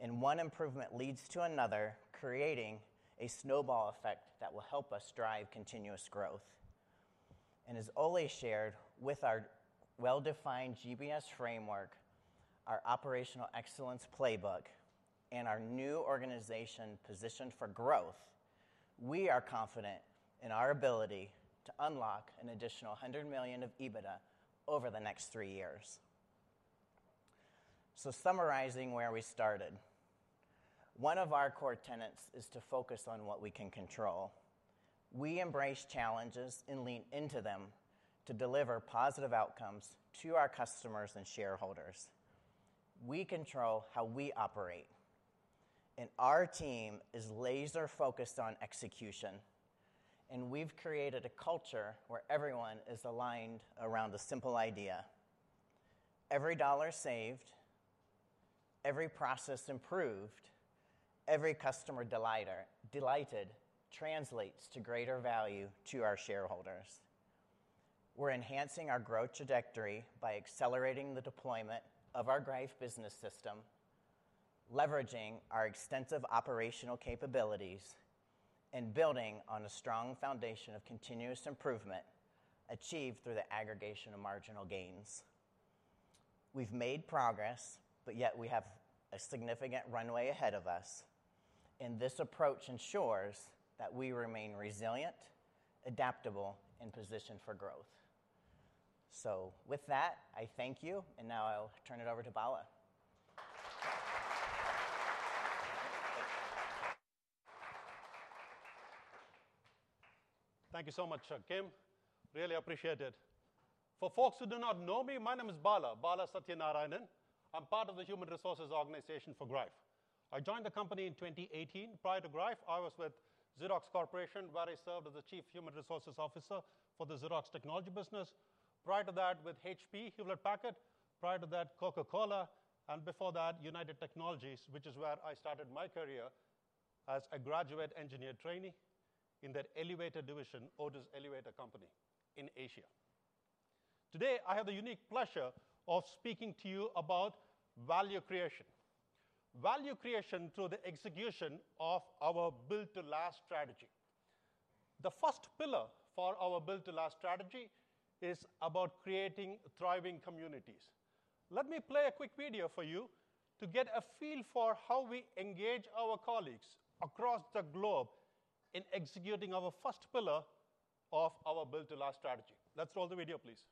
Speaker 15: And one improvement leads to another, creating a snowball effect that will help us drive continuous growth. And as Ole shared, with our well-defined GBS framework, our operational excellence playbook, and our new organization positioned for growth, we are confident in our ability to unlock an additional $100 million of EBITDA over the next three years. So summarizing where we started, one of our core tenets is to focus on what we can control. We embrace challenges and lean into them to deliver positive outcomes to our customers and shareholders. We control how we operate. And our team is laser-focused on execution. And we've created a culture where everyone is aligned around a simple idea. Every dollar saved, every process improved, every customer delighted translates to greater value to our shareholders. We're enhancing our growth trajectory by accelerating the deployment of our Greif business system, leveraging our extensive operational capabilities, and building on a strong foundation of continuous improvement achieved through the aggregation of marginal gains. We've made progress, but yet we have a significant runway ahead of us. And this approach ensures that we remain resilient, adaptable, and positioned for growth. So with that, I thank you. And now I'll turn it over to Bala.
Speaker 16: Thank you so much, Kim. Really appreciate it. For folks who do not know me, my name is Bala. Bala Sathyanarayanan. I'm part of the human resources organization for Greif. I joined the company in 2018. Prior to Greif, I was with Xerox Corporation, where I served as the Chief Human Resources Officer for the Xerox technology business. Prior to that, with HP, Hewlett-Packard. Prior to that, Coca-Cola. And before that, United Technologies, which is where I started my career as a graduate engineer trainee in the elevator division, Otis's elevator company in Asia. Today, I have the unique pleasure of speaking to you about value creation. Value creation through the execution of our Build to Last strategy. The first pillar for our Build to Last strategy is about creating thriving communities. Let me play a quick video for you to get a feel for how we engage our colleagues across the globe in executing our first pillar of our Build to Last strategy. Let's roll the video, please.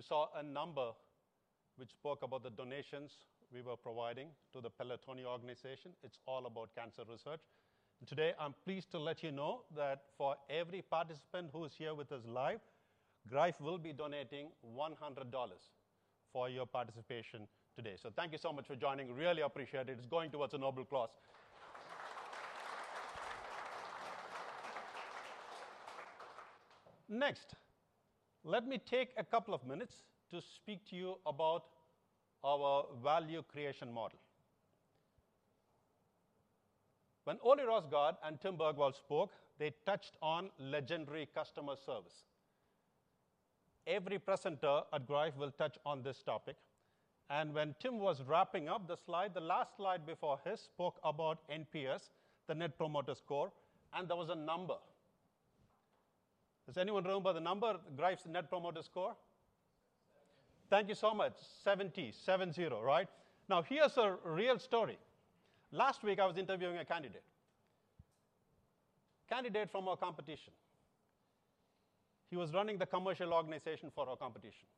Speaker 16: Thank you all very much for joining today. You saw a number which spoke about the donations we were providing to the Pelotonia organization. It's all about cancer research. Today, I'm pleased to let you know that for every participant who is here with us live, Greif will be donating $100 for your participation today. Thank you so much for joining. Really appreciate it. It's going towards Pelotonia. Next, let me take a couple of minutes to speak to you about our value creation model. When Ole Rosgaard and Tim Bergwall spoke, they touched on legendary customer service. Every presenter at Greif will touch on this topic. When Tim was wrapping up the slide, the last slide before he spoke about NPS, the Net Promoter Score, and there was a number. Does anyone remember the number, Greif's Net Promoter Score? Thank you so much. 70, seven-zero, right? Now, here's a real story. Last week, I was interviewing a candidate, a candidate from our competition. He was running the commercial organization for our competition.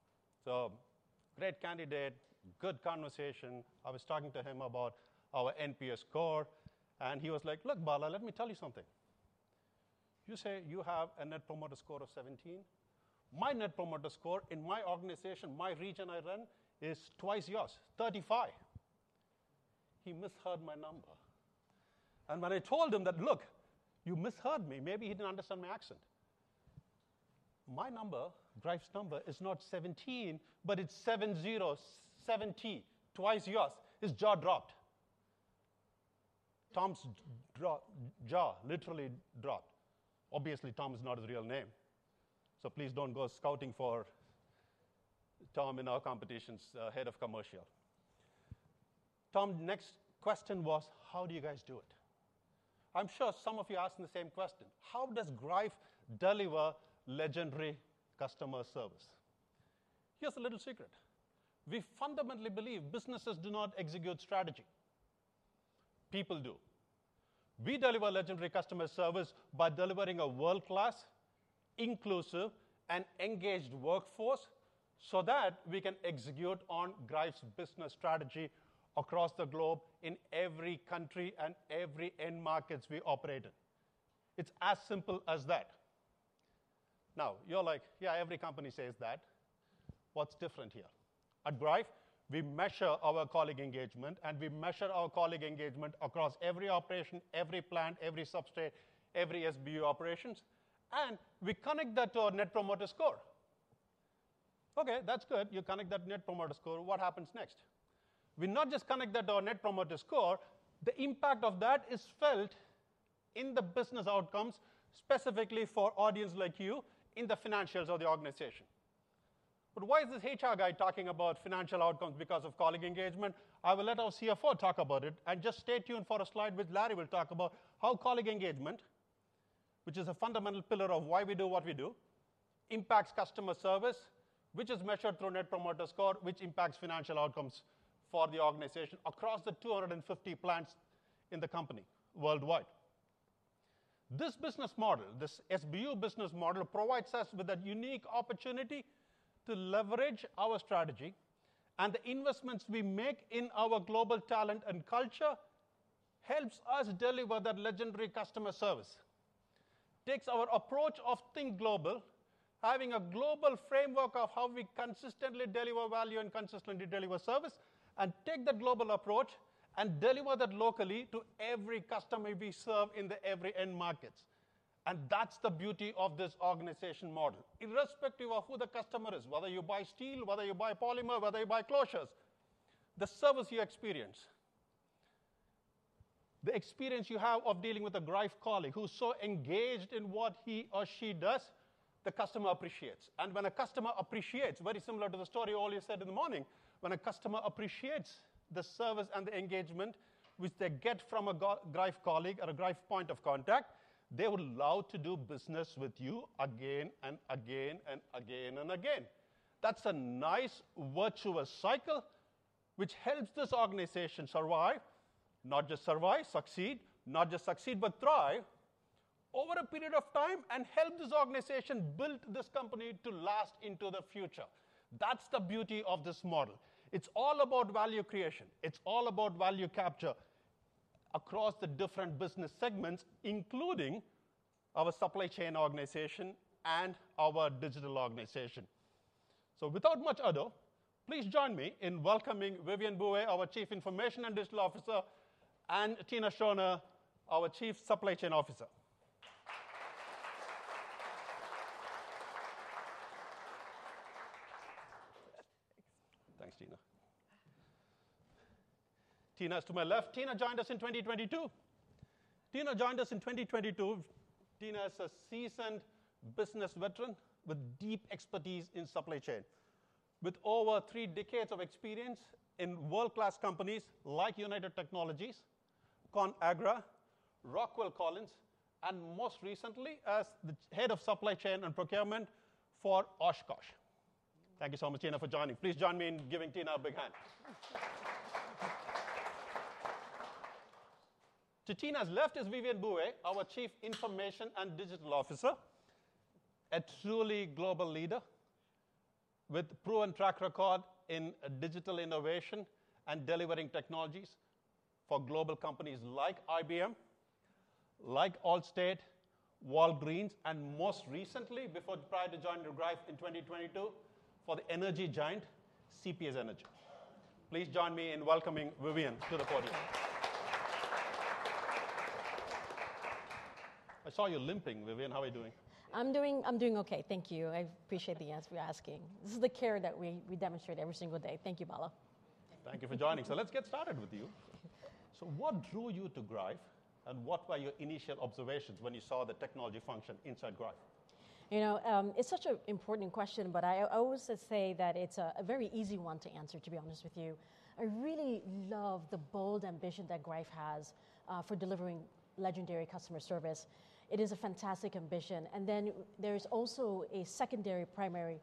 Speaker 16: Great candidate, good conversation. I was talking to him about our NPS score. He was like, "Look, Bala, let me tell you something. You say you have a Net Promoter Score of 17. My Net Promoter Score in my organization, my region I run, is twice yours, 35." He misheard my number. When I told him that, "Look, you misheard me," maybe he didn't understand my accent. My number, Greif's number, is not 17, but it's seven-zero, seventy, twice yours. His jaw dropped. Tom's jaw literally dropped. Obviously, Tom is not his real name. Please don't go scouting for Tom in our competition's head of commercial. Tom, the next question was, how do you guys do it? I'm sure some of you asked the same question. How does Greif deliver legendary customer service? Here's a little secret. We fundamentally believe businesses do not execute strategy. People do. We deliver legendary customer service by delivering a world-class, inclusive, and engaged workforce so that we can execute on Greif's business strategy across the globe in every country and every end market we operate in. It's as simple as that. Now, you're like, "Yeah, every company says that." What's different here? At Greif, we measure our colleague engagement, and we measure our colleague engagement across every operation, every plant, every substrate, every SBU operations. And we connect that to our Net Promoter Score. Okay, that's good. You connect that Net Promoter Score. What happens next? We not just connect that to our Net Promoter Score. The impact of that is felt in the business outcomes, specifically for audiences like you, in the financials of the organization. But why is this HR guy talking about financial outcomes because of colleague engagement? I will let our CFO talk about it. And just stay tuned for a slide which Larry will talk about how colleague engagement, which is a fundamental pillar of why we do what we do, impacts customer service, which is measured through Net Promoter Score, which impacts financial outcomes for the organization across the 250 plants in the company worldwide. This business model, this SBU business model, provides us with a unique opportunity to leverage our strategy. And the investments we make in our global talent and culture helps us deliver that legendary customer service. Takes our approach of think global, having a global framework of how we consistently deliver value and consistently deliver service, and take that global approach and deliver that locally to every customer we serve in every end market. And that's the beauty of this organization model. Irrespective of who the customer is, whether you buy steel, whether you buy polymer, whether you buy closures, the service you experience, the experience you have of dealing with a Greif colleague who's so engaged in what he or she does, the customer appreciates. And when a customer appreciates, very similar to the story Ole said in the morning, when a customer appreciates the service and the engagement which they get from a Greif colleague or a Greif point of contact, they will allow to do business with you again and again and again and again. That's a nice virtuous cycle, which helps this organization survive, not just survive, succeed, not just succeed, but thrive over a period of time and help this organization build this company to last into the future. That's the beauty of this model. It's all about value creation. It's all about value capture across the different business segments, including our supply chain organization and our digital organization. So without much ado, please join me in welcoming Vivian Bouet, our Chief Information and Digital Officer, and Tina Schoner, our Chief Supply Chain Officer. Thanks, Tina. Tina is to my left. Tina joined us in 2022. Tina is a seasoned business veteran with deep expertise in supply chain, with over three decades of experience in world-class companies like United Technologies, ConAgra, Rockwell Collins, and most recently as the head of supply chain and procurement for Oshkosh. Thank you so much, Tina, for joining. Please join me in giving Tina a big hand. To Tina's left is Vivian Bouet, our Chief Information and Digital Officer, a truly global leader with a proven track record in digital innovation and delivering technologies for global companies like IBM, like Allstate, Walgreens, and most recently, prior to joining Greif in 2022, for the energy giant CPS Energy. Please join me in welcoming Vivian to the podium. I saw you limping, Vivian. How are you doing?
Speaker 17: I'm doing okay. Thank you. I appreciate the answer you're asking. This is the care that we demonstrate every single day. Thank you, Bala.
Speaker 16: Thank you for joining. So let's get started with you. So what drew you to Greif, and what were your initial observations when you saw the technology function inside Greif?
Speaker 17: You know, it's such an important question, but I always say that it's a very easy one to answer, to be honest with you. I really love the bold ambition that Greif has for delivering legendary customer service. It is a fantastic ambition. And then there is also a secondary primary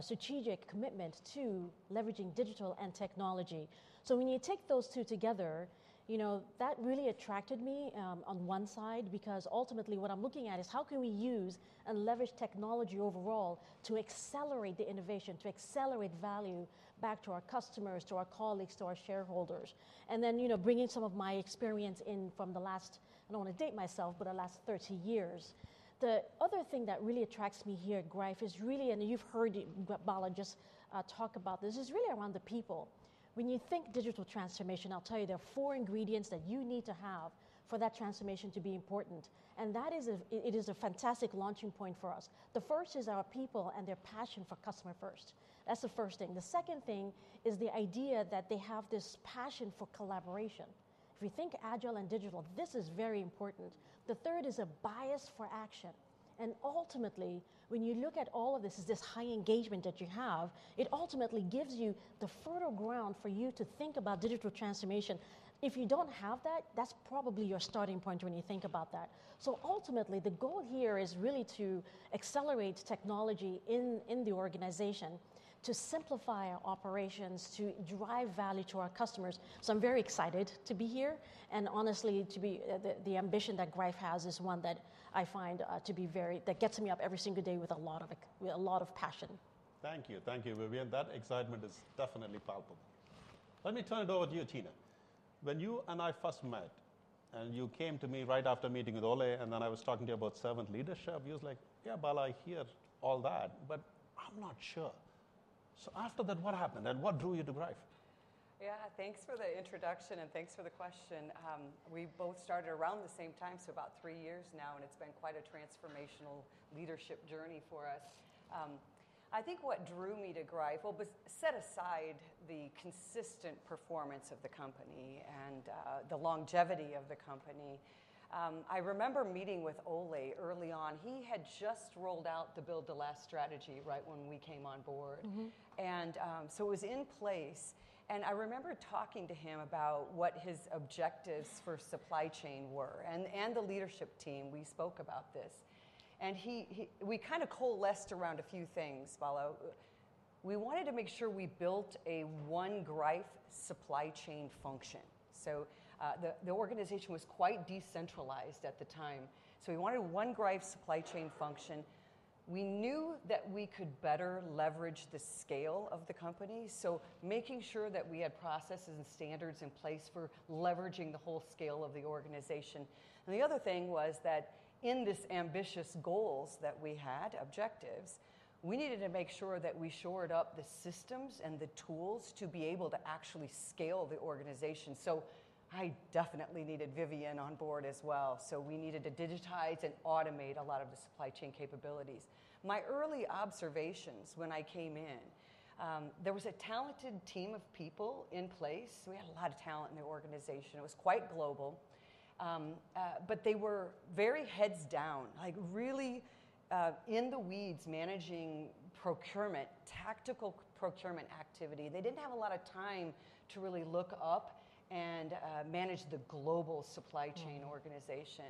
Speaker 17: strategic commitment to leveraging digital and technology. So when you take those two together, you know, that really attracted me on one side because ultimately what I'm looking at is how can we use and leverage technology overall to accelerate the innovation, to accelerate value back to our customers, to our colleagues, to our shareholders. And then bringing some of my experience in from the last, I don't want to date myself, but the last 30 years. The other thing that really attracts me here at Greif is really, and you've heard Bala just talk about this, is really around the people. When you think digital transformation, I'll tell you there are four ingredients that you need to have for that transformation to be important. And that is. It is a fantastic launching point for us. The first is our people and their passion for customer first. That's the first thing. The second thing is the idea that they have this passion for collaboration. If we think agile and digital, this is very important. The third is a bias for action. And ultimately, when you look at all of this, is this high engagement that you have. It ultimately gives you the fertile ground for you to think about digital transformation. If you don't have that, that's probably your starting point when you think about that. So ultimately, the goal here is really to accelerate technology in the organization, to simplify our operations, to drive value to our customers. So I'm very excited to be here, and honestly, to be the ambition that Greif has is one that I find to be very, that gets me up every single day with a lot of passion.
Speaker 16: Thank you. Thank you, Vivian. That excitement is definitely palpable. Let me turn it over to you, Tina. When you and I first met, and you came to me right after meeting with Ole, and then I was talking to you about servant leadership, you was like, "Yeah, Bala, I hear all that, but I'm not sure." So after that, what happened? And what drew you to Greif?
Speaker 18: Yeah, thanks for the introduction, and thanks for the question. We both started around the same time, so about three years now, and it's been quite a transformational leadership journey for us. I think what drew me to Greif, well, set aside the consistent performance of the company and the longevity of the company, I remember meeting with Ole early on. He had just rolled out the Build to Last Strategy right when we came on board. And so it was in place. And I remember talking to him about what his objectives for supply chain were, and the leadership team. We spoke about this. And we kind of coalesced around a few things, Bala. We wanted to make sure we built a one Greif supply chain function. So the organization was quite decentralized at the time. So we wanted one Greif supply chain function. We knew that we could better leverage the scale of the company, so making sure that we had processes and standards in place for leveraging the whole scale of the organization, and the other thing was that in this ambitious goals that we had, objectives, we needed to make sure that we shored up the systems and the tools to be able to actually scale the organization, so I definitely needed Vivian on board as well, so we needed to digitize and automate a lot of the supply chain capabilities. My early observations when I came in, there was a talented team of people in place. We had a lot of talent in the organization. It was quite global, but they were very heads down, like really in the weeds managing procurement, tactical procurement activity. They didn't have a lot of time to really look up and manage the global supply chain organization.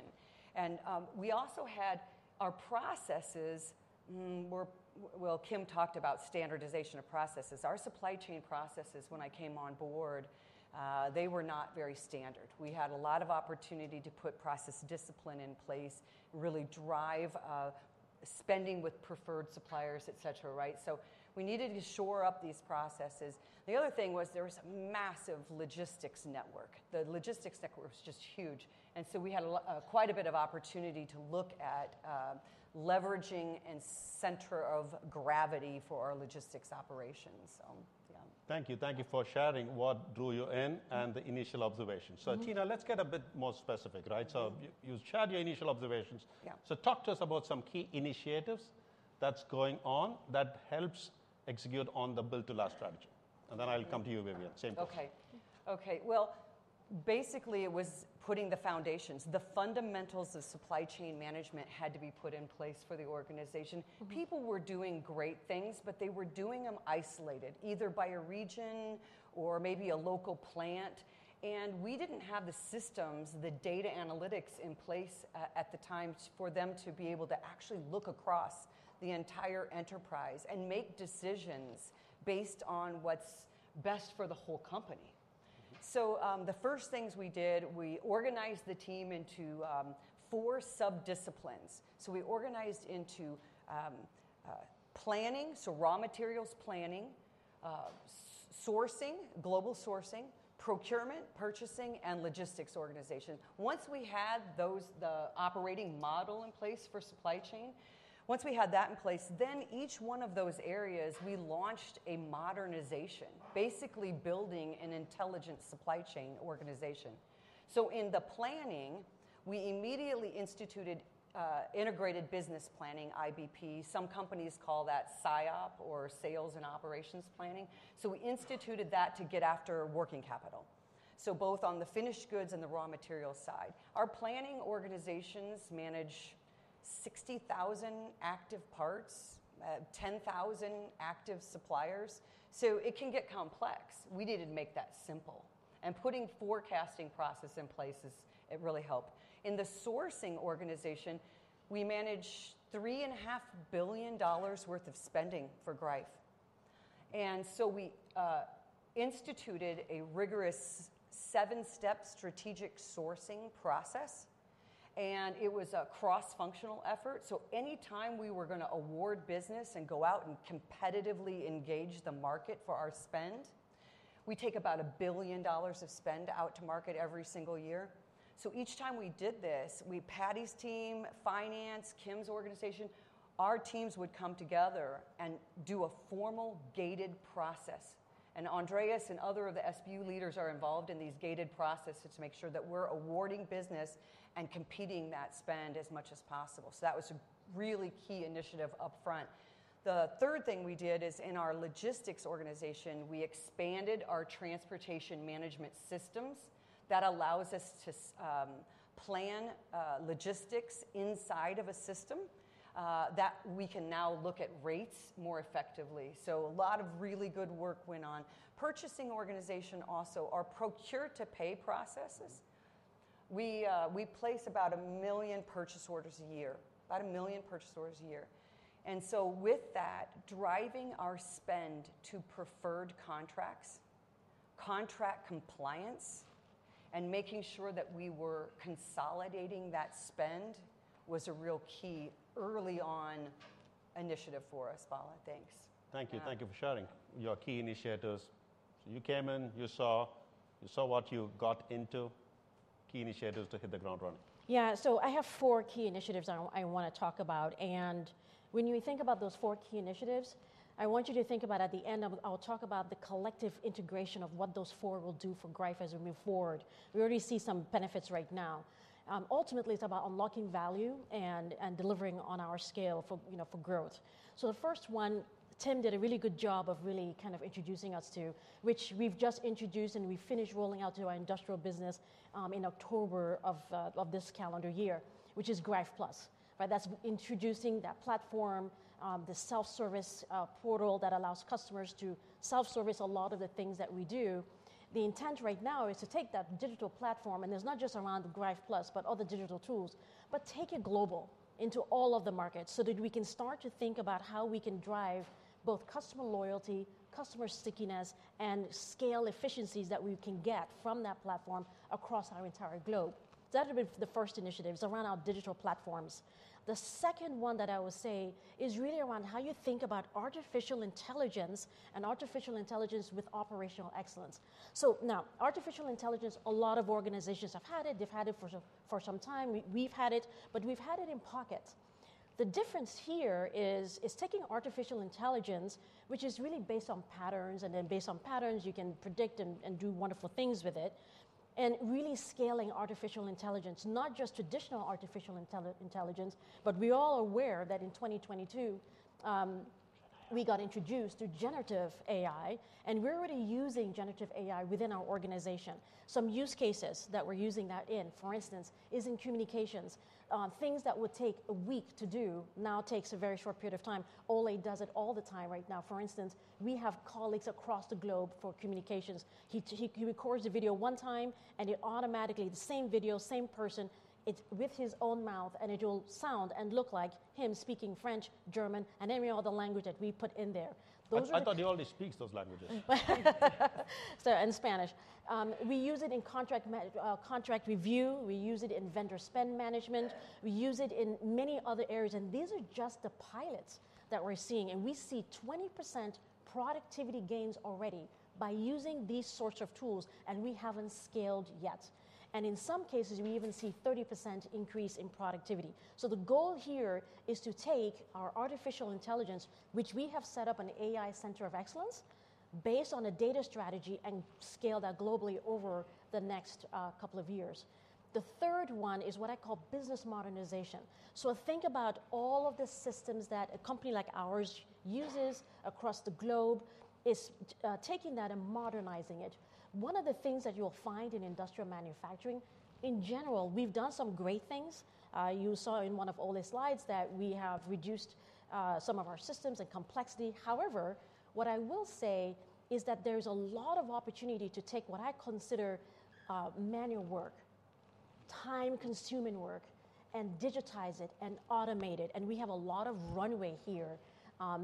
Speaker 18: We also had our processes were. Well, Kim talked about standardization of processes. Our supply chain processes, when I came on board, they were not very standard. We had a lot of opportunity to put process discipline in place, really drive spending with preferred suppliers, et cetera, right? So we needed to shore up these processes. The other thing was there was a massive logistics network. The logistics network was just huge. We had quite a bit of opportunity to look at leveraging and center of gravity for our logistics operations. Yeah.
Speaker 16: Thank you. Thank you for sharing what drew you in and the initial observations. So Tina, let's get a bit more specific, right? So you shared your initial observations. So talk to us about some key initiatives that's going on that helps execute on the Build to Last Strategy. And then I'll come to you, Vivian, same question.
Speaker 18: Okay. Okay. Well, basically, it was putting the foundations. The fundamentals of supply chain management had to be put in place for the organization. People were doing great things, but they were doing them isolated, either by a region or maybe a local plant. And we didn't have the systems, the data analytics in place at the time for them to be able to actually look across the entire enterprise and make decisions based on what's best for the whole company. So the first things we did, we organized the team into four sub-disciplines. So we organized into planning, so raw materials planning, sourcing, global sourcing, procurement, purchasing, and logistics organization. Once we had the operating model in place for supply chain, once we had that in place, then each one of those areas, we launched a modernization, basically building an intelligent supply chain organization. So in the planning, we immediately instituted integrated business planning, IBP. Some companies call that SIOP or sales and operations planning. So we instituted that to get after working capital, so both on the finished goods and the raw materials side. Our planning organizations manage 60,000 active parts, 10,000 active suppliers. So it can get complex. We needed to make that simple. And putting forecasting process in place has really helped. In the sourcing organization, we managed $3.5 billion worth of spending for Greif. And so we instituted a rigorous seven-step strategic sourcing process. And it was a cross-functional effort. So anytime we were going to award business and go out and competitively engage the market for our spend, we take about a billion dollars of spend out to market every single year. So each time we did this, Paddy's team, finance, Kim's organization, our teams would come together and do a formal gated process. And Andreas and other of the SBU leaders are involved in these gated processes to make sure that we're awarding business and competing that spend as much as possible. So that was a really key initiative upfront. The third thing we did is in our logistics organization, we expanded our transportation management systems that allows us to plan logistics inside of a system that we can now look at rates more effectively. So a lot of really good work went on. Purchasing organization also our procure-to-pay processes. We place about a million purchase orders a year, about a million purchase orders a year. And so with that, driving our spend to preferred contracts, contract compliance, and making sure that we were consolidating that spend was a real key early on initiative for us, Bala. Thanks.
Speaker 16: Thank you. Thank you for sharing your key initiatives. So you came in, you saw what you got into. Key initiatives to hit the ground running.
Speaker 17: Yeah, so I have four key initiatives I want to talk about, and when you think about those four key initiatives, I want you to think about at the end, I'll talk about the collective integration of what those four will do for Greif as we move forward. We already see some benefits right now. Ultimately, it's about unlocking value and delivering on our scale for growth, so the first one, Tim did a really good job of really kind of introducing us to, which we've just introduced and we finished rolling out to our industrial business in October of this calendar year, which is Greif Plus. That's introducing that platform, the self-service portal that allows customers to self-service a lot of the things that we do. The intent right now is to take that digital platform, and it's not just around Greif Plus, but other digital tools, but take it global into all of the markets so that we can start to think about how we can drive both customer loyalty, customer stickiness, and scale efficiencies that we can get from that platform across our entire globe. So that would be the first initiatives around our digital platforms. The second one that I will say is really around how you think about artificial intelligence and artificial intelligence with operational excellence. So now, artificial intelligence, a lot of organizations have had it. They've had it for some time. We've had it, but we've had it in pocket. The difference here is taking artificial intelligence, which is really based on patterns, and then based on patterns, you can predict and do wonderful things with it, and really scaling artificial intelligence, not just traditional artificial intelligence, but we all are aware that in 2022, we got introduced to generative AI, and we're already using generative AI within our organization. Some use cases that we're using that in, for instance, is in communications. Things that would take a week to do now take a very short period of time. Ole does it all the time right now. For instance, we have colleagues across the globe for communications. He records a video one time, and it automatically, the same video, same person, it's with his own mouth, and it will sound and look like him speaking French, German, and any other language that we put in there.
Speaker 16: I thought he only speaks those languages. And Spanish. We use it in contract review. We use it in vendor spend management. We use it in many other areas. And these are just the pilots that we're seeing. And we see 20% productivity gains already by using these sorts of tools, and we haven't scaled yet. And in some cases, we even see 30% increase in productivity. So the goal here is to take our artificial intelligence, which we have set up an AI center of excellence based on a data strategy and scale that globally over the next couple of years. The third one is what I call business modernization. So think about all of the systems that a company like ours uses across the globe is taking that and modernizing it. One of the things that you'll find in industrial manufacturing, in general, we've done some great things. You saw in one of Ole's slides that we have reduced some of our systems and complexity. However, what I will say is that there's a lot of opportunity to take what I consider manual work, time-consuming work, and digitize it and automate it. And we have a lot of runway here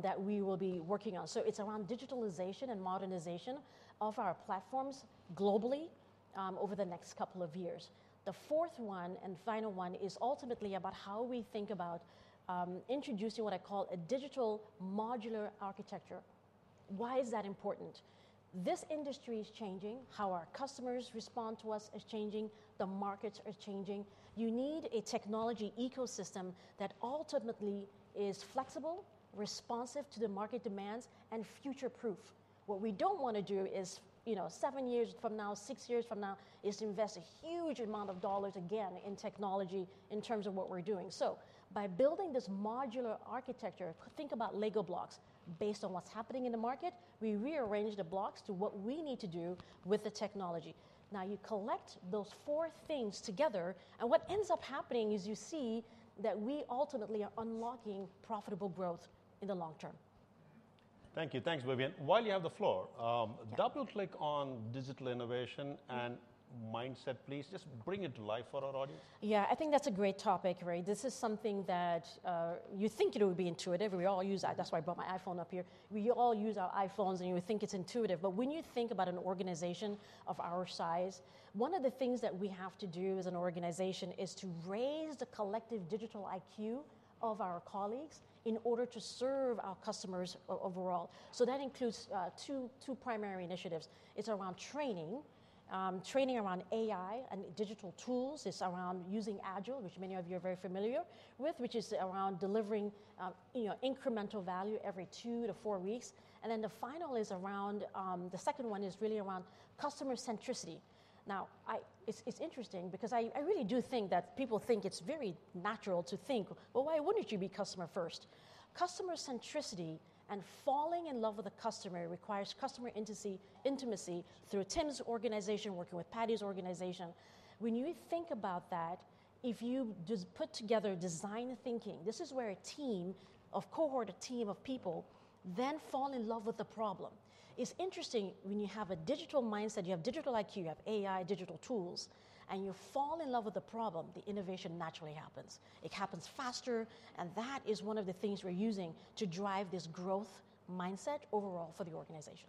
Speaker 16: that we will be working on. So it's around digitalization and modernization of our platforms globally over the next couple of years. The fourth one and final one is ultimately about how we think about introducing what I call a digital modular architecture. Why is that important? This industry is changing. How our customers respond to us is changing. The markets are changing. You need a technology ecosystem that ultimately is flexible, responsive to the market demands, and future-proof. What we don't want to do is, seven years from now, six years from now, is invest a huge amount of dollars again in technology in terms of what we're doing. So by building this modular architecture, think about Lego blocks based on what's happening in the market, we rearrange the blocks to what we need to do with the technology. Now, you collect those four things together, and what ends up happening is you see that we ultimately are unlocking profitable growth in the long term.
Speaker 2: Thank you. Thanks, Vivian. While you have the floor, double-click on digital innovation and mindset, please. Just bring it to life for our audience.
Speaker 17: Yeah. I think that's a great topic, Ray. This is something that you think it would be intuitive. We all use that. That's why I brought my iPhone up here. We all use our iPhones, and you would think it's intuitive. But when you think about an organization of our size, one of the things that we have to do as an organization is to raise the collective digital IQ of our colleagues in order to serve our customers overall. So that includes two primary initiatives. It's around training, training around AI and digital tools. It's around using Agile, which many of you are very familiar with, which is around delivering incremental value every two-to-four weeks. And then the final is around the second one is really around customer centricity. Now, it's interesting because I really do think that people think it's very natural to think, well, why wouldn't you be customer first? Customer centricity and falling in love with the customer requires customer intimacy through Tim's organization working with Paddy's organization. When you think about that, if you just put together design thinking, this is where a team of cohort, a team of people, then fall in love with the problem. It's interesting when you have a digital mindset, you have digital IQ, you have AI, digital tools, and you fall in love with the problem, the innovation naturally happens. It happens faster, and that is one of the things we're using to drive this growth mindset overall for the organization.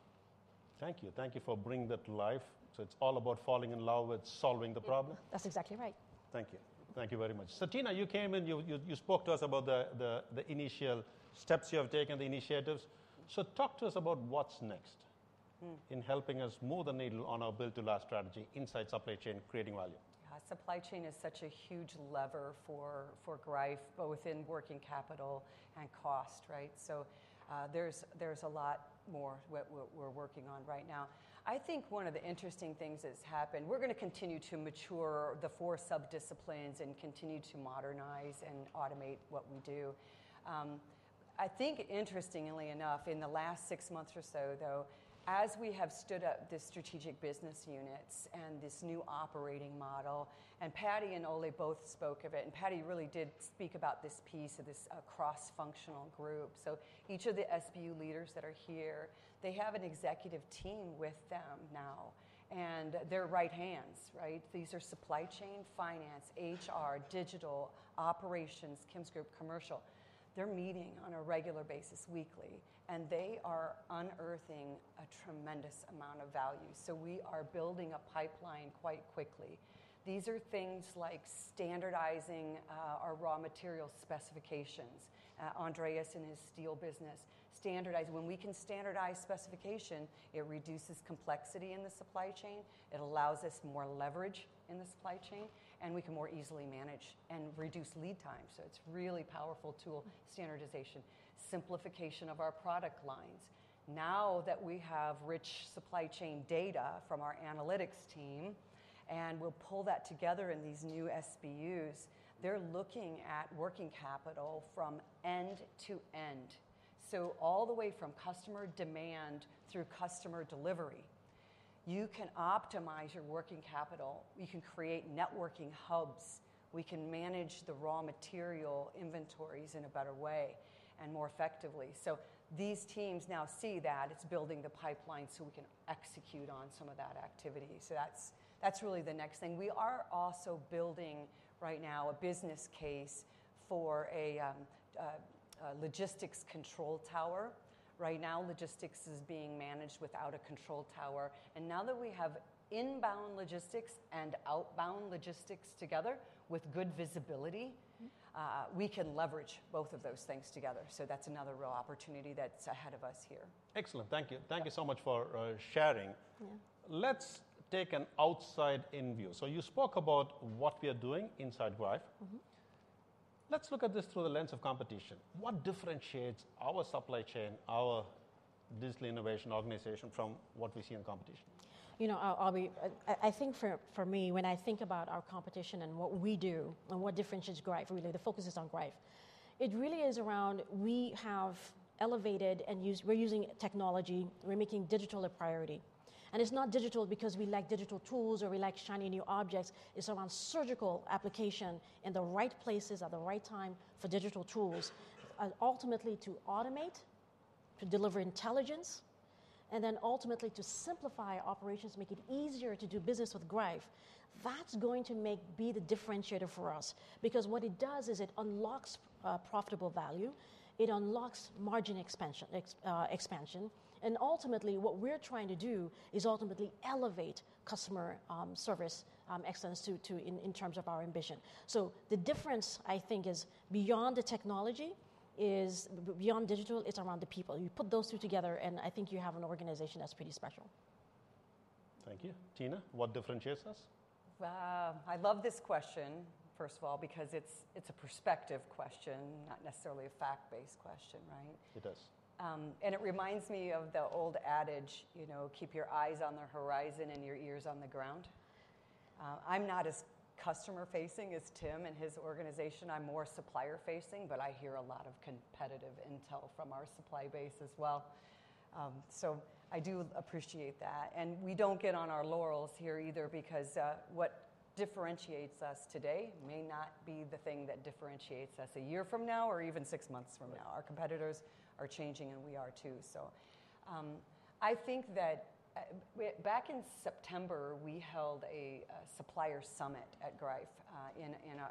Speaker 16: Thank you. Thank you for bringing that to life. So it's all about falling in love with solving the problem.
Speaker 17: That's exactly right.
Speaker 16: Thank you. Thank you very much. So Tina, you came in. You spoke to us about the initial steps you have taken, the initiatives. So talk to us about what's next in helping us move the needle on our Build to Last Strategy inside supply chain, creating value.
Speaker 18: Yeah. Supply chain is such a huge lever for Greif, both in working capital and cost, right? So there's a lot more we're working on right now. I think one of the interesting things that's happened, we're going to continue to mature the four sub-disciplines and continue to modernize and automate what we do. I think interestingly enough, in the last six months or so, though, as we have stood up the strategic business units and this new operating model, and Paddy and Ole both spoke of it, and Paddy really did speak about this piece of this cross-functional group. So each of the SBU leaders that are here, they have an executive team with them now. And they're right hands, right? These are supply chain, finance, HR, digital, operations, Kim's group, commercial. They're meeting on a regular basis, weekly, and they are unearthing a tremendous amount of value. So we are building a pipeline quite quickly. These are things like standardizing our raw material specifications. Andreas and his steel business, standardize. When we can standardize specification, it reduces complexity in the supply chain. It allows us more leverage in the supply chain, and we can more easily manage and reduce lead time. So it's a really powerful tool, standardization, simplification of our product lines. Now that we have rich supply chain data from our analytics team and we'll pull that together in these new SBUs, they're looking at working capital from end to end. So all the way from customer demand through customer delivery. You can optimize your working capital. We can create networking hubs. We can manage the raw material inventories in a better way and more effectively. So these teams now see that it's building the pipeline so we can execute on some of that activity. That's really the next thing. We are also building right now a business case for a logistics control tower. Right now, logistics is being managed without a control tower. And now that we have inbound logistics and outbound logistics together with good visibility, we can leverage both of those things together. That's another real opportunity that's ahead of us here.
Speaker 16: Excellent. Thank you. Thank you so much for sharing. Let's take an outside in view. So you spoke about what we are doing inside Greif. Let's look at this through the lens of competition. What differentiates our supply chain, our digital innovation organization from what we see in competition?
Speaker 17: You know, I'll be, I think for me, when I think about our competition and what we do and what differentiates Greif, really, the focus is on Greif. It really is around we have elevated and used, we're using technology. We're making digital a priority, and it's not digital because we like digital tools or we like shiny new objects. It's around surgical application in the right places at the right time for digital tools, ultimately to automate, to deliver intelligence, and then ultimately to simplify operations, make it easier to do business with Greif. That's going to be the differentiator for us because what it does is it unlocks profitable value. It unlocks margin expansion, and ultimately, what we're trying to do is ultimately elevate customer service excellence in terms of our ambition, so the difference, I think, is beyond the technology, is beyond digital, it's around the people. You put those two together, and I think you have an organization that's pretty special.
Speaker 16: Thank you. Tina, what differentiates us?
Speaker 18: Wow. I love this question, first of all, because it's a perspective question, not necessarily a fact-based question, right?
Speaker 16: It is.
Speaker 18: And it reminds me of the old adage, keep your eyes on the horizon and your ears on the ground. I'm not as customer-facing as Tim and his organization. I'm more supplier-facing, but I hear a lot of competitive intel from our supply base as well. So I do appreciate that. And we don't get on our laurels here either because what differentiates us today may not be the thing that differentiates us a year from now or even six months from now. Our competitors are changing, and we are too. So I think that back in September, we held a supplier summit at Greif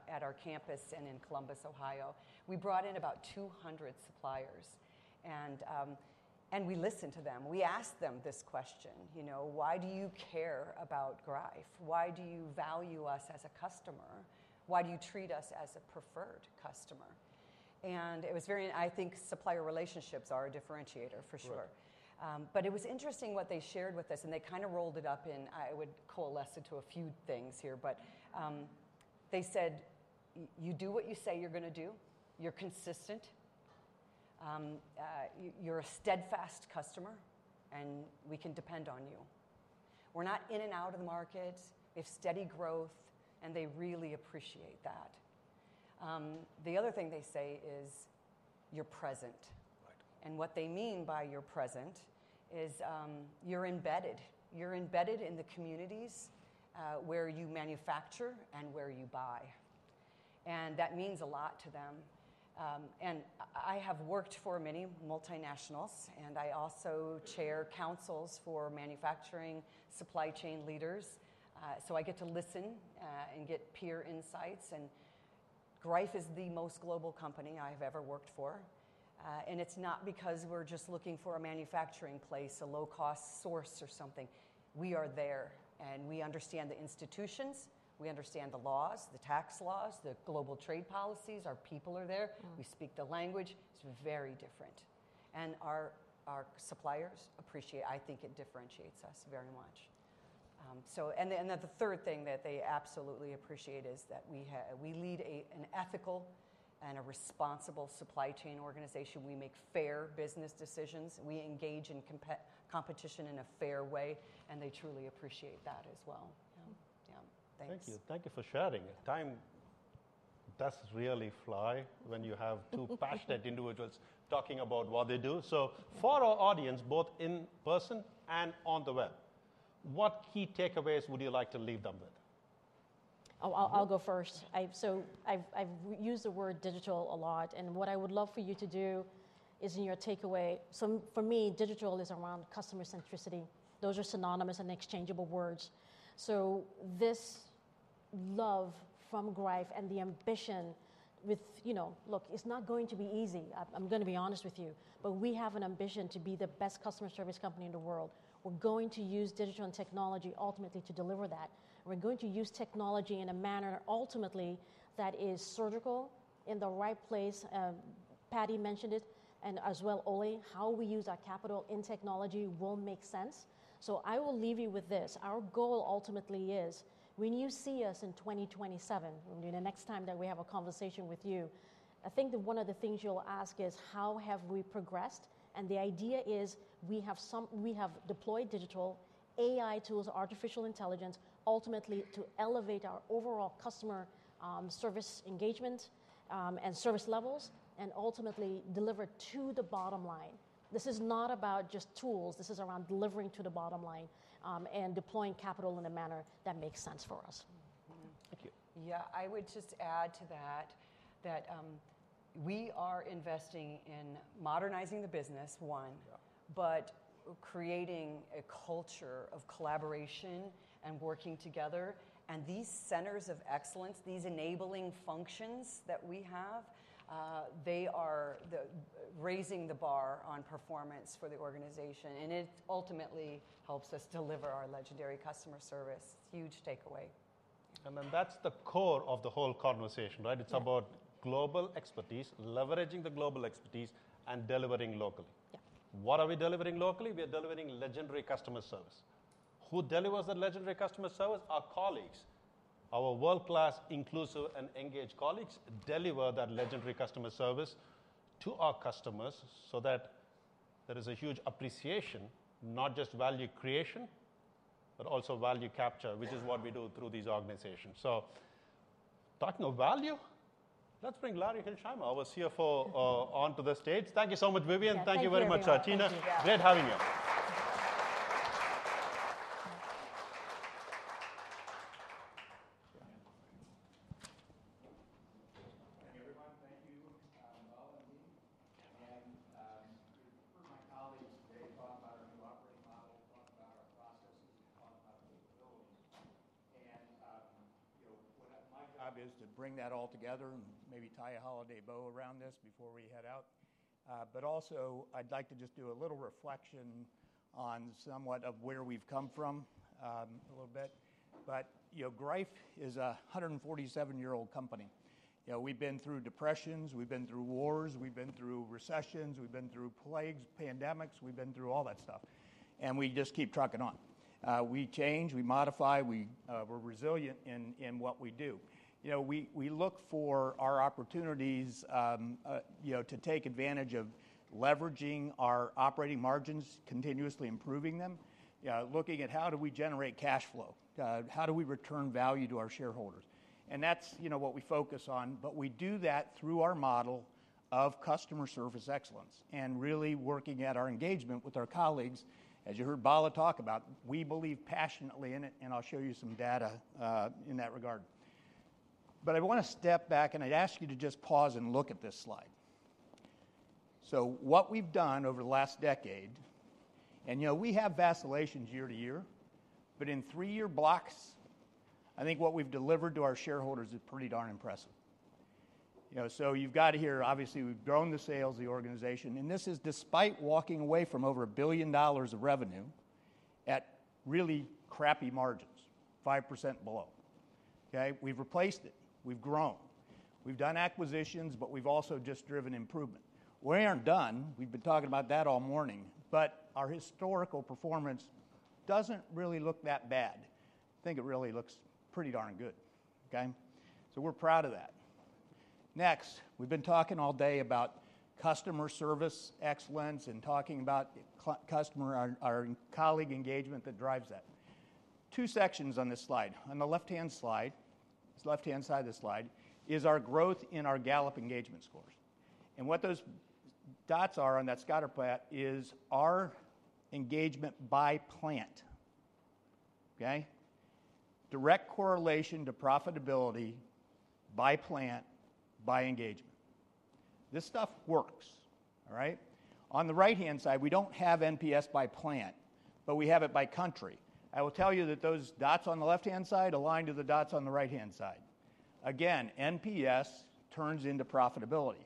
Speaker 18: at our campus and in Columbus, Ohio. We brought in about 200 suppliers, and we listened to them. We asked them this question, why do you care about Greif? Why do you value us as a customer? Why do you treat us as a preferred customer? And it was very, I think, supplier relationships are a differentiator for sure. But it was interesting what they shared with us, and they kind of rolled it up in. I would coalesce it to a few things here, but they said, you do what you say you're going to do. You're consistent. You're a steadfast customer, and we can depend on you. We're not in and out of the market. We have steady growth, and they really appreciate that. The other thing they say is you're present. And what they mean by you're present is you're embedded. You're embedded in the communities where you manufacture and where you buy. And that means a lot to them. And I have worked for many multinationals, and I also chair councils for manufacturing supply chain leaders. So I get to listen and get peer insights. And Greif is the most global company I've ever worked for. And it's not because we're just looking for a manufacturing place, a low-cost source or something. We are there, and we understand the institutions. We understand the laws, the tax laws, the global trade policies. Our people are there. We speak the language. It's very different. And our suppliers appreciate, I think it differentiates us very much. And then the third thing that they absolutely appreciate is that we lead an ethical and a responsible supply chain organization. We make fair business decisions. We engage in competition in a fair way, and they truly appreciate that as well. Yeah. Yeah. Thanks.
Speaker 16: Thank you. Thank you for sharing. Time does really fly when you have two passionate individuals talking about what they do. So for our audience, both in person and on the web, what key takeaways would you like to leave them with?
Speaker 17: Oh, I'll go first. So I've used the word digital a lot, and what I would love for you to do is in your takeaway. So for me, digital is around customer centricity. Those are synonymous and exchangeable words. So this love from Greif and the ambition with, look, it's not going to be easy. I'm going to be honest with you, but we have an ambition to be the best customer service company in the world. We're going to use digital and technology ultimately to deliver that. We're going to use technology in a manner ultimately that is surgical in the right place. Paddy mentioned it, and as well, Ole, how we use our capital in technology will make sense. So I will leave you with this. Our goal ultimately is when you see us in 2027, the next time that we have a conversation with you, I think that one of the things you'll ask is how have we progressed? And the idea is we have deployed digital AI tools, artificial intelligence, ultimately to elevate our overall customer service engagement and service levels, and ultimately deliver to the bottom line. This is not about just tools. This is around delivering to the bottom line and deploying capital in a manner that makes sense for us.
Speaker 16: Thank you.
Speaker 18: Yeah. I would just add to that that we are investing in modernizing the business, one, but creating a culture of collaboration and working together. And these centers of excellence, these enabling functions that we have, they are raising the bar on performance for the organization, and it ultimately helps us deliver our legendary customer service. Huge takeaway.
Speaker 16: That's the core of the whole conversation, right? It's about global expertise, leveraging the global expertise, and delivering locally.
Speaker 17: Yeah.
Speaker 16: What are we delivering locally? We are delivering legendary customer service. Who delivers that legendary customer service? Our colleagues, our world-class inclusive and engaged colleagues deliver that legendary customer service to our customers so that there is a huge appreciation, not just value creation, but also value capture, which is what we do through these organizations. So talking of value, let's bring Larry Hilsheimer, our CFO, onto the stage. Thank you so much, Vivian. Thank you very much, Tina.
Speaker 18: Thank you.
Speaker 16: Great having you.
Speaker 19: Hey, everyone. Thank you, Bala and me. And my colleagues today talked about our new operating model. We talked about our processes. We talked about capability. And my job is to bring that all together and maybe tie a holiday bow around this before we head out. But also, I'd like to just do a little reflection on somewhat of where we've come from a little bit. But Greif is a 147-year-old company. We've been through depressions. We've been through wars. We've been through recessions. We've been through plagues, pandemics. We've been through all that stuff. And we just keep trucking on. We change. We modify. We're resilient in what we do. We look for our opportunities to take advantage of leveraging our operating margins, continuously improving them, looking at how do we generate cash flow? How do we return value to our shareholders? And that's what we focus on. But we do that through our model of customer service excellence and really working at our engagement with our colleagues. As you heard Bala talk about, we believe passionately in it, and I'll show you some data in that regard. But I want to step back, and I'd ask you to just pause and look at this slide. So what we've done over the last decade, and we have vacillations year to year, but in three-year blocks, I think what we've delivered to our shareholders is pretty darn impressive. So you've got here, obviously, we've grown the sales of the organization. And this is despite walking away from over $1 billion of revenue at really crappy margins, 5% below. Okay? We've replaced it. We've grown. We've done acquisitions, but we've also just driven improvement. We aren't done. We've been talking about that all morning. But our historical performance doesn't really look that bad. I think it really looks pretty darn good. Okay? So we're proud of that. Next, we've been talking all day about customer service excellence and talking about customer, our colleague engagement that drives that. Two sections on this slide. On the left-hand slide, this left-hand side of the slide is our growth in our Gallup engagement scores. And what those dots are on that scatterplot is our engagement by plant. Okay? Direct correlation to profitability by plant, by engagement. This stuff works, all right? On the right-hand side, we don't have NPS by plant, but we have it by country. I will tell you that those dots on the left-hand side align to the dots on the right-hand side. Again, NPS turns into profitability.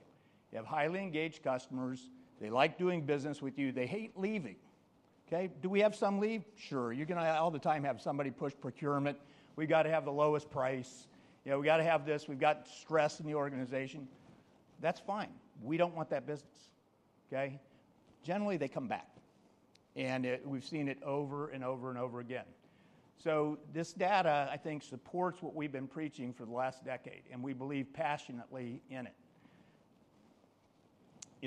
Speaker 19: You have highly engaged customers. They like doing business with you. They hate leaving. Okay? Do we have some leeway? Sure. You can always have somebody push procurement. We've got to have the lowest price. We've got to have this. We've got stress in the organization. That's fine. We don't want that business. Okay? Generally, they come back, and we've seen it over and over and over again. So this data, I think, supports what we've been preaching for the last decade, and we believe passionately in it.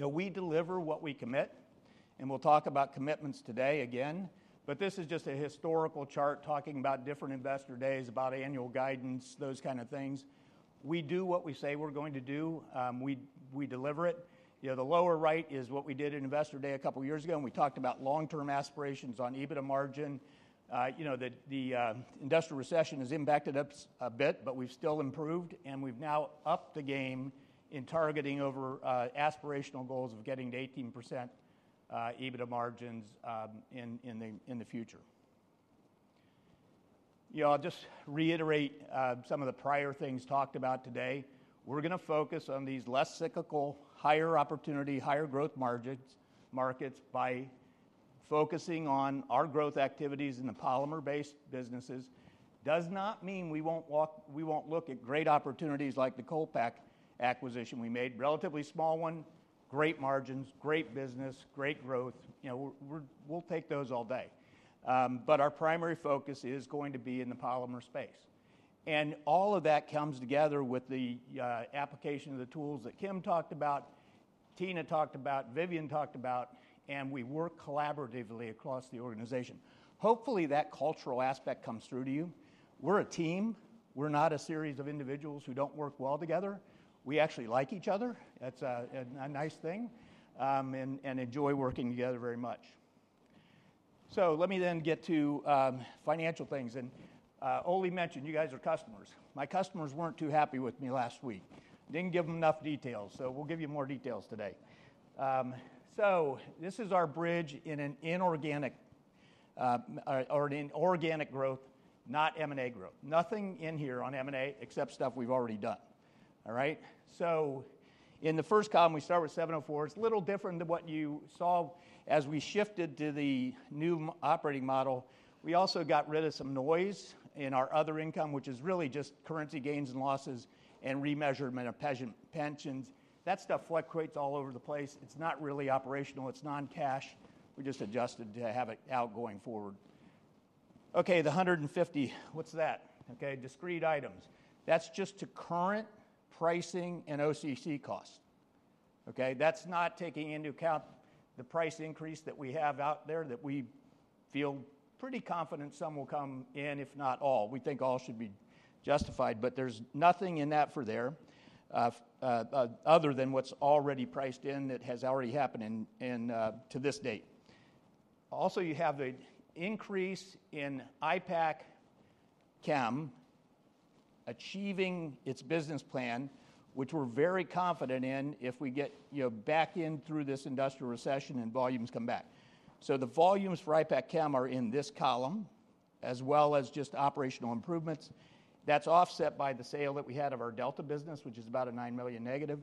Speaker 19: We deliver what we commit, and we'll talk about commitments today again, but this is just a historical chart talking about different investor days, about annual guidance, those kind of things. We do what we say we're going to do. We deliver it. The lower right is what we did at investor day a couple of years ago, and we talked about long-term aspirations on EBITDA margin. The industrial recession has impacted us a bit, but we've still improved, and we've now upped the game in targeting over aspirational goals of getting to 18% EBITDA margins in the future. I'll just reiterate some of the prior things talked about today. We're going to focus on these less cyclical, higher opportunity, higher growth markets by focusing on our growth activities in the polymer-based businesses. Does not mean we won't look at great opportunities like the Colepak acquisition. We made a relatively small one, great margins, great business, great growth. We'll take those all day. But our primary focus is going to be in the polymer space. And all of that comes together with the application of the tools that Kim talked about, Tina talked about, Vivian talked about, and we work collaboratively across the organization. Hopefully, that cultural aspect comes through to you. We're a team. We're not a series of individuals who don't work well together. We actually like each other. That's a nice thing. And enjoy working together very much. So let me then get to financial things. And Ole mentioned you guys are customers. My customers weren't too happy with me last week. Didn't give them enough details. So we'll give you more details today. So this is our bridge in an inorganic or an organic growth, not M&A growth. Nothing in here on M&A except stuff we've already done. All right? So in the first column, we start with 704. It's a little different than what you saw as we shifted to the new operating model. We also got rid of some noise in our other income, which is really just currency gains and losses and remeasurement of pensions. That stuff fluctuates all over the place. It's not really operational. It's non-cash. We just adjusted to have it out going forward. Okay, the 150, what's that? Okay, discrete items. That's just to current pricing and OCC cost. Okay? That's not taking into account the price increase that we have out there that we feel pretty confident some will come in, if not all. We think all should be justified, but there's nothing in that for there other than what's already priced in that has already happened to this date. Also, you have the increase in Ipackchem achieving its business plan, which we're very confident in if we get back in through this industrial recession and volumes come back. So the volumes for Ipackchem are in this column, as well as just operational improvements. That's offset by the sale that we had of our Delta business, which is about a $9 million negative.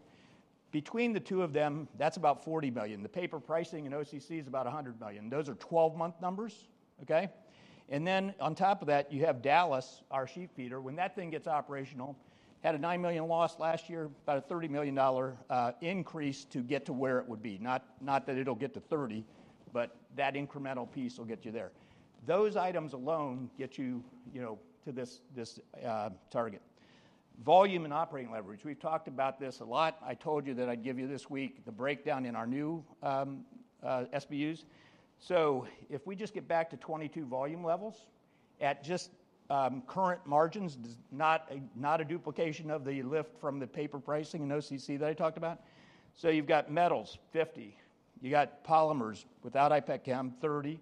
Speaker 19: Between the two of them, that's about $40 million. The paper pricing and OCC is about $100 million. Those are 12-month numbers. Okay? And then on top of that, you have Dallas, our sheet feeder. When that thing gets operational, had a $9 million loss last year, about a $30 million increase to get to where it would be. Not that it'll get to $30 million, but that incremental piece will get you there. Those items alone get you to this target. Volume and operating leverage. We've talked about this a lot. I told you that I'd give you this week the breakdown in our new SBUs, so if we just get back to 22 volume levels at just current margins, not a duplication of the lift from the paper pricing and OCC that I talked about, so you've got metals, $50 million. You got polymers without Ipackchem, $30 million.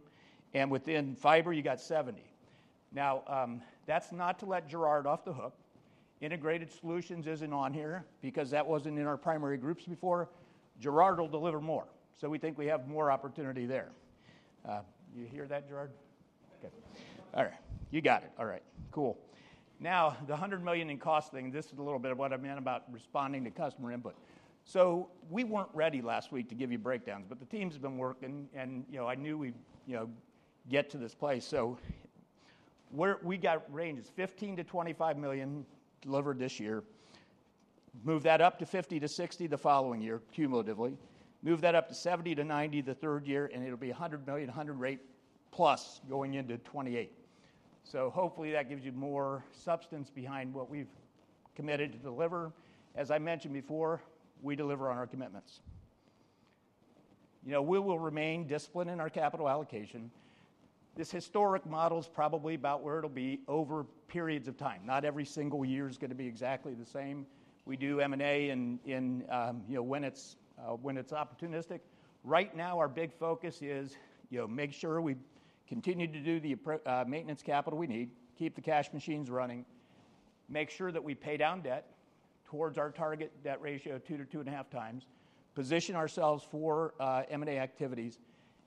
Speaker 19: And within fiber, you got 70. Now, that's not to let Gerard off the hook. Integrated solutions isn't on here because that wasn't in our primary groups before. Gerard will deliver more. So we think we have more opportunity there. You hear that, Gerard? Okay. All right. You got it. All right. Cool. Now, the $100 million in cost thing, this is a little bit of what I meant about responding to customer input. So we weren't ready last week to give you breakdowns, but the teams have been working, and I knew we'd get to this place. So we got range is $15-$25 million delivered this year. Move that up to $50-$60 million the following year, cumulatively. Move that up to $70-$90 million the third year, and it'll be $100 million, $100 million run rate plus going into 2028. So hopefully that gives you more substance behind what we've committed to deliver. As I mentioned before, we deliver on our commitments. We will remain disciplined in our capital allocation. This historic model is probably about where it'll be over periods of time. Not every single year is going to be exactly the same. We do M&A when it's opportunistic. Right now, our big focus is make sure we continue to do the maintenance capital we need, keep the cash machines running, make sure that we pay down debt towards our target debt ratio of two to two and a half times, position ourselves for M&A activities.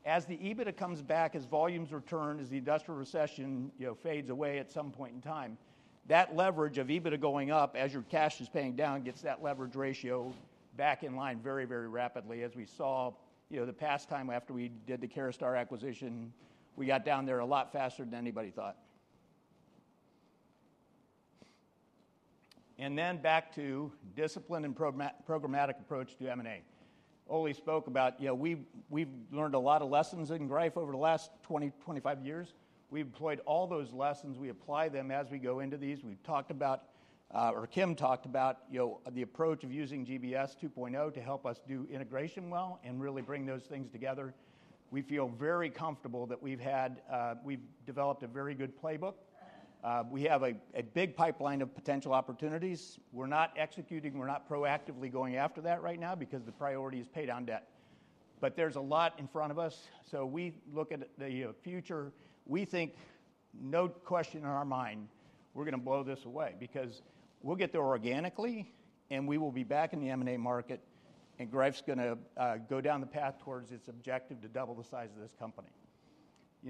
Speaker 19: As the EBITDA comes back, as volumes return, as the industrial recession fades away at some point in time, that leverage of EBITDA going up as your cash is paying down gets that leverage ratio back in line very, very rapidly as we saw the past time after we did the Caraustar acquisition. We got down there a lot faster than anybody thought, and then back to discipline and programmatic approach to M&A. Ole spoke about we've learned a lot of lessons in Greif over the last 20, 25 years. We've employed all those lessons. We apply them as we go into these. We've talked about, or Kim talked about, the approach of using GBS 2.0 to help us do integration well and really bring those things together. We feel very comfortable that we've developed a very good playbook. We have a big pipeline of potential opportunities. We're not executing. We're not proactively going after that right now because the priority is pay down debt. But there's a lot in front of us. So we look at the future. We think, no question in our mind, we're going to blow this away because we'll get there organically, and we will be back in the M&A market, and Greif's going to go down the path towards its objective to double the size of this company.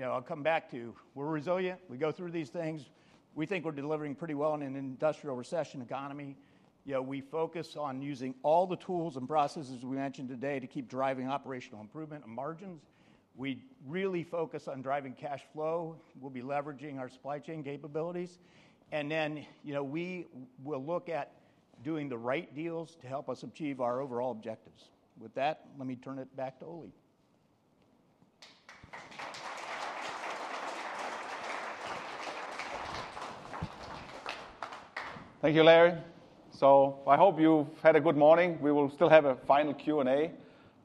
Speaker 19: I'll come back to we're resilient. We go through these things. We think we're delivering pretty well in an industrial recession economy. We focus on using all the tools and processes we mentioned today to keep driving operational improvement and margins. We really focus on driving cash flow. We'll be leveraging our supply chain capabilities. And then we will look at doing the right deals to help us achieve our overall objectives. With that, let me turn it back to Ole.
Speaker 2: Thank you, Larry. So I hope you've had a good morning. We will still have a final Q&A,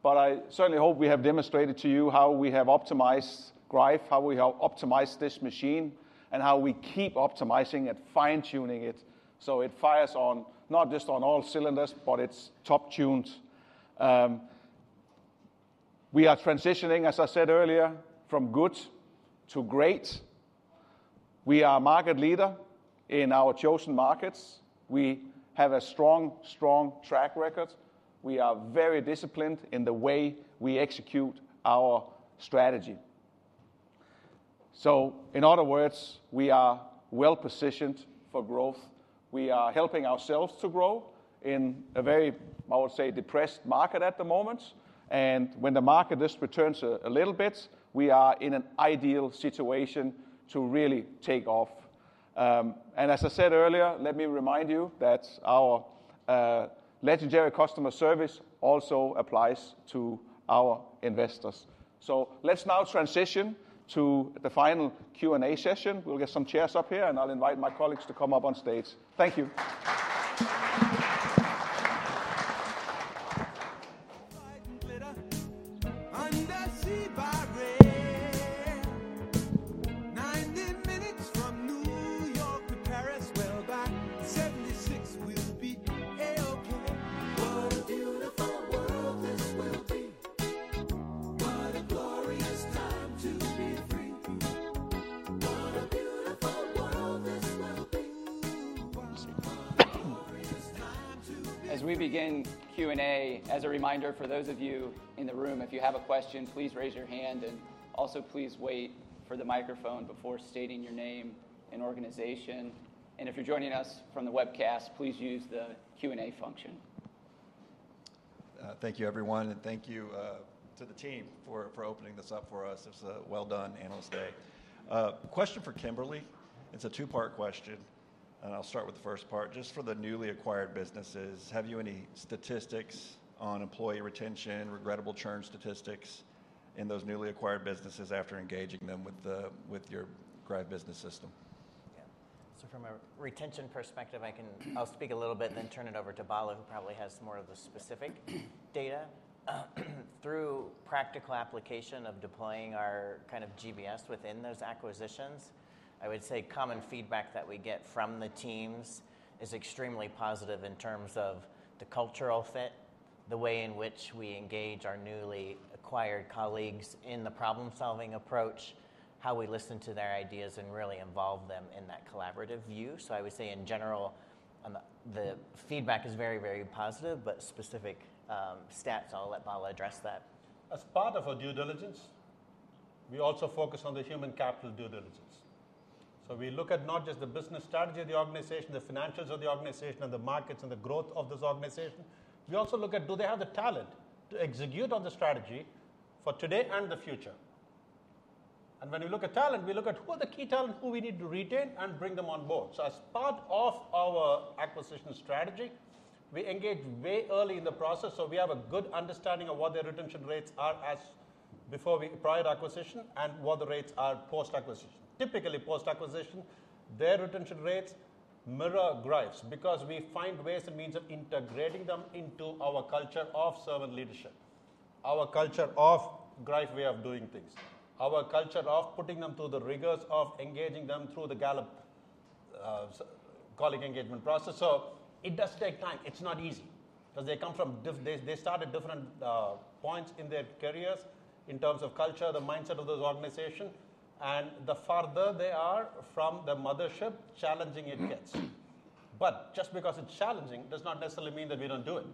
Speaker 2: but I certainly hope we have demonstrated to you how we have optimized Greif, how we have optimized this machine, and how we keep optimizing and fine-tuning it so it fires on not just all cylinders, but it's top-tuned. We are transitioning, as I said earlier, from good to great. We are a market leader in our chosen markets. We have a strong, strong track record. We are very disciplined in the way we execute our strategy. So in other words, we are well-positioned for growth. We are helping ourselves to grow in a very, I would say, depressed market at the moment. And when the market just returns a little bit, we are in an ideal situation to really take off. And as I said earlier, let me remind you that our legendary customer service also applies to our investors. So let's now transition to the final Q&A session. We'll get some chairs up here, and I'll invite my colleagues to come up on stage. Thank you.
Speaker 14: Fight and glitter under sea by rail. 90 minutes from New York to Paris, well, back 76 will be A-OK. What a beautiful world this will be. What a glorious time to be free. What a beautiful world this will be.
Speaker 1: As we begin Q&A, as a reminder for those of you in the room, if you have a question, please raise your hand. Also, please wait for the microphone before stating your name and organization. If you're joining us from the webcast, please use the Q&A function.
Speaker 20: Thank you, everyone, and thank you to the team for opening this up for us. It's a well-done analyst day. Question for Kim. It's a two-part question, and I'll start with the first part. Just for the newly acquired businesses, have you any statistics on employee retention, regrettable churn statistics in those newly acquired businesses after engaging them with your Greif Business System?
Speaker 21: Yeah. So from a retention perspective, I'll speak a little bit and then turn it over to Bala, who probably has more of the specific data. Through practical application of deploying our kind of GBS within those acquisitions, I would say common feedback that we get from the teams is extremely positive in terms of the cultural fit, the way in which we engage our newly acquired colleagues in the problem-solving approach, how we listen to their ideas and really involve them in that collaborative view. So I would say, in general, the feedback is very, very positive, but specific stats, I'll let Bala address that.
Speaker 16: As part of our due diligence, we also focus on the human capital due diligence. So we look at not just the business strategy of the organization, the financials of the organization, and the markets and the growth of this organization. We also look at, do they have the talent to execute on the strategy for today and the future? And when we look at talent, we look at who are the key talent, who we need to retain and bring them on board. So as part of our acquisition strategy, we engage way early in the process so we have a good understanding of what their retention rates are as before prior acquisition and what the rates are post-acquisition. Typically, post-acquisition, their retention rates mirror Greif's because we find ways and means of integrating them into our culture of servant leadership, our culture of Greif way of doing things, our culture of putting them through the rigors of engaging them through the Gallup colleague engagement process. So it does take time. It's not easy because they start at different points in their careers in terms of culture, the mindset of those organizations, and the farther they are from the mothership, challenging it gets. But just because it's challenging does not necessarily mean that we don't do it.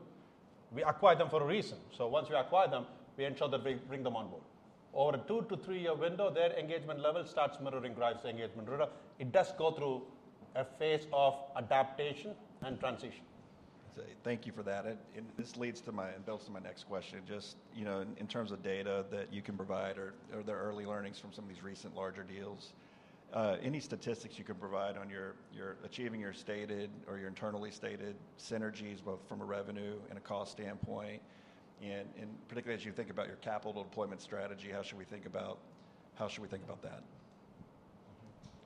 Speaker 16: We acquire them for a reason. So once we acquire them, we ensure that we bring them on board. Over a two- to three-year window, their engagement level starts mirroring Greif's engagement. It does go through a phase of adaptation and transition.
Speaker 20: Thank you for that. This leads to my and builds to my next question. Just in terms of data that you can provide or the early learnings from some of these recent larger deals, any statistics you can provide on your achieving your stated or your internally stated synergies, both from a revenue and a cost standpoint? And particularly as you think about your capital deployment strategy, how should we think about that?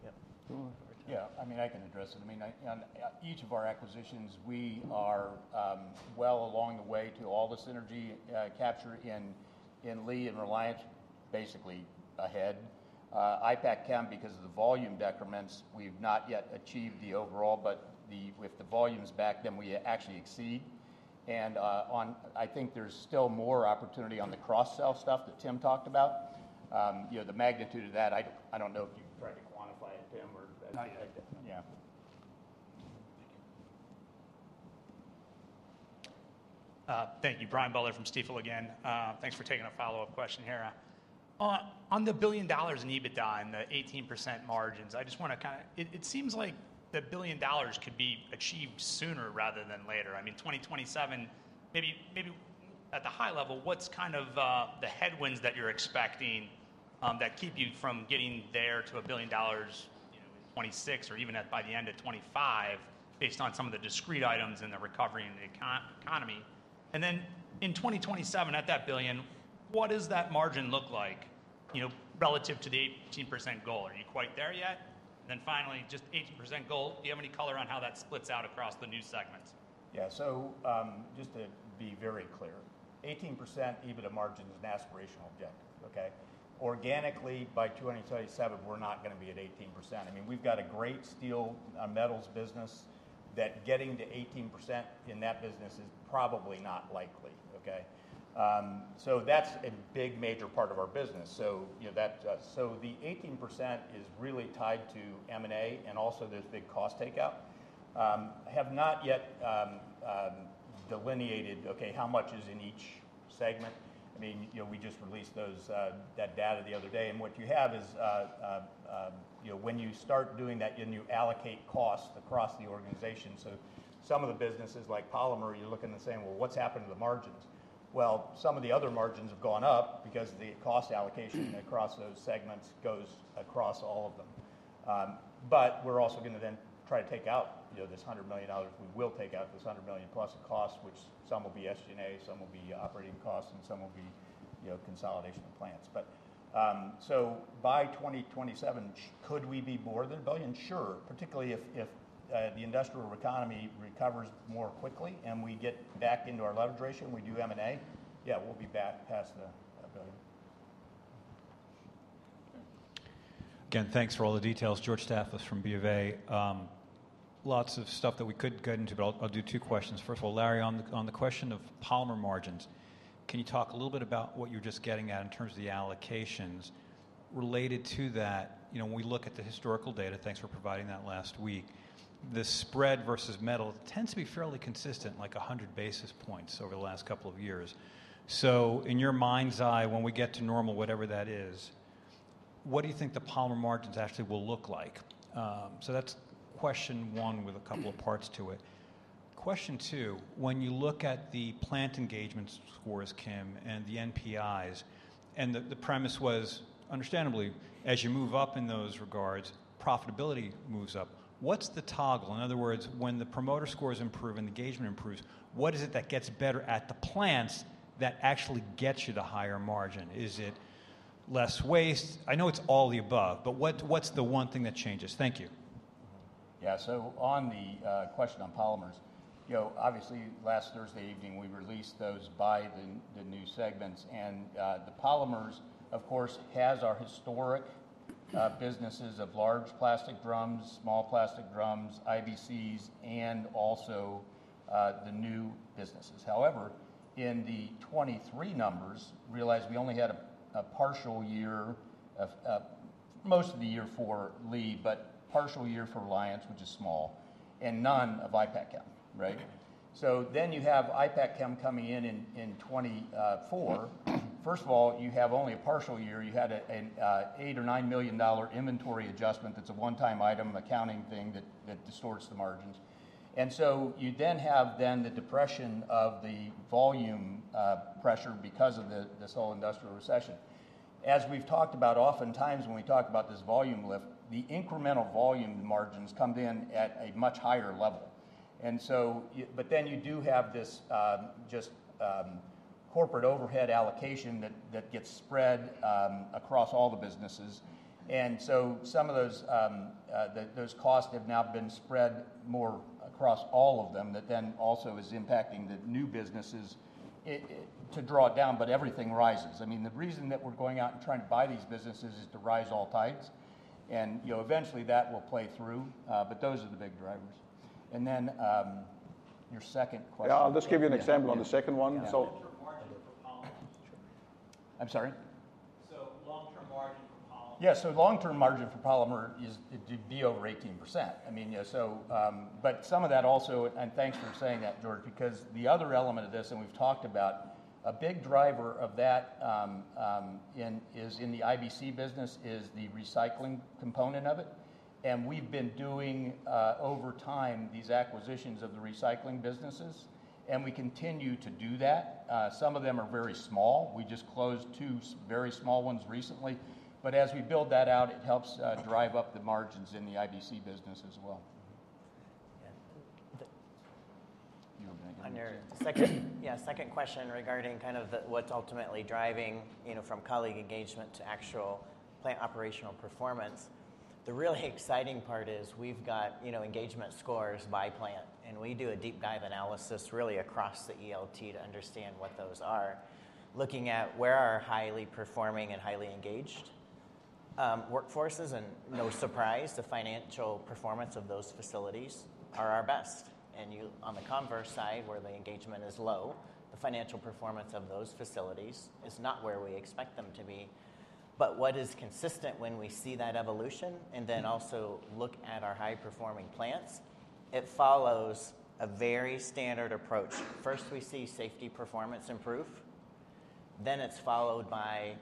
Speaker 19: Yeah. Yeah. I mean, I can address it. I mean, on each of our acquisitions, we are well along the way to all the synergy capture in Lee and Reliance, basically ahead. Ipackchem, because of the volume decrements, we've not yet achieved the overall, but with the volumes back, then we actually exceed. And I think there's still more opportunity on the cross-sell stuff that Tim talked about. The magnitude of that, I don't know if you've tried to quantify it, Tim, or.
Speaker 4: No, I did.
Speaker 19: Yeah.
Speaker 4: Thank you. Thank you. Brian Butler from Stifel again. Thanks for taking a follow-up question here. On the $1 billion in EBITDA and the 18% margins, I just want to kind of it seems like the $1 billion could be achieved sooner rather than later. I mean, 2027, maybe at the high level, what's kind of the headwinds that you're expecting that keep you from getting there to a $1 billion in 2026 or even by the end of 2025 based on some of the discrete items and the recovery in the economy? And then in 2027, at that $1 billion, what does that margin look like relative to the 18% goal? Are you quite there yet? And then finally, just 18% goal, do you have any color on how that splits out across the new segments?
Speaker 19: Yeah. So just to be very clear, 18% EBITDA margin is an aspirational objective. Okay? Organically, by 2027, we're not going to be at 18%. I mean, we've got a great steel and metals business that getting to 18% in that business is probably not likely. Okay? So that's a big major part of our business. So the 18% is really tied to M&A and also there's big cost takeout. I have not yet delineated, okay, how much is in each segment. I mean, we just released that data the other day. And what you have is when you start doing that, then you allocate costs across the organization. So some of the businesses like Polymer, you're looking and saying, "Well, what's happened to the margins?" Well, some of the other margins have gone up because the cost allocation across those segments goes across all of them. But we're also going to then try to take out this $100 million. We will take out this $100 million plus in costs, which some will be SG&A, some will be operating costs, and some will be consolidation of plants. So by 2027, could we be more than a billion? Sure, particularly if the industrial economy recovers more quickly and we get back into our leverage ratio and we do M&A. Yeah, we'll be back past a billion.
Speaker 5: Again, thanks for all the details. George Staphos is from B of A. Lots of stuff that we could get into, but I'll do two questions. First of all, Larry, on the question of polymer margins, can you talk a little bit about what you're just getting at in terms of the allocations? Related to that, when we look at the historical data, thanks for providing that last week, the spread versus metal tends to be fairly consistent, like 100 basis points over the last couple of years. So in your mind's eye, when we get to normal, whatever that is, what do you think the polymer margins actually will look like? So that's question one with a couple of parts to it. Question two, when you look at the plant engagement scores, Kim, and the NPS, and the premise was, understandably, as you move up in those regards, profitability moves up. What's the toggle? In other words, when the promoter scores improve and engagement improves, what is it that gets better at the plants that actually gets you the higher margin? Is it less waste? I know it's all the above, but what's the one thing that changes? Thank you.
Speaker 19: Yeah. So on the question on Polymers, obviously, last Thursday evening, we released those by the new segments. And the Polymers, of course, has our historic businesses of large plastic drums, small plastic drums, IBCs, and also the new businesses. However, in the 2023 numbers, realize we only had a partial year of most of the year for Lee, but partial year for Reliance, which is small, and none of Ipackchem. Right? So then you have Ipackchem coming in in 2024. First of all, you have only a partial year. You had an $8-$9 million inventory adjustment. That's a one-time item accounting thing that distorts the margins. And so you then have the depression of the volume pressure because of this whole industrial recession. As we've talked about, oftentimes when we talk about this volume lift, the incremental volume margins come in at a much higher level. And so, but then you do have this just corporate overhead allocation that gets spread across all the businesses. And so some of those costs have now been spread more across all of them that then also is impacting the new businesses to draw down, but everything rises. I mean, the reason that we're going out and trying to buy these businesses is to rise all tides. And eventually, that will play through, but those are the big drivers. And then your second question. Yeah, I'll just give you an example on the second one. Long-term margin for polymers.
Speaker 5: I'm sorry?
Speaker 19: So, long-term margin for Polymer. Yeah. So, long-term margin for Polymer is to be over 18%. I mean, but some of that also, and thanks for saying that, George, because the other element of this, and we've talked about, a big driver of that is in the IBC business is the recycling component of it. And we've been doing over time these acquisitions of the recycling businesses, and we continue to do that. Some of them are very small. We just closed two very small ones recently. But as we build that out, it helps drive up the margins in the IBC business as well.
Speaker 5: Yeah.
Speaker 4: You were going to give an answer.
Speaker 5: Yeah, second question regarding kind of what's ultimately driving from colleague engagement to actual plant operational performance. The really exciting part is we've got engagement scores by plant, and we do a deep dive analysis really across the ELT to understand what those are, looking at where are highly performing and highly engaged workforces. And no surprise, the financial performance of those facilities are our best. And on the converse side, where the engagement is low, the financial performance of those facilities is not where we expect them to be. But what is consistent when we see that evolution, and then also look at our high-performing plants, it follows a very standard approach. First, we see safety performance improve. Then it's followed by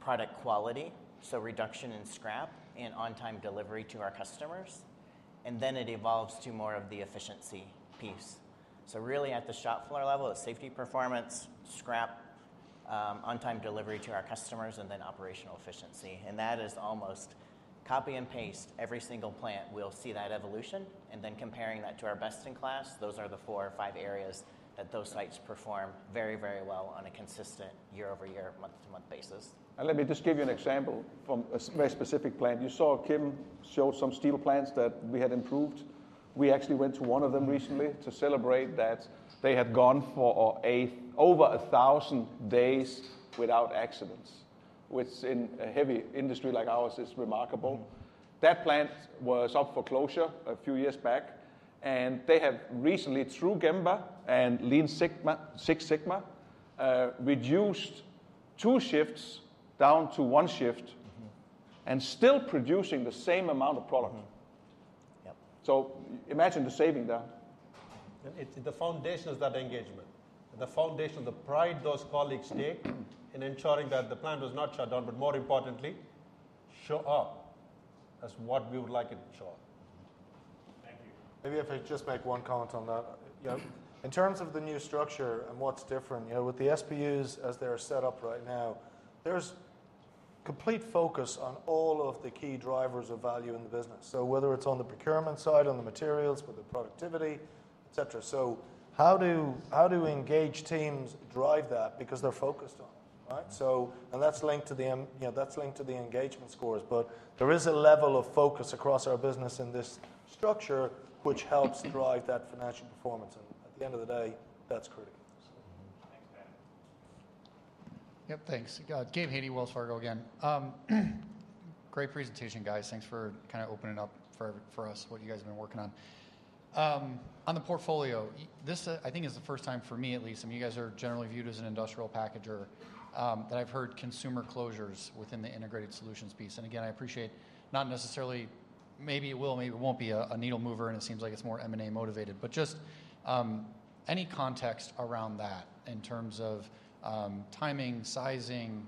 Speaker 5: product quality, so reduction in scrap and on-time delivery to our customers. And then it evolves to more of the efficiency piece. So really, at the shop floor level, it's safety performance, scrap, on-time delivery to our customers, and then operational efficiency. And that is almost copy and paste every single plant. We'll see that evolution. And then comparing that to our best in class, those are the four or five areas that those sites perform very, very well on a consistent year-over-year, month-to-month basis.
Speaker 2: Let me just give you an example from a very specific plant. You saw Kim showed some steel plants that we had improved. We actually went to one of them recently to celebrate that they had gone for over 1,000 days without accidents, which in a heavy industry like ours is remarkable. That plant was up for closure a few years back. And they have recently, through Gemba and Lean Six Sigma, reduced two shifts down to one shift and still producing the same amount of product. Imagine the saving there. The foundation is that engagement. The foundation is the pride those colleagues take in ensuring that the plant was not shut down, but more importantly, show up as what we would like it to show up.
Speaker 5: Thank you.
Speaker 3: Maybe if I just make one comment on that. In terms of the new structure and what's different, with the SBUs as they're set up right now, there's complete focus on all of the key drivers of value in the business. So whether it's on the procurement side, on the materials, with the productivity, et cetera. So how do engaged teams drive that because they're focused on it? Right? And that's linked to the engagement scores. But there is a level of focus across our business in this structure, which helps drive that financial performance. And at the end of the day, that's critical. Thanks, Ben.
Speaker 6: Yep, thanks. Gabe Hajde, Wells Fargo again. Great presentation, guys. Thanks for kind of opening up for us what you guys have been working on. On the portfolio, this I think is the first time for me at least, and you guys are generally viewed as an industrial packager, that I've heard consumer closures within the integrated solutions piece. And again, I appreciate not necessarily, maybe it will, maybe it won't be a needle mover, and it seems like it's more M&A motivated, but just any context around that in terms of timing, sizing,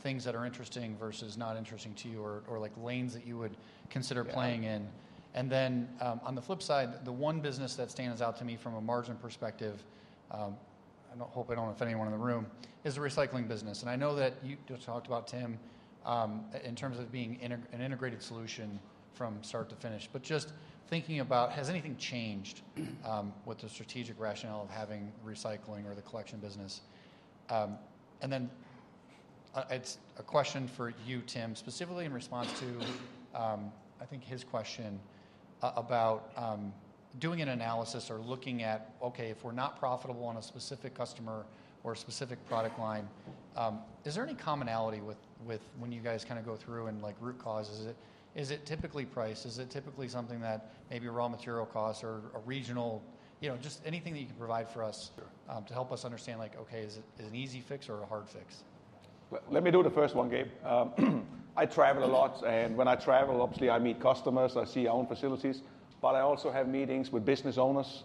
Speaker 6: things that are interesting versus not interesting to you or lanes that you would consider playing in. And then on the flip side, the one business that stands out to me from a margin perspective, I hope I don't offend anyone in the room, is the recycling business. I know that you just talked about, Tim, in terms of being an integrated solution from start to finish, but just thinking about, has anything changed with the strategic rationale of having recycling or the collection business? And then it's a question for you, Tim, specifically in response to, I think, his question about doing an analysis or looking at, okay, if we're not profitable on a specific customer or a specific product line, is there any commonality with when you guys kind of go through and root cause? Is it typically price? Is it typically something that maybe raw material costs or a regional, just anything that you can provide for us to help us understand, okay, is it an easy fix or a hard fix?
Speaker 2: Let me do the first one, Gabe. I travel a lot, and when I travel, obviously, I meet customers. I see our own facilities, but I also have meetings with business owners,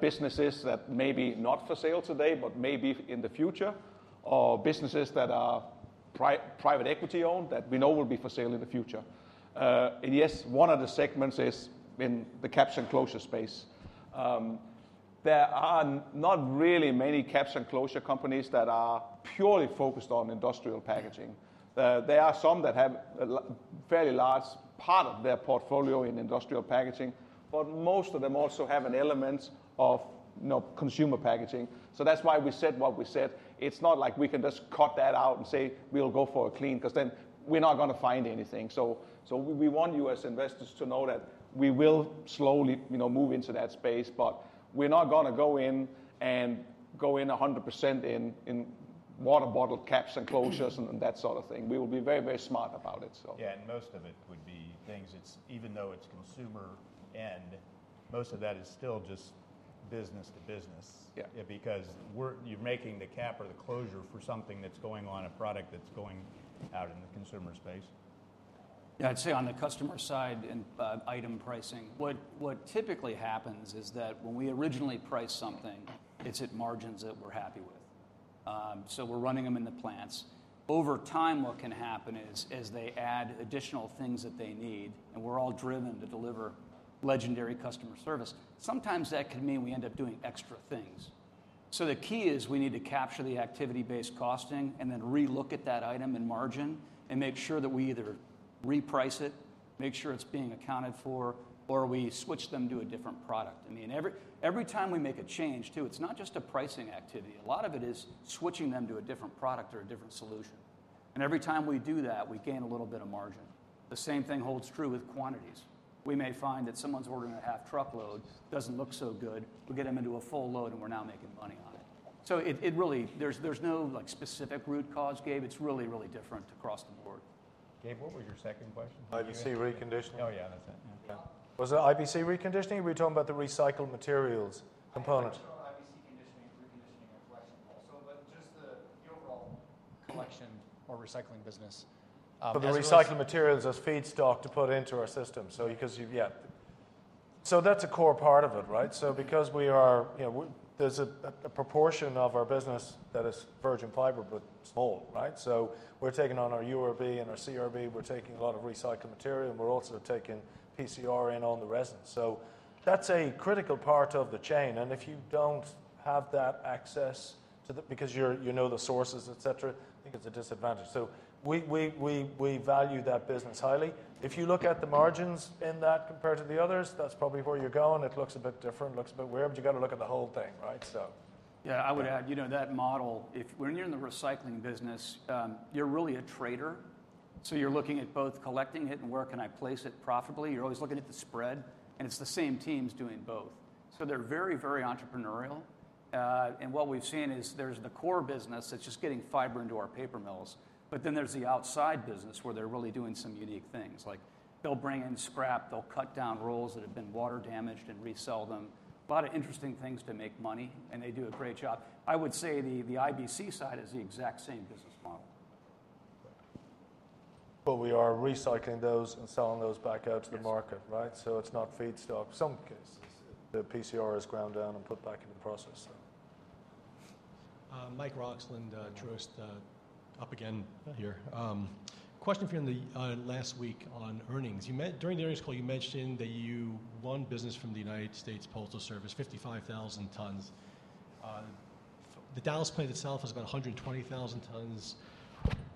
Speaker 2: businesses that may be not for sale today, but maybe in the future, or businesses that are private equity-owned that we know will be for sale in the future, and yes, one of the segments is in the caps and closure space. There are not really many caps and closure companies that are purely focused on industrial packaging. There are some that have a fairly large part of their portfolio in industrial packaging, but most of them also have an element of consumer packaging. That's why we said what we said. It's not like we can just cut that out and say, "We'll go for a clean," because then we're not going to find anything. So we want you as investors to know that we will slowly move into that space, but we're not going to go in and go in 100% in water bottle caps and closures and that sort of thing. We will be very, very smart about it.
Speaker 4: Yeah, and most of it would be things, even though it's consumer, and most of that is still just business to business because you're making the cap or the closure for something that's going out in the consumer space.
Speaker 15: Yeah, I'd say on the customer side and item pricing, what typically happens is that when we originally price something, it's at margins that we're happy with. So we're running them in the plants. Over time, what can happen is as they add additional things that they need, and we're all driven to deliver legendary customer service, sometimes that can mean we end up doing extra things. So the key is we need to capture the activity-based costing and then re-look at that item and margin and make sure that we either reprice it, make sure it's being accounted for, or we switch them to a different product. I mean, every time we make a change, too, it's not just a pricing activity. A lot of it is switching them to a different product or a different solution. And every time we do that, we gain a little bit of margin. The same thing holds true with quantities. We may find that someone's ordering a half truckload, doesn't look so good. We get them into a full load, and we're now making money on it. So really, there's no specific root cause, Gabe. It's really, really different across the board.
Speaker 2: Gabe, what was your second question?
Speaker 6: IBC reconditioning?
Speaker 2: Oh, yeah, that's it.
Speaker 1: Was it IBC reconditioning? We were talking about the recycled materials component.
Speaker 2: IBC conditioning, reconditioning, and collection also, but just the overall collection or recycling business.
Speaker 4: For the recycled materials as feedstock to put into our system. So yeah, so that's a core part of it, right? So, because we are, there's a proportion of our business that is virgin fiber, but more, right? So we're taking on our URB and our CRB. We're taking a lot of recycled material, and we're also taking PCR in on the resin. So that's a critical part of the chain, and if you don't have that access to the, because you know the sources, et cetera, I think it's a disadvantage. So we value that business highly. If you look at the margins in that compared to the others, that's probably where you're going. It looks a bit different, looks a bit weird, but you got to look at the whole thing, right?
Speaker 19: Yeah, I would add that model, when you're in the recycling business, you're really a trader. So you're looking at both collecting it and where can I place it profitably. You're always looking at the spread, and it's the same teams doing both. So they're very, very entrepreneurial. And what we've seen is there's the core business that's just getting fiber into our paper mills, but then there's the outside business where they're really doing some unique things. They'll bring in scrap. They'll cut down rolls that have been water damaged and resell them. A lot of interesting things to make money, and they do a great job. I would say the IBC side is the exact same business model.
Speaker 4: But we are recycling those and selling those back out to the market, right? So it's not feedstock in some cases. The PCR is ground down and put back in the process.
Speaker 8: Mike Roxland, Truist, up again here. Question for you on the last week on earnings. During the earnings call, you mentioned that you won business from the United States Postal Service, 55,000 tons. The Dallas plant itself is about 120,000 tons.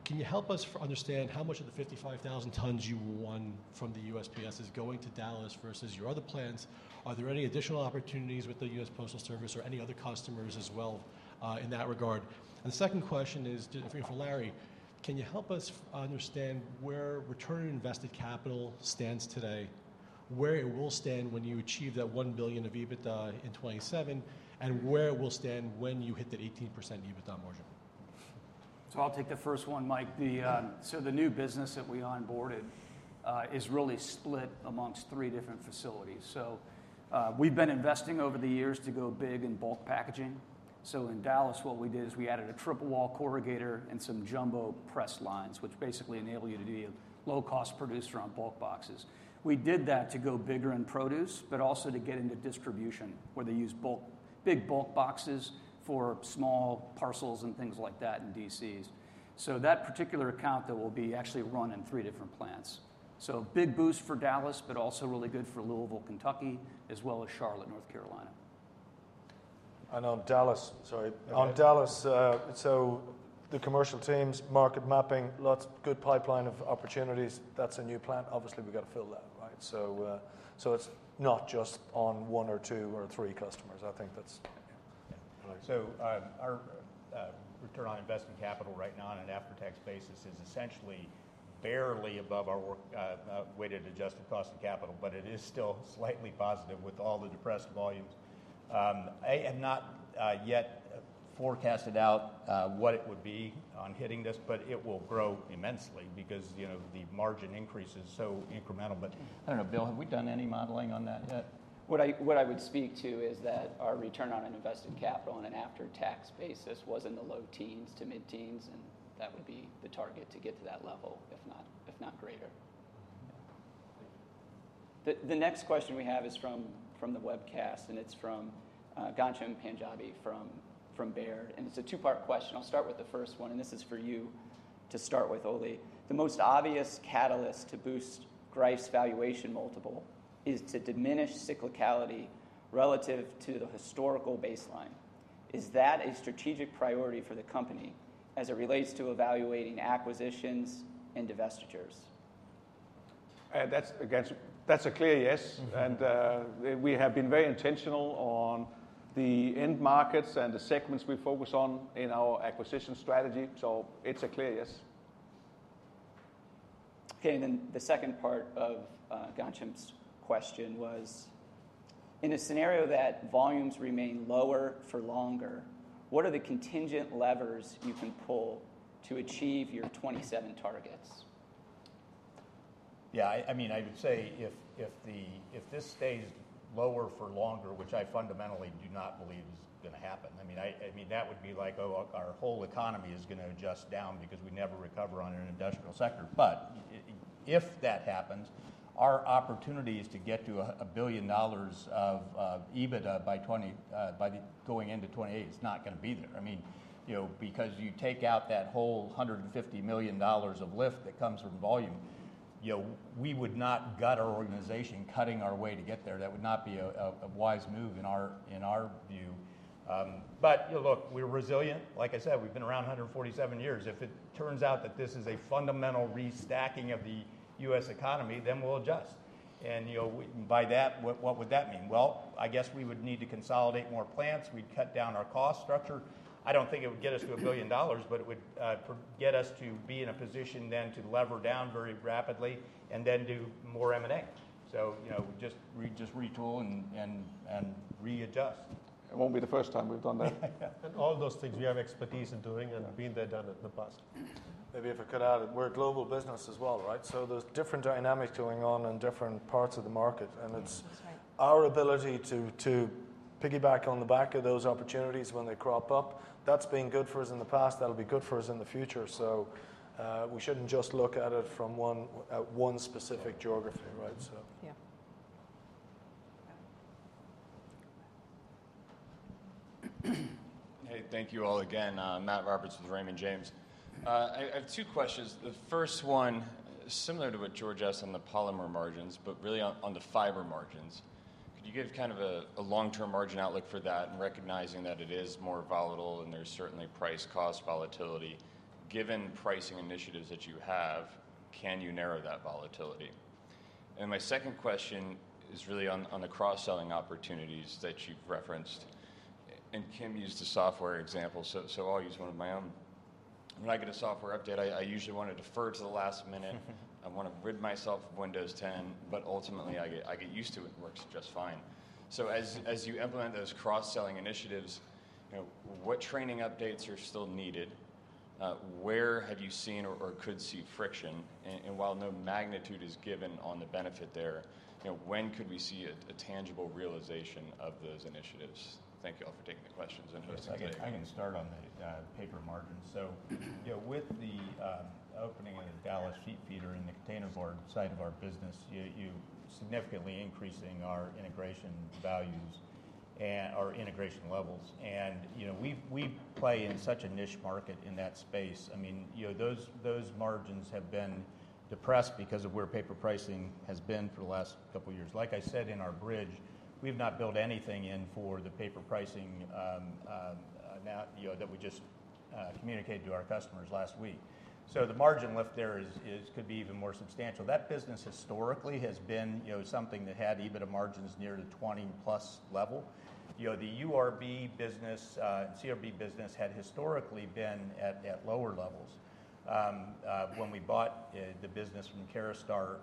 Speaker 8: Can you help us understand how much of the 55,000 tons you won from the USPS is going to Dallas versus your other plants? Are there any additional opportunities with the US Postal Service or any other customers as well in that regard? And the second question is for Larry. Can you help us understand where return on invested capital stands today, where it will stand when you achieve that $1 billion of EBITDA in 2027, and where it will stand when you hit that 18% EBITDA margin?
Speaker 4: So I'll take the first one, Mike. So the new business that we onboarded is really split amongst three different facilities. So we've been investing over the years to go big in bulk packaging. So in Dallas, what we did is we added a triple-wall corrugator and some jumbo press lines, which basically enable you to be a low-cost producer on bulk boxes. We did that to go bigger in produce, but also to get into distribution where they use big bulk boxes for small parcels and things like that in DCs. So that particular account that will be actually run in three different plants. So big boost for Dallas, but also really good for Louisville, Kentucky, as well as Charlotte, North Carolina. And on Dallas, sorry. On Dallas, so the commercial teams, market mapping, lots of good pipeline of opportunities. That's a new plant. Obviously, we got to fill that, right? So it's not just on one or two or three customers. I think that's.
Speaker 19: Our return on invested capital right now on an after-tax basis is essentially barely above our weighted adjusted cost of capital, but it is still slightly positive with all the depressed volumes. I have not yet forecasted out what it would be on hitting this, but it will grow immensely because the margin increase is so incremental. But. I don't know, Bill, have we done any modeling on that yet? What I would speak to is that our return on invested capital on an after-tax basis was in the low teens to mid-teens, and that would be the target to get to that level, if not greater. Thank you.
Speaker 1: The next question we have is from the webcast, and it's from Ghansham Panjabi from Baird. And it's a two-part question. I'll start with the first one, and this is for you to start with, Ole. The most obvious catalyst to boost Greif's valuation multiple is to diminish cyclicality relative to the historical baseline. Is that a strategic priority for the company as it relates to evaluating acquisitions and divestitures?
Speaker 3: That's a clear yes, and we have been very intentional on the end markets and the segments we focus on in our acquisition strategy, so it's a clear yes.
Speaker 1: Okay, and then the second part of Ghansham's question was, in a scenario that volumes remain lower for longer, what are the contingent levers you can pull to achieve your 27 targets?
Speaker 19: Yeah, I mean, I would say if this stays lower for longer, which I fundamentally do not believe is going to happen, I mean, that would be like, oh, our whole economy is going to adjust down because we never recover on an industrial sector. But if that happens, our opportunities to get to $1 billion of EBITDA by going into 2028 is not going to be there. I mean, because you take out that whole $150 million of lift that comes from volume, we would not gut our organization cutting our way to get there. That would not be a wise move in our view. But look, we're resilient. Like I said, we've been around 147 years. If it turns out that this is a fundamental restacking of the U.S. economy, then we'll adjust. And by that, what would that mean? I guess we would need to consolidate more plants. We'd cut down our cost structure. I don't think it would get us to $1 billion, but it would get us to be in a position then to lever down very rapidly and then do more M&A. Just retool and readjust.
Speaker 3: It won't be the first time we've done that.
Speaker 21: All those things we have expertise in doing and being that done at the best.
Speaker 3: Maybe if we cut out, we're a global business as well, right? So there's different dynamics going on in different parts of the market. And it's our ability to piggyback on the back of those opportunities when they crop up. That's been good for us in the past. That'll be good for us in the future. So we shouldn't just look at it from one specific geography, right?
Speaker 10: Yeah. Hey, thank you all again. Matt Riedel with Raymond James. I have two questions. The first one, similar to what George asked on the polymer margins, but really on the fiber margins. Could you give kind of a long-term margin outlook for that and recognizing that it is more volatile and there's certainly price cost volatility? Given pricing initiatives that you have, can you narrow that volatility? And my second question is really on the cross-selling opportunities that you've referenced. And Kim used the software example, so I'll use one of my own. When I get a software update, I usually want to defer to the last minute. I want to rid myself of Windows 10, but ultimately, I get used to it and it works just fine. So as you implement those cross-selling initiatives, what training updates are still needed? Where have you seen or could see friction? And while no magnitude is given on the benefit there, when could we see a tangible realization of those initiatives? Thank you all for taking the questions and hosting today.
Speaker 4: I can start on the paper margins. So with the opening of the Dallas sheet feeder in the containerboard side of our business, you're significantly increasing our integration values and our integration levels. And we play in such a niche market in that space. I mean, those margins have been depressed because of where paper pricing has been for the last couple of years. Like I said in our bridge, we've not built anything in for the paper pricing that we just communicated to our customers last week. So the margin left there could be even more substantial. That business historically has been something that had EBITDA margins near the 20-plus level. The URB business and CRB business had historically been at lower levels. When we bought the business from Caraustar,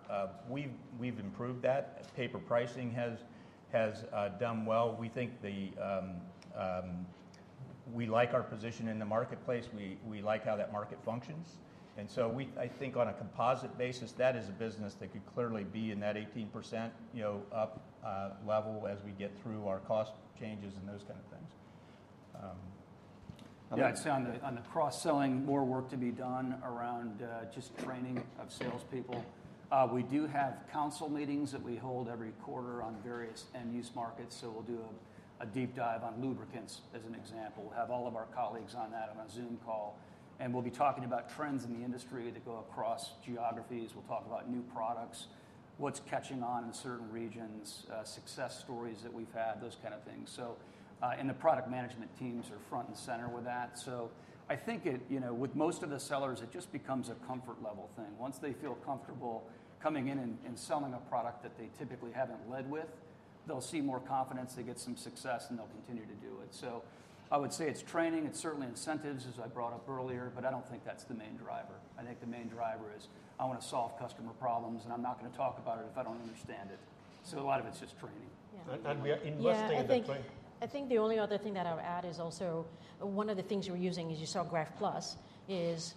Speaker 4: we've improved that. Paper pricing has done well. We think we like our position in the marketplace. We like how that market functions, and so I think on a composite basis, that is a business that could clearly be in that 18% OP level as we get through our cost changes and those kind of things. Yeah, I'd say on the cross-selling, more work to be done around just training of salespeople. We do have council meetings that we hold every quarter on various end-use markets. So we'll do a deep dive on lubricants as an example. We'll have all of our colleagues on that on a Zoom call. And we'll be talking about trends in the industry that go across geographies. We'll talk about new products, what's catching on in certain regions, success stories that we've had, those kind of things. And the product management teams are front and center with that. So I think with most of the sellers, it just becomes a comfort level thing. Once they feel comfortable coming in and selling a product that they typically haven't led with, they'll see more confidence, they get some success, and they'll continue to do it. So I would say it's training. It's certainly incentives, as I brought up earlier, but I don't think that's the main driver. I think the main driver is I want to solve customer problems, and I'm not going to talk about it if I don't understand it. So a lot of it's just training.
Speaker 3: We are investing in the training.
Speaker 21: I think the only other thing that I would add is also one of the things we're using is you saw Greif Plus is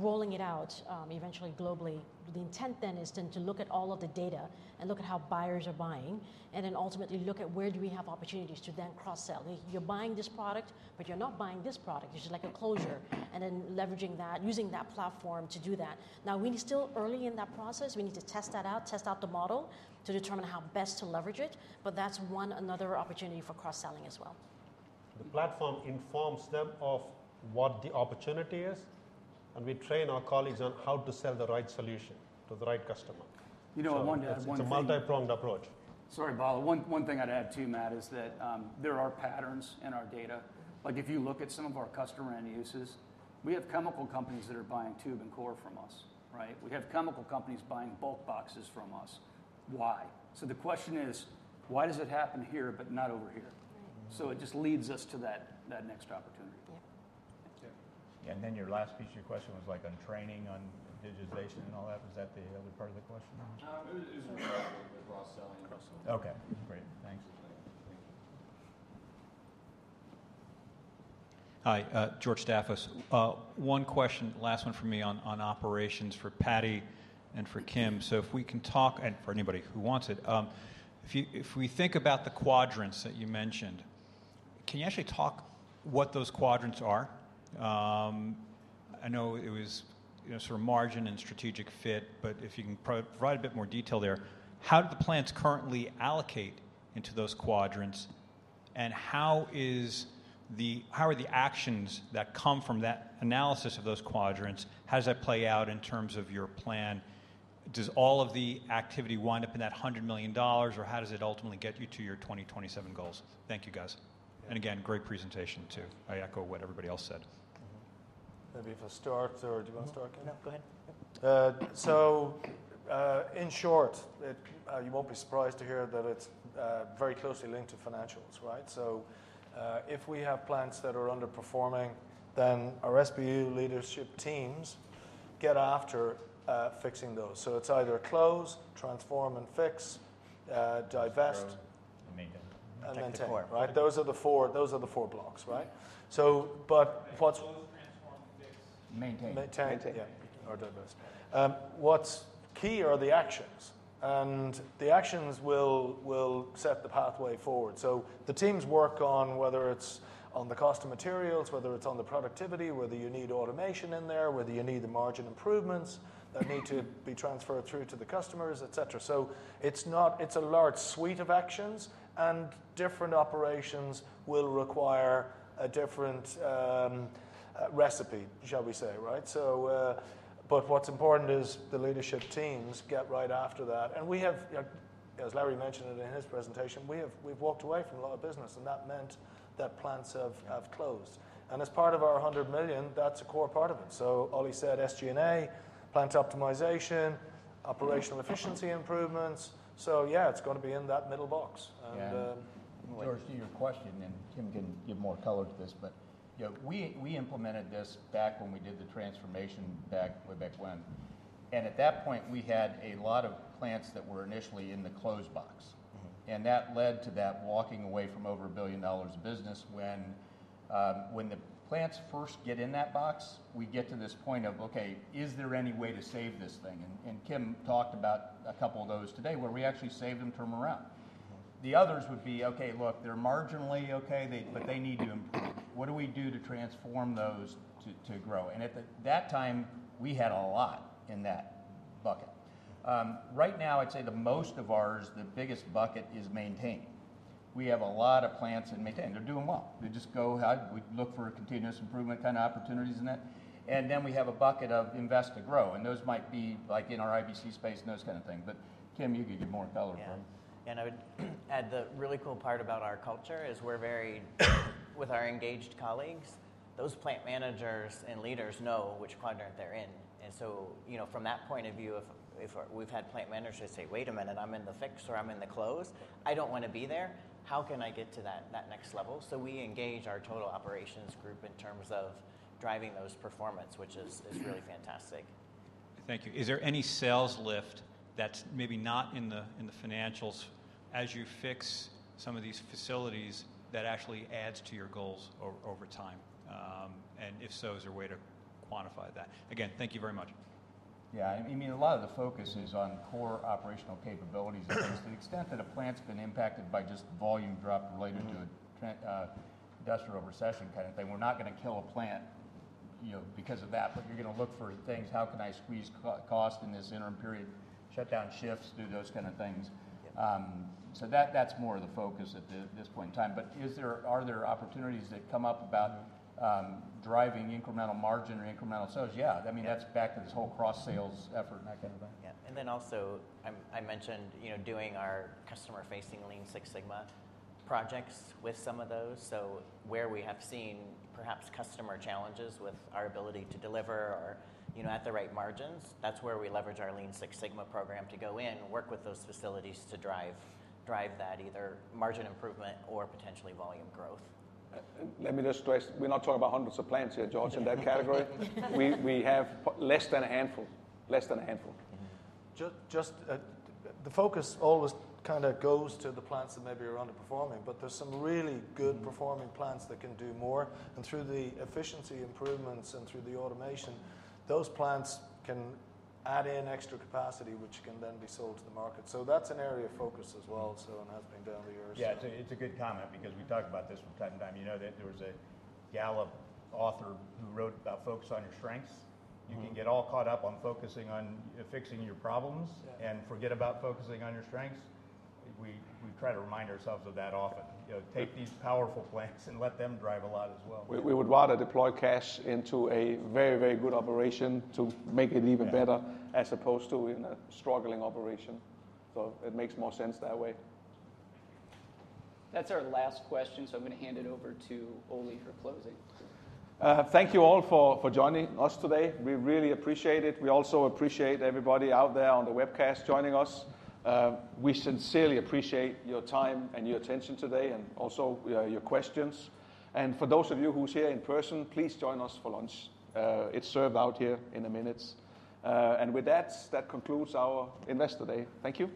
Speaker 21: rolling it out eventually globally. The intent then is then to look at all of the data and look at how buyers are buying, and then ultimately look at where do we have opportunities to then cross-sell. You're buying this product, but you're not buying this product. It's just like a closure. And then leveraging that, using that platform to do that. Now, we're still early in that process. We need to test that out, test out the model to determine how best to leverage it. But that's one another opportunity for cross-selling as well. The platform informs them of what the opportunity is, and we train our colleagues on how to sell the right solution to the right customer. It's a multi-pronged approach.
Speaker 4: Sorry, Bala. One thing I'd add too, Matt, is that there are patterns in our data. If you look at some of our customer end uses, we have chemical companies that are buying tube and core from us, right? We have chemical companies buying bulk boxes from us. Why? So the question is, why does it happen here but not over here? So it just leads us to that next opportunity.
Speaker 13: Yeah. And then your last piece of your question was like on training on digitization and all that. Was that the other part of the question?
Speaker 10: It was more on the cross-selling.
Speaker 2: Cross-selling. Okay. Great. Thanks.
Speaker 3: Thank you.
Speaker 5: Hi, George Staphos. One question, last one for me on operations for Paddy and for Kim. So if we can talk, and for anybody who wants it, if we think about the quadrants that you mentioned, can you actually talk what those quadrants are? I know it was sort of margin and strategic fit, but if you can provide a bit more detail there, how do the plants currently allocate into those quadrants? And how are the actions that come from that analysis of those quadrants? How does that play out in terms of your plan? Does all of the activity wind up in that $100 million, or how does it ultimately get you to your 2027 goals? Thank you, guys. And again, great presentation too. I echo what everybody else said.
Speaker 3: Maybe if I start, or do you want to start, Kim?
Speaker 1: No, go ahead.
Speaker 3: So in short, you won't be surprised to hear that it's very closely linked to financials, right? So if we have plants that are underperforming, then our SBU leadership teams get after fixing those. So it's either close, transform, and fix, divest.
Speaker 2: And maintain.
Speaker 3: And maintain, right? Those are the four blocks, right? But what's.
Speaker 2: Close, transform, fix.
Speaker 3: Maintain.
Speaker 2: Maintain.
Speaker 3: Maintain. Yeah. Or divest. What's key are the actions. And the actions will set the pathway forward. So the teams work on whether it's on the cost of materials, whether it's on the productivity, whether you need automation in there, whether you need the margin improvements that need to be transferred through to the customers, etc. So it's a large suite of actions, and different operations will require a different recipe, shall we say, right? But what's important is the leadership teams get right after that. And we have, as Larry mentioned in his presentation, we've walked away from a lot of business, and that meant that plants have closed. And as part of our $100 million, that's a core part of it. So Ole said SG&A, plant optimization, operational efficiency improvements. So yeah, it's going to be in that middle box.
Speaker 19: George, to your question, and Kim can give more color to this, but we implemented this back when we did the transformation way back when. At that point, we had a lot of plants that were initially in the closed box. That led to walking away from over $1 billion of business. When the plants first get in that box, we get to this point of, okay, is there any way to save this thing? Kim talked about a couple of those today where we actually saved them turnaround. The others would be, okay, look, they're marginally okay, but they need to improve. What do we do to transform those to grow? At that time, we had a lot in that bucket. Right now, I'd say most of ours, the biggest bucket is maintaining. We have a lot of plants in maintain. They're doing well. They just go ahead. We look for continuous improvement kind of opportunities in that. And then we have a bucket of invest to grow. And those might be like in our IBC space and those kind of things. But Kim, you could give more color from.
Speaker 21: Yeah. And I would add the really cool part about our culture is we're very, with our engaged colleagues, those plant managers and leaders know which quadrant they're in. And so from that point of view, if we've had plant managers say, "wait a minute, I'm in the fix or I'm in the close, I don't want to be there. How can I get to that next level?" So we engage our total operations group in terms of driving those performance, which is really fantastic.
Speaker 7: Thank you. Is there any sales lift that's maybe not in the financials as you fix some of these facilities that actually adds to your goals over time? And if so, is there a way to quantify that? Again, thank you very much.
Speaker 19: Yeah. I mean, a lot of the focus is on core operational capabilities. To the extent that a plant's been impacted by just volume drop related to industrial recession kind of thing, we're not going to kill a plant because of that, but you're going to look for things. How can I squeeze cost in this interim period, shut down shifts, do those kind of things? So that's more of the focus at this point in time. But are there opportunities that come up about driving incremental margin or incremental sales? Yeah. I mean, that's back to this whole cross-sales effort and that kind of thing.
Speaker 21: Yeah. And then also I mentioned doing our customer-facing Lean Six Sigma projects with some of those. So where we have seen perhaps customer challenges with our ability to deliver or at the right margins, that's where we leverage our Lean Six Sigma program to go in, work with those facilities to drive that either margin improvement or potentially volume growth.
Speaker 3: Let me just stress, we're not talking about hundreds of plants here, George, in that category. We have less than a handful, less than a handful.
Speaker 21: Just, the focus always kind of goes to the plants that maybe are underperforming, but there's some really good performing plants that can do more. And through the efficiency improvements and through the automation, those plants can add in extra capacity, which can then be sold to the market. So that's an area of focus as well, so on as being down the years.
Speaker 15: Yeah, it's a good comment because we talk about this from time to time. You know there was a Gallup author who wrote about focus on your strengths. You can get all caught up on focusing on fixing your problems and forget about focusing on your strengths. We try to remind ourselves of that often. Take these powerful plants and let them drive a lot as well. We would rather deploy cash into a very, very good operation to make it even better as opposed to in a struggling operation. So it makes more sense that way.
Speaker 1: That's our last question, so I'm going to hand it over to Ole for closing.
Speaker 2: Thank you all for joining us today. We really appreciate it. We also appreciate everybody out there on the webcast joining us. We sincerely appreciate your time and your attention today and also your questions. And for those of you who are here in person, please join us for lunch. It's served out here in a minute. And with that, that concludes our Investor Day. Thank you.